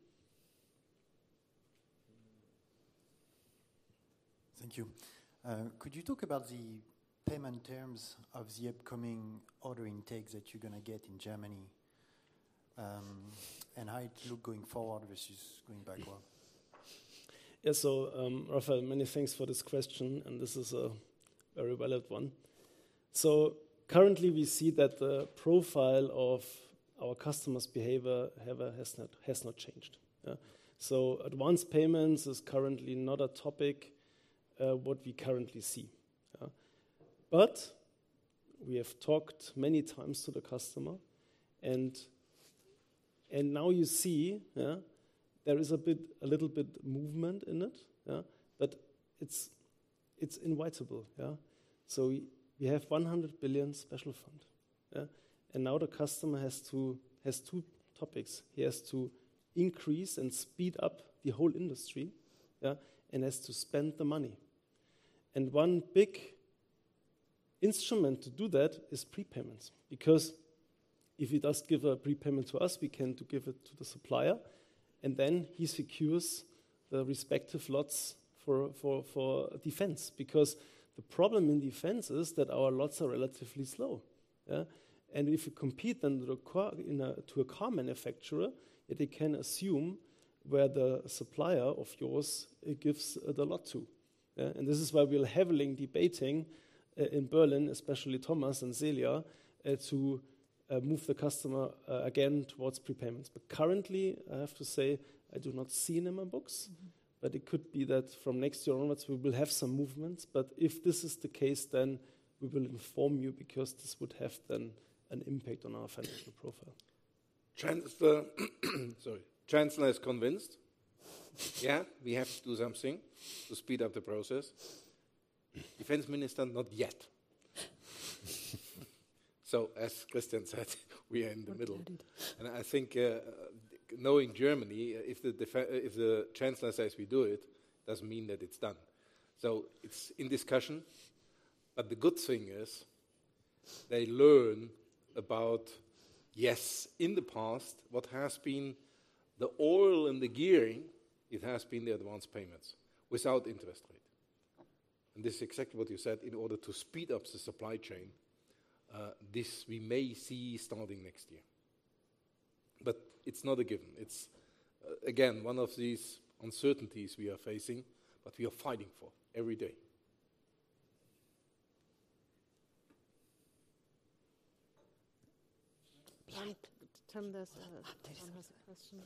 Thank you. Could you talk about the payment terms of the upcoming order intake that you're gonna get in Germany, and how it look going forward versus going backward? Yeah. Raphael, many thanks for this question. This is a very valid one. Currently, we see that the profile of our customers' behavior has not changed. Yeah. Advanced payments is currently not a topic what we currently see. Yeah. We have talked many times to the customer and now you see, yeah, there is a bit, a little bit movement in it, yeah. It's inevitable. Yeah. We have 100 billion special fund. Yeah. Now the customer has two topics. He has to increase and speed up the whole industry, yeah, and has to spend the money. One big instrument to do that is prepayments, because if he does give a prepayment to us, we can to give it to the supplier, and then he secures the respective lots for defense. The problem in defense is that our lots are relatively slow. Yeah. If you compete and require to a car manufacturer, they can assume where the supplier of yours gives the lot to. Yeah. This is why we are heavily debating in Berlin, especially Thomas Müller and Celia Pelaz, to move the customer again towards prepayments. Currently, I have to say I do not see it in my books. Mm-hmm. It could be that from next year onwards, we will have some movements. If this is the case, then we will inform you because this would have then an impact on our financial profile. Chancellor is convinced. Yeah, we have to do something to speed up the process. Defense Minister, not yet. As Christian said, we are in the middle. I think, knowing Germany, if the Chancellor says we do it, doesn't mean that it's done. It's in discussion. The good thing is they learn about, yes, in the past, what has been the oil and the gearing, it has been the advance payments without interest rate. This is exactly what you said, in order to speed up the supply chain, this we may see starting next year. It's not a given. It's again, one of these uncertainties we are facing, but we are fighting for every day. Right. Tom, there's, Tom has a question.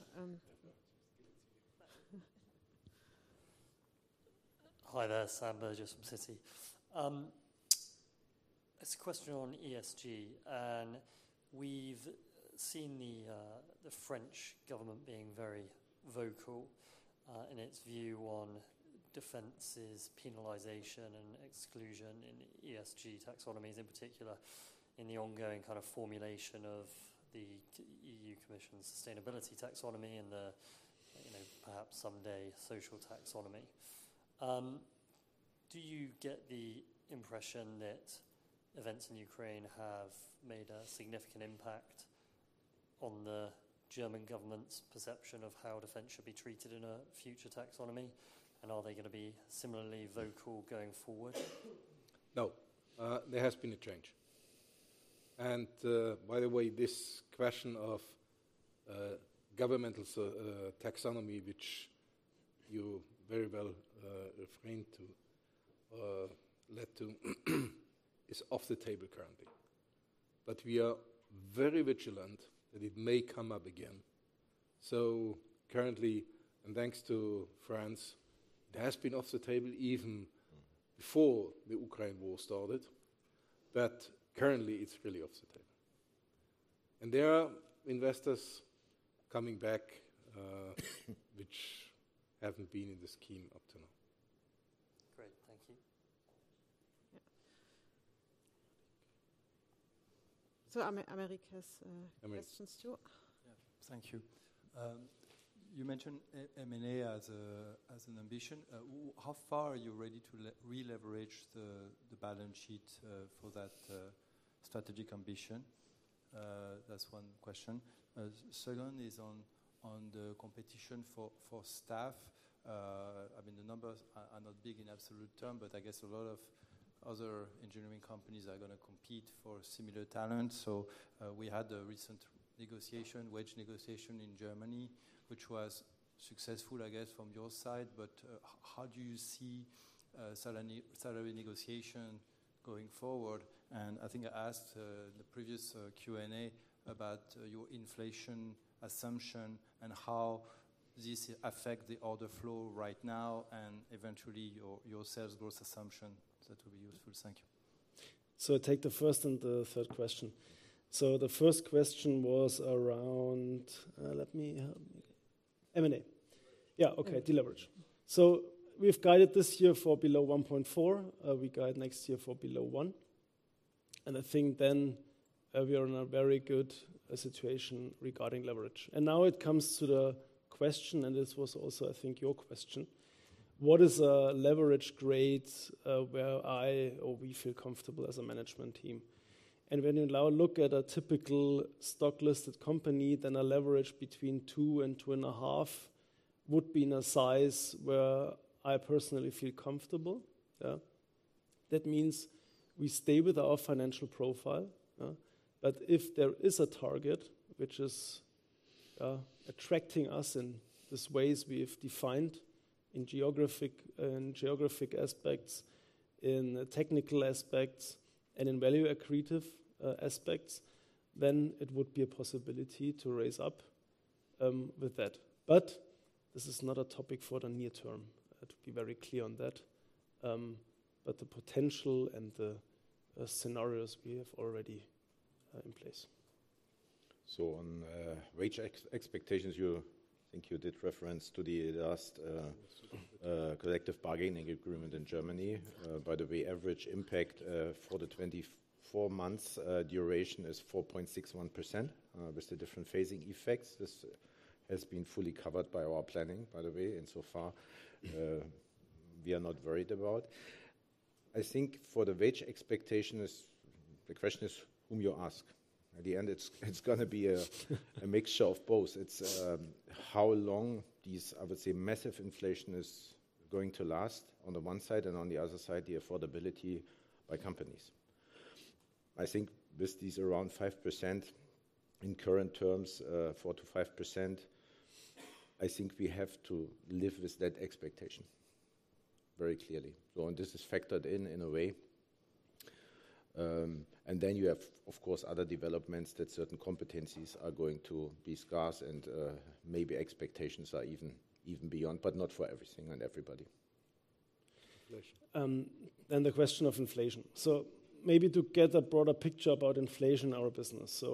Hi there. Sam Burgess from Citi. It's a question on ESG. We've seen the French government being very vocal in its view on defense's penalization and exclusion in ESG taxonomies, in particular in the ongoing kind of formulation of the EU Commission sustainability taxonomy and the perhaps someday social taxonomy. Do you get the impression that events in Ukraine have made a significant impact on the German government's perception of how defense should be treated in a future taxonomy? Are they gonna be similarly vocal going forward? No. There has been a change. By the way, this question of governmental taxonomy, which you very well refrained to, led to is off the table currently. We are very vigilant that it may come up again. Currently, and thanks to France, it has been off the table even before the Ukraine war started. Currently, it's really off the table. There are investors coming back, which haven't been in the scheme up to now. Great. Thank you. Yeah. Aymeric has questions too. Aymeric. Thank you. You mentioned M&A as an ambition. How far are you ready to re-leverage the balance sheet for that strategic ambition? That's one question. Second is on the competition for staff. I mean, the numbers are not big in absolute term, but I guess a lot of other engineering companies are gonna compete for similar talent. We had a recent negotiation, wage negotiation in Germany, which was successful, I guess, from your side. How do you see salary negotiation going forward? I think I asked the previous Q&A about your inflation assumption and how this affect the order flow right now and eventually your sales growth assumption. That will be useful. Thank you. I take the first and the third question. The first question was around M&A. Yeah. Okay. Deleveraged. We've guided this year for below 1.4. We guide next year for below one. I think then we are in a very good situation regarding leverage. Now it comes to the question, and this was also, I think, your question, what is a leverage grade where I or we feel comfortable as a management team? When you now look at a typical stock-listed company, then a leverage between two and 2.5 would be in a size where I personally feel comfortable. Yeah. That means we stay with our financial profile. Yeah. If there is a target which is attracting us in these ways we have defined in geographic, in geographic aspects, in technical aspects, and in value accretive aspects, then it would be a possibility to raise up with that. This is not a topic for the near term. I have to be very clear on that. The potential and the scenarios we have already in place. On wage expectations, you, I think you did reference to the last collective bargaining agreement in Germany. By the way, average impact for the 24 months duration is 4.61%, with the different phasing effects. This has been fully covered by our planning, by the way, and so far, we are not worried about. I think for the wage expectation is, the question is whom you ask. At the end, it's gonna be a mixture of both. It's, how long these, I would say, massive inflation is going to last on the one side, and on the other side, the affordability by companies. I think with these around 5% in current terms, 4%-5%, I think we have to live with that expectation very clearly. This is factored in in a way. You have, of course, other developments that certain competencies are going to be scarce and maybe expectations are even beyond, but not for everything and everybody. Then the question of inflation. Maybe to get a broader picture about inflation in our business.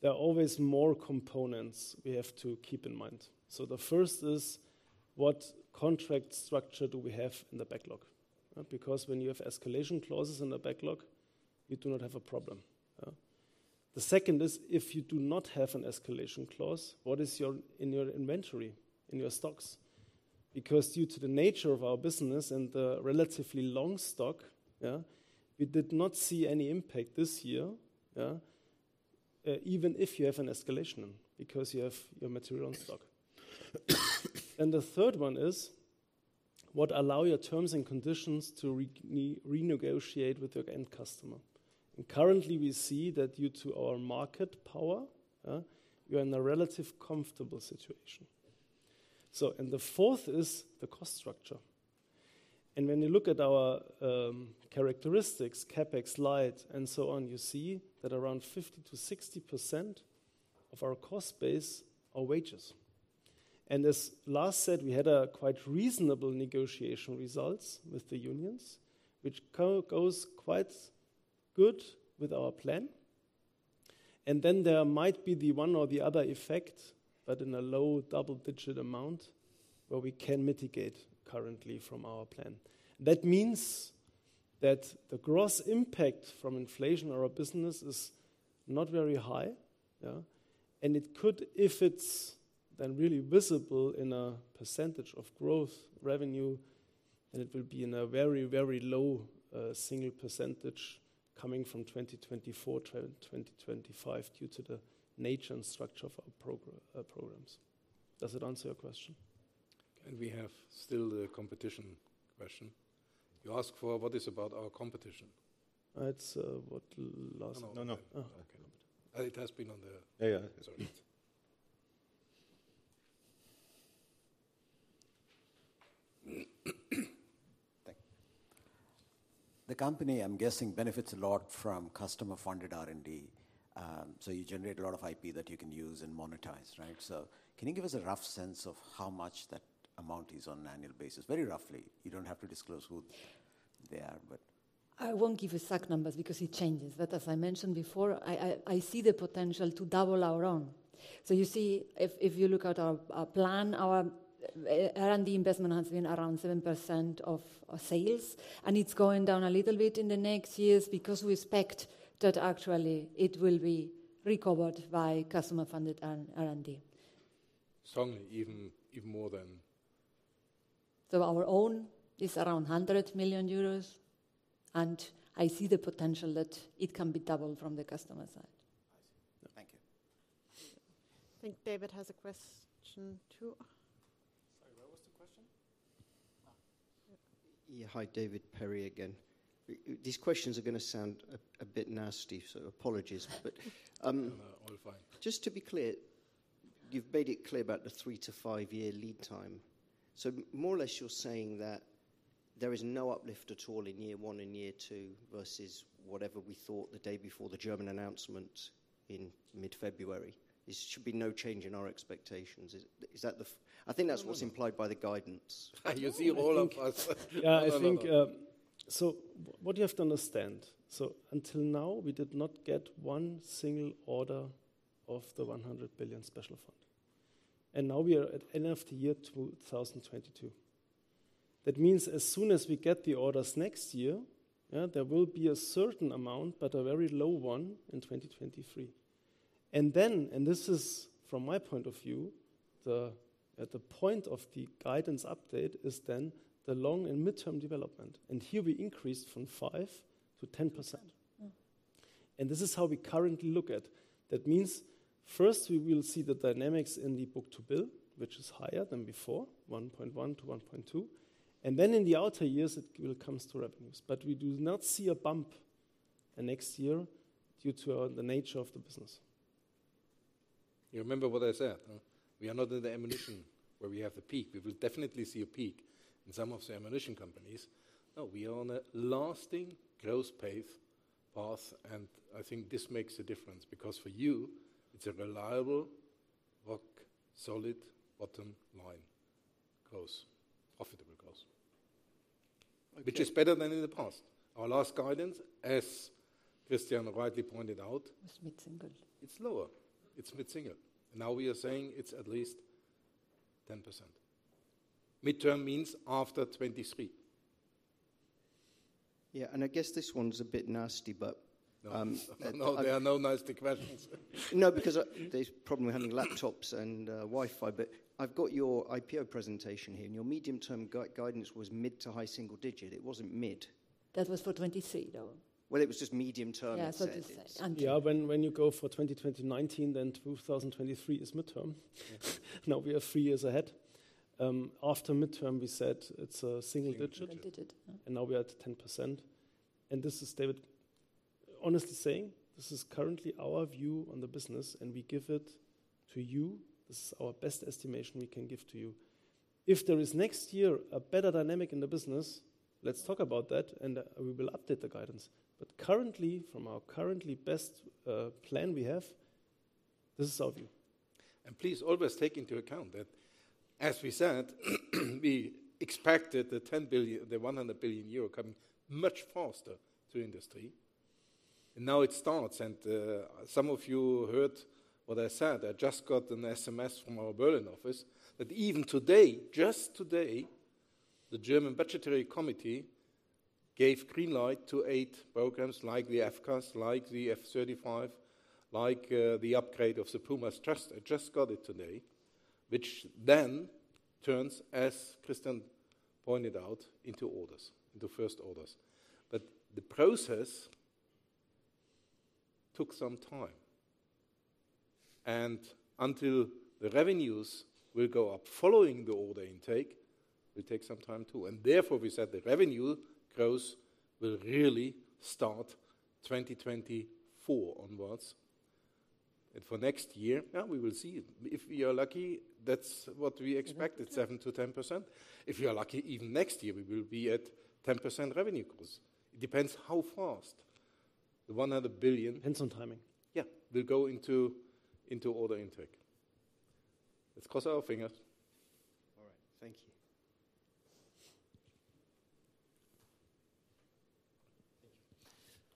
There are always more components we have to keep in mind. The first is what contract structure do we have in the backlog? Because when you have escalation clauses in the backlog, you do not have a problem. Yeah. The second is, if you do not have an escalation clause, what is in your inventory, in your stocks? Because due to the nature of our business and the relatively long stock, yeah, we did not see any impact this year, yeah. Even if you have an escalation because you have your material in stock. The third one is what allow your terms and conditions to renegotiate with your end customer. Currently, we see that due to our market power, yeah, we are in a relative comfortable situation. The fourth is the cost structure. When you look at our characteristics, CapEx light and so on, you see that around 50%-60% of our cost base are wages. As Lars said, we had a quite reasonable negotiation results with the unions, which goes quite good with our plan. Then there might be the one or the other effect, but in a low double-digit amount where we can mitigate currently from our plan. That means that the gross impact from inflation on our business is not very high, yeah. If it's then really visible in a percentage of growth revenue, then it will be in a very, very low, single percentage coming from 2024 through 2025 due to the nature and structure of our programs. Does it answer your question? We have still the competition question. You ask for what is about our competition? It's, what Lars. No, no. Oh, okay. It has been on. Yeah, yeah. Sorry. Thank you. The company, I'm guessing, benefits a lot from customer-funded R&D. You generate a lot of IP that you can use and monetize, right? Can you give us a rough sense of how much that amount is on an annual basis? Very roughly. You don't have to disclose who they are, but. I won't give exact numbers because it changes. As I mentioned before, I see the potential to double our own. You see, if you look at our plan, our R&D investment has been around 7% of sales. It's going down a little bit in the next years because we expect that actually it will be recovered by customer-funded R&D. Strongly, even more than. Our own is around 100 million euros, and I see the potential that it can be doubled from the customer side. I see. Thank you. I think David has a question too. Sorry, what was the question? Yeah. Hi, David Perry again. These questions are gonna sound a bit nasty, so apologies. All fine. Just to be clear, you've made it clear about the three to five year lead time. More or less, you're saying that there is no uplift at all in year one and year two versus whatever we thought the day before the German announcement in mid-February. There should be no change in our expectations. Is that what's implied by the guidance? You see all of us. No, no. I think, what you have to understand. Until now, we did not get one single order of the 100 billion Sondervermögen. Now we are at end of the year 2022. That means as soon as we get the orders next year, yeah, there will be a certain amount, but a very low one in 2023. Then, and this is from my point of view, at the point of the guidance update is then the long and mid-term development. Here we increased from 5%-10%. Yeah. This is how we currently look at. That means first we will see the dynamics in the book-to-bill, which is higher than before, 1.1-1.2. Then in the outer years, it will comes to revenues. We do not see a bump the next year due to the nature of the business. You remember what I said, huh? We are not in the ammunition where we have a peak. We will definitely see a peak in some of the ammunition companies. No, we are on a lasting growth path, I think this makes a difference. Because for you, it's a reliable, rock solid bottom line growth, profitable growth. Okay. Which is better than in the past. Our last guidance, as Christian rightly pointed out. Is mid-single. It's lower. It's mid-single. Now we are saying it's at least 10%. Midterm means after 2023. Yeah, I guess this one's a bit nasty, but. No, there are no nasty questions. Because, there's a problem with having laptops and Wi-Fi. I've got your IPO presentation here, and your medium-term guidance was mid to high single digit. It wasn't mid. That was for 2023, though. Well, it was just medium term, it said. Yeah, so to say. Yeah. When you go for 2019, 2023 is midterm. Now we are three years ahead. After midterm, we said it's a single digit. Single digit. Now we are at 10%. This is, David, honestly saying, this is currently our view on the business, and we give it to you. This is our best estimation we can give to you. If there is next year a better dynamic in the business, let's talk about that, and we will update the guidance. Currently, from our currently best plan we have, this is our view. Please always take into account that as we said, we expected the 100 billion euro coming much faster to industry. Now it starts. Some of you heard what I said. I just got an SMS from our Berlin office that even today, just today, the German Budgetary Committee gave green light to eight programs like the FCAS, like the F-35, like the upgrade of the PUMAs trust. I just got it today, which then turns, as Christian pointed out, into orders, into first orders. The process took some time. Until the revenues will go up following the order intake, will take some time too. Therefore, we said the revenue growth will really start 2024 onwards. For next year, yeah, we will see. If we are lucky, that's what we expected, 7%-10%. If we are lucky, even next year we will be at 10% revenue growth. It depends how fast the 100 billion- Depends on timing. Yeah. Will go into order intake. Let's cross our fingers. All right. Thank you.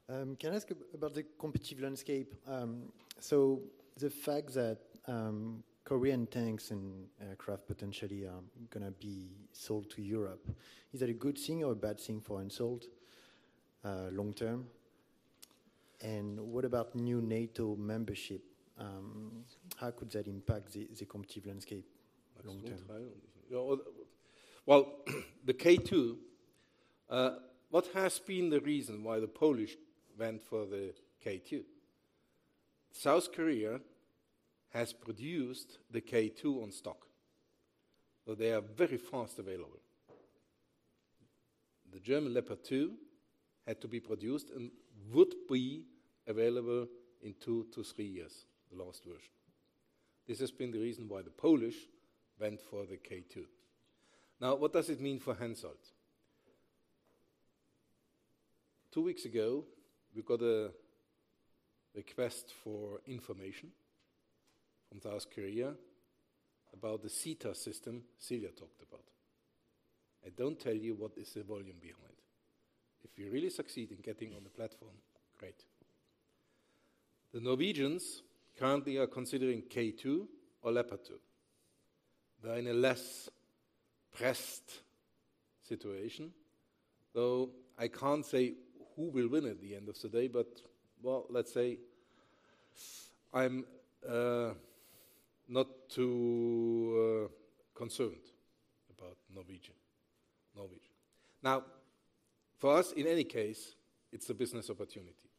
Can I ask about the competitive landscape? The fact that Korean tanks and aircraft potentially are gonna be sold to Europe, is that a good thing or a bad thing for HENSOLDT, long-term? What about new NATO membership? How could that impact the competitive landscape long-term? Well, the K-2, what has been the reason why the Polish went for the K-2? South Korea has produced the K-2 on stock, they are very fast available. The German Leopard 2 had to be produced and would be available in two to three years, the last version. This has been the reason why the Polish went for the K-2. What does it mean for HENSOLDT? Two weeks ago, we got a request for information from South Korea about the SETAS system Celia talked about. I don't tell you what is the volume behind. If we really succeed in getting on the platform, great. The Norwegians currently are considering K-2 or Leopard 2. They're in a less pressed situation, though I can't say who will win at the end of the day. Well, let's say I'm not too concerned about Norwegian. For us, in any case, it's a business opportunity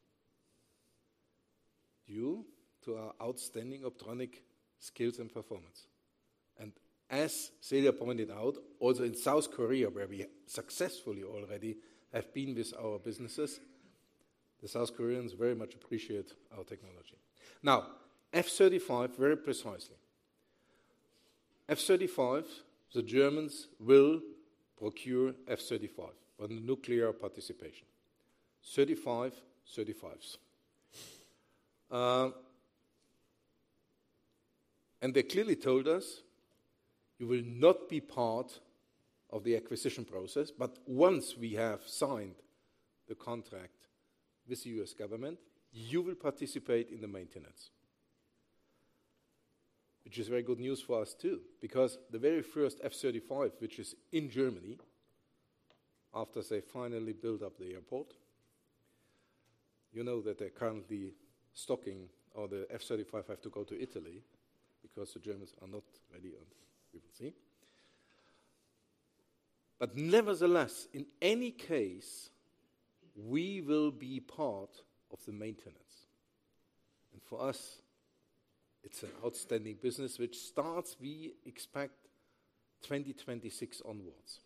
due to our outstanding optronic skills and performance. As Celia pointed out, also in South Korea, where we successfully already have been with our businesses, the South Koreans very much appreciate our technology. F-35, very precisely. F-35, the Germans will procure F-35 on the nuclear participation. They clearly told us, "You will not be part of the acquisition process, but once we have signed the contract with the U.S. government, you will participate in the maintenance." Which is very good news for us too, because the very first F-35, which is in Germany, after they finally build up the airport, you know that they're currently stocking or the F-35 have to go to Italy because the Germans are not ready, and we will see. Nevertheless, in any case, we will be part of the maintenance. For us, it's an outstanding business which starts, we expect 2026 onwards.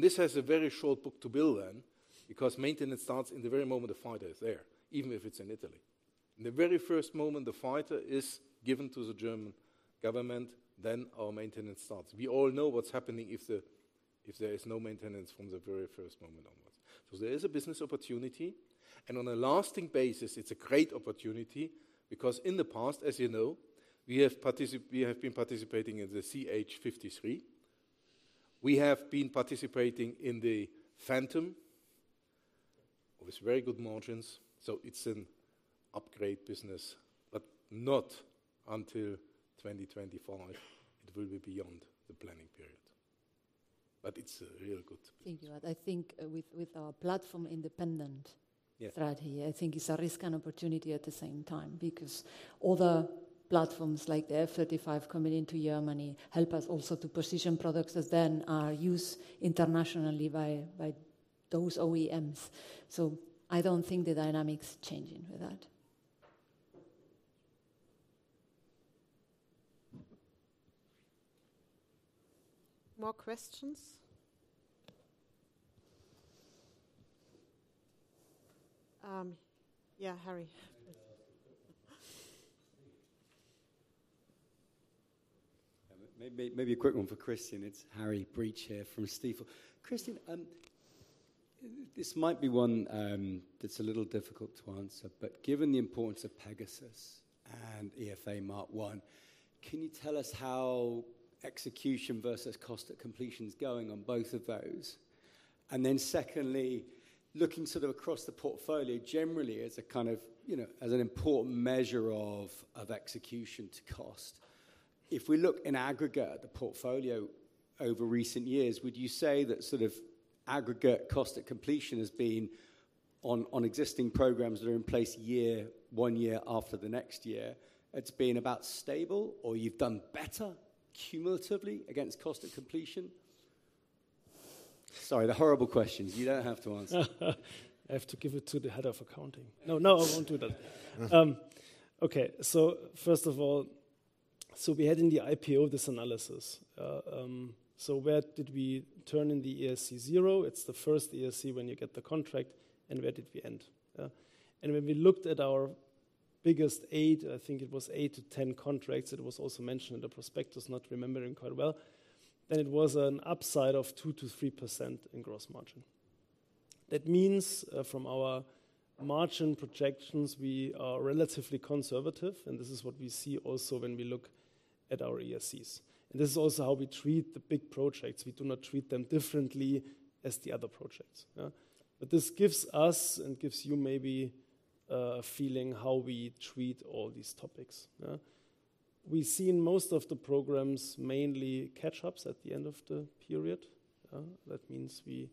This has a very short book-to-bill then, because maintenance starts in the very moment the fighter is there, even if it's in Italy. In the very first moment the fighter is given to the German government, then our maintenance starts. We all know what's happening if there is no maintenance from the very first moment onwards. There is a business opportunity, and on a lasting basis, it's a great opportunity because in the past, as you know, we have been participating in the CH-53. We have been participating in the Phantom with very good margins. It's an upgrade business, but not until 2025. It will be beyond the planning period. It's real good. Thank you. I think with our platform independent. Yes. -strategy, I think it's a risk and opportunity at the same time because other platforms like the F-35 coming into Germany help us also to position products that then are used internationally by those OEMs. I don't think the dynamic's changing with that. More questions? Yeah, Harry. Maybe a quick one for Christian. It's Harry Breach here from Stifel. Christian, this might be one that's a little difficult to answer, but given the importance of PEGASUS and EFA Mark One, can you tell us how execution versus cost at completion is going on both of those? Secondly, looking sort of across the portfolio generally as a kind of, you know, as an important measure of execution to cost. If we look in aggregate at the portfolio over recent years, would you say that sort of aggregate cost at completion has been on existing programs that are in place one year after the next year, it's been about stable or you've done better cumulatively against cost at completion? Sorry, they're horrible questions. You don't have to answer. I have to give it to the head of accounting. No, no, I won't do that. Okay. First of all, we had in the IPO, this analysis. Where did we turn in the ESC zero? It's the first ESC when you get the contract, and where did we end? When we looked at our biggest eight to 10 contracts, it was also mentioned in the prospectus, not remembering quite well. It was an upside of 2%-3% in gross margin. That means, from our margin projections, we are relatively conservative, and this is what we see also when we look at our ESCs. This is also how we treat the big projects. We do not treat them differently as the other projects. This gives us and gives you maybe a feeling how we treat all these topics. We see in most of the programs mainly catch-ups at the end of the period. That means we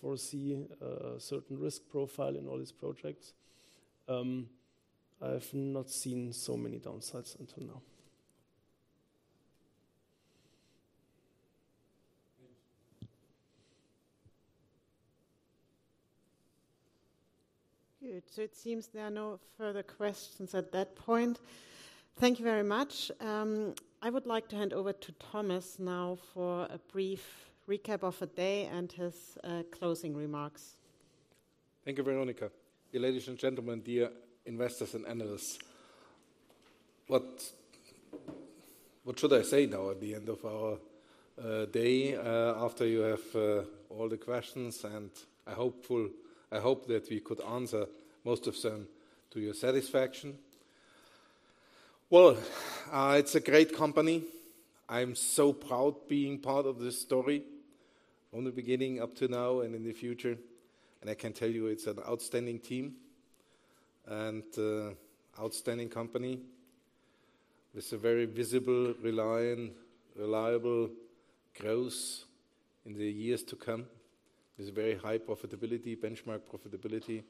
foresee a certain risk profile in all these projects. I've not seen so many downsides until now. Thanks. Good. It seems there are no further questions at that point. Thank you very much. I would like to hand over to Thomas now for a brief recap of the day and his closing remarks. Thank you, Veronika. Ladies and gentlemen, dear investors and analysts, what should I say now at the end of our day after you have all the questions, and I hope that we could answer most of them to your satisfaction. Well, it's a great company. I'm so proud being part of this story from the beginning up to now and in the future, and I can tell you it's an outstanding team and outstanding company with a very visible, reliant, reliable growth in the years to come, with very high profitability, benchmark profitability.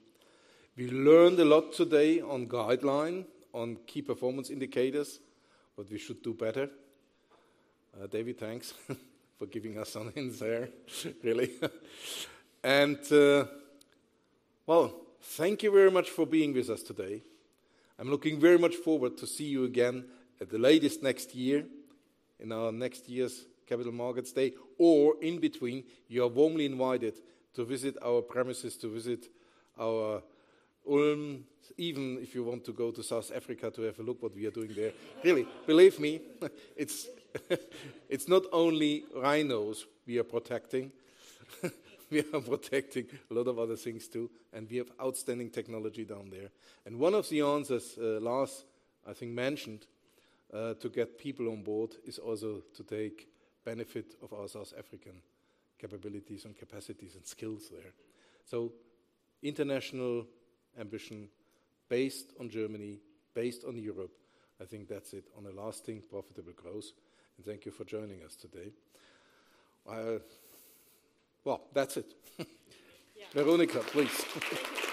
We learned a lot today on guideline, on key performance indicators, what we should do better. David, thanks for giving us some hints there, really. Well, thank you very much for being with us today. I'm looking very much forward to see you again at the latest next year in our next year's Capital Markets Day or in between. You are warmly invited to visit our premises, to visit our Ulm. Even if you want to go to South Africa to have a look what we are doing there. Really. Believe me, it's not only rhinos we are protecting. We are protecting a lot of other things, too, and we have outstanding technology down there. One of the answers, Lars, I think, mentioned to get people on board is also to take benefit of our South African capabilities and capacities and skills there. International ambition based on Germany, based on Europe. I think that's it. On a lasting profitable growth, and thank you for joining us today. Well, that's it. Yeah. Veronika, please.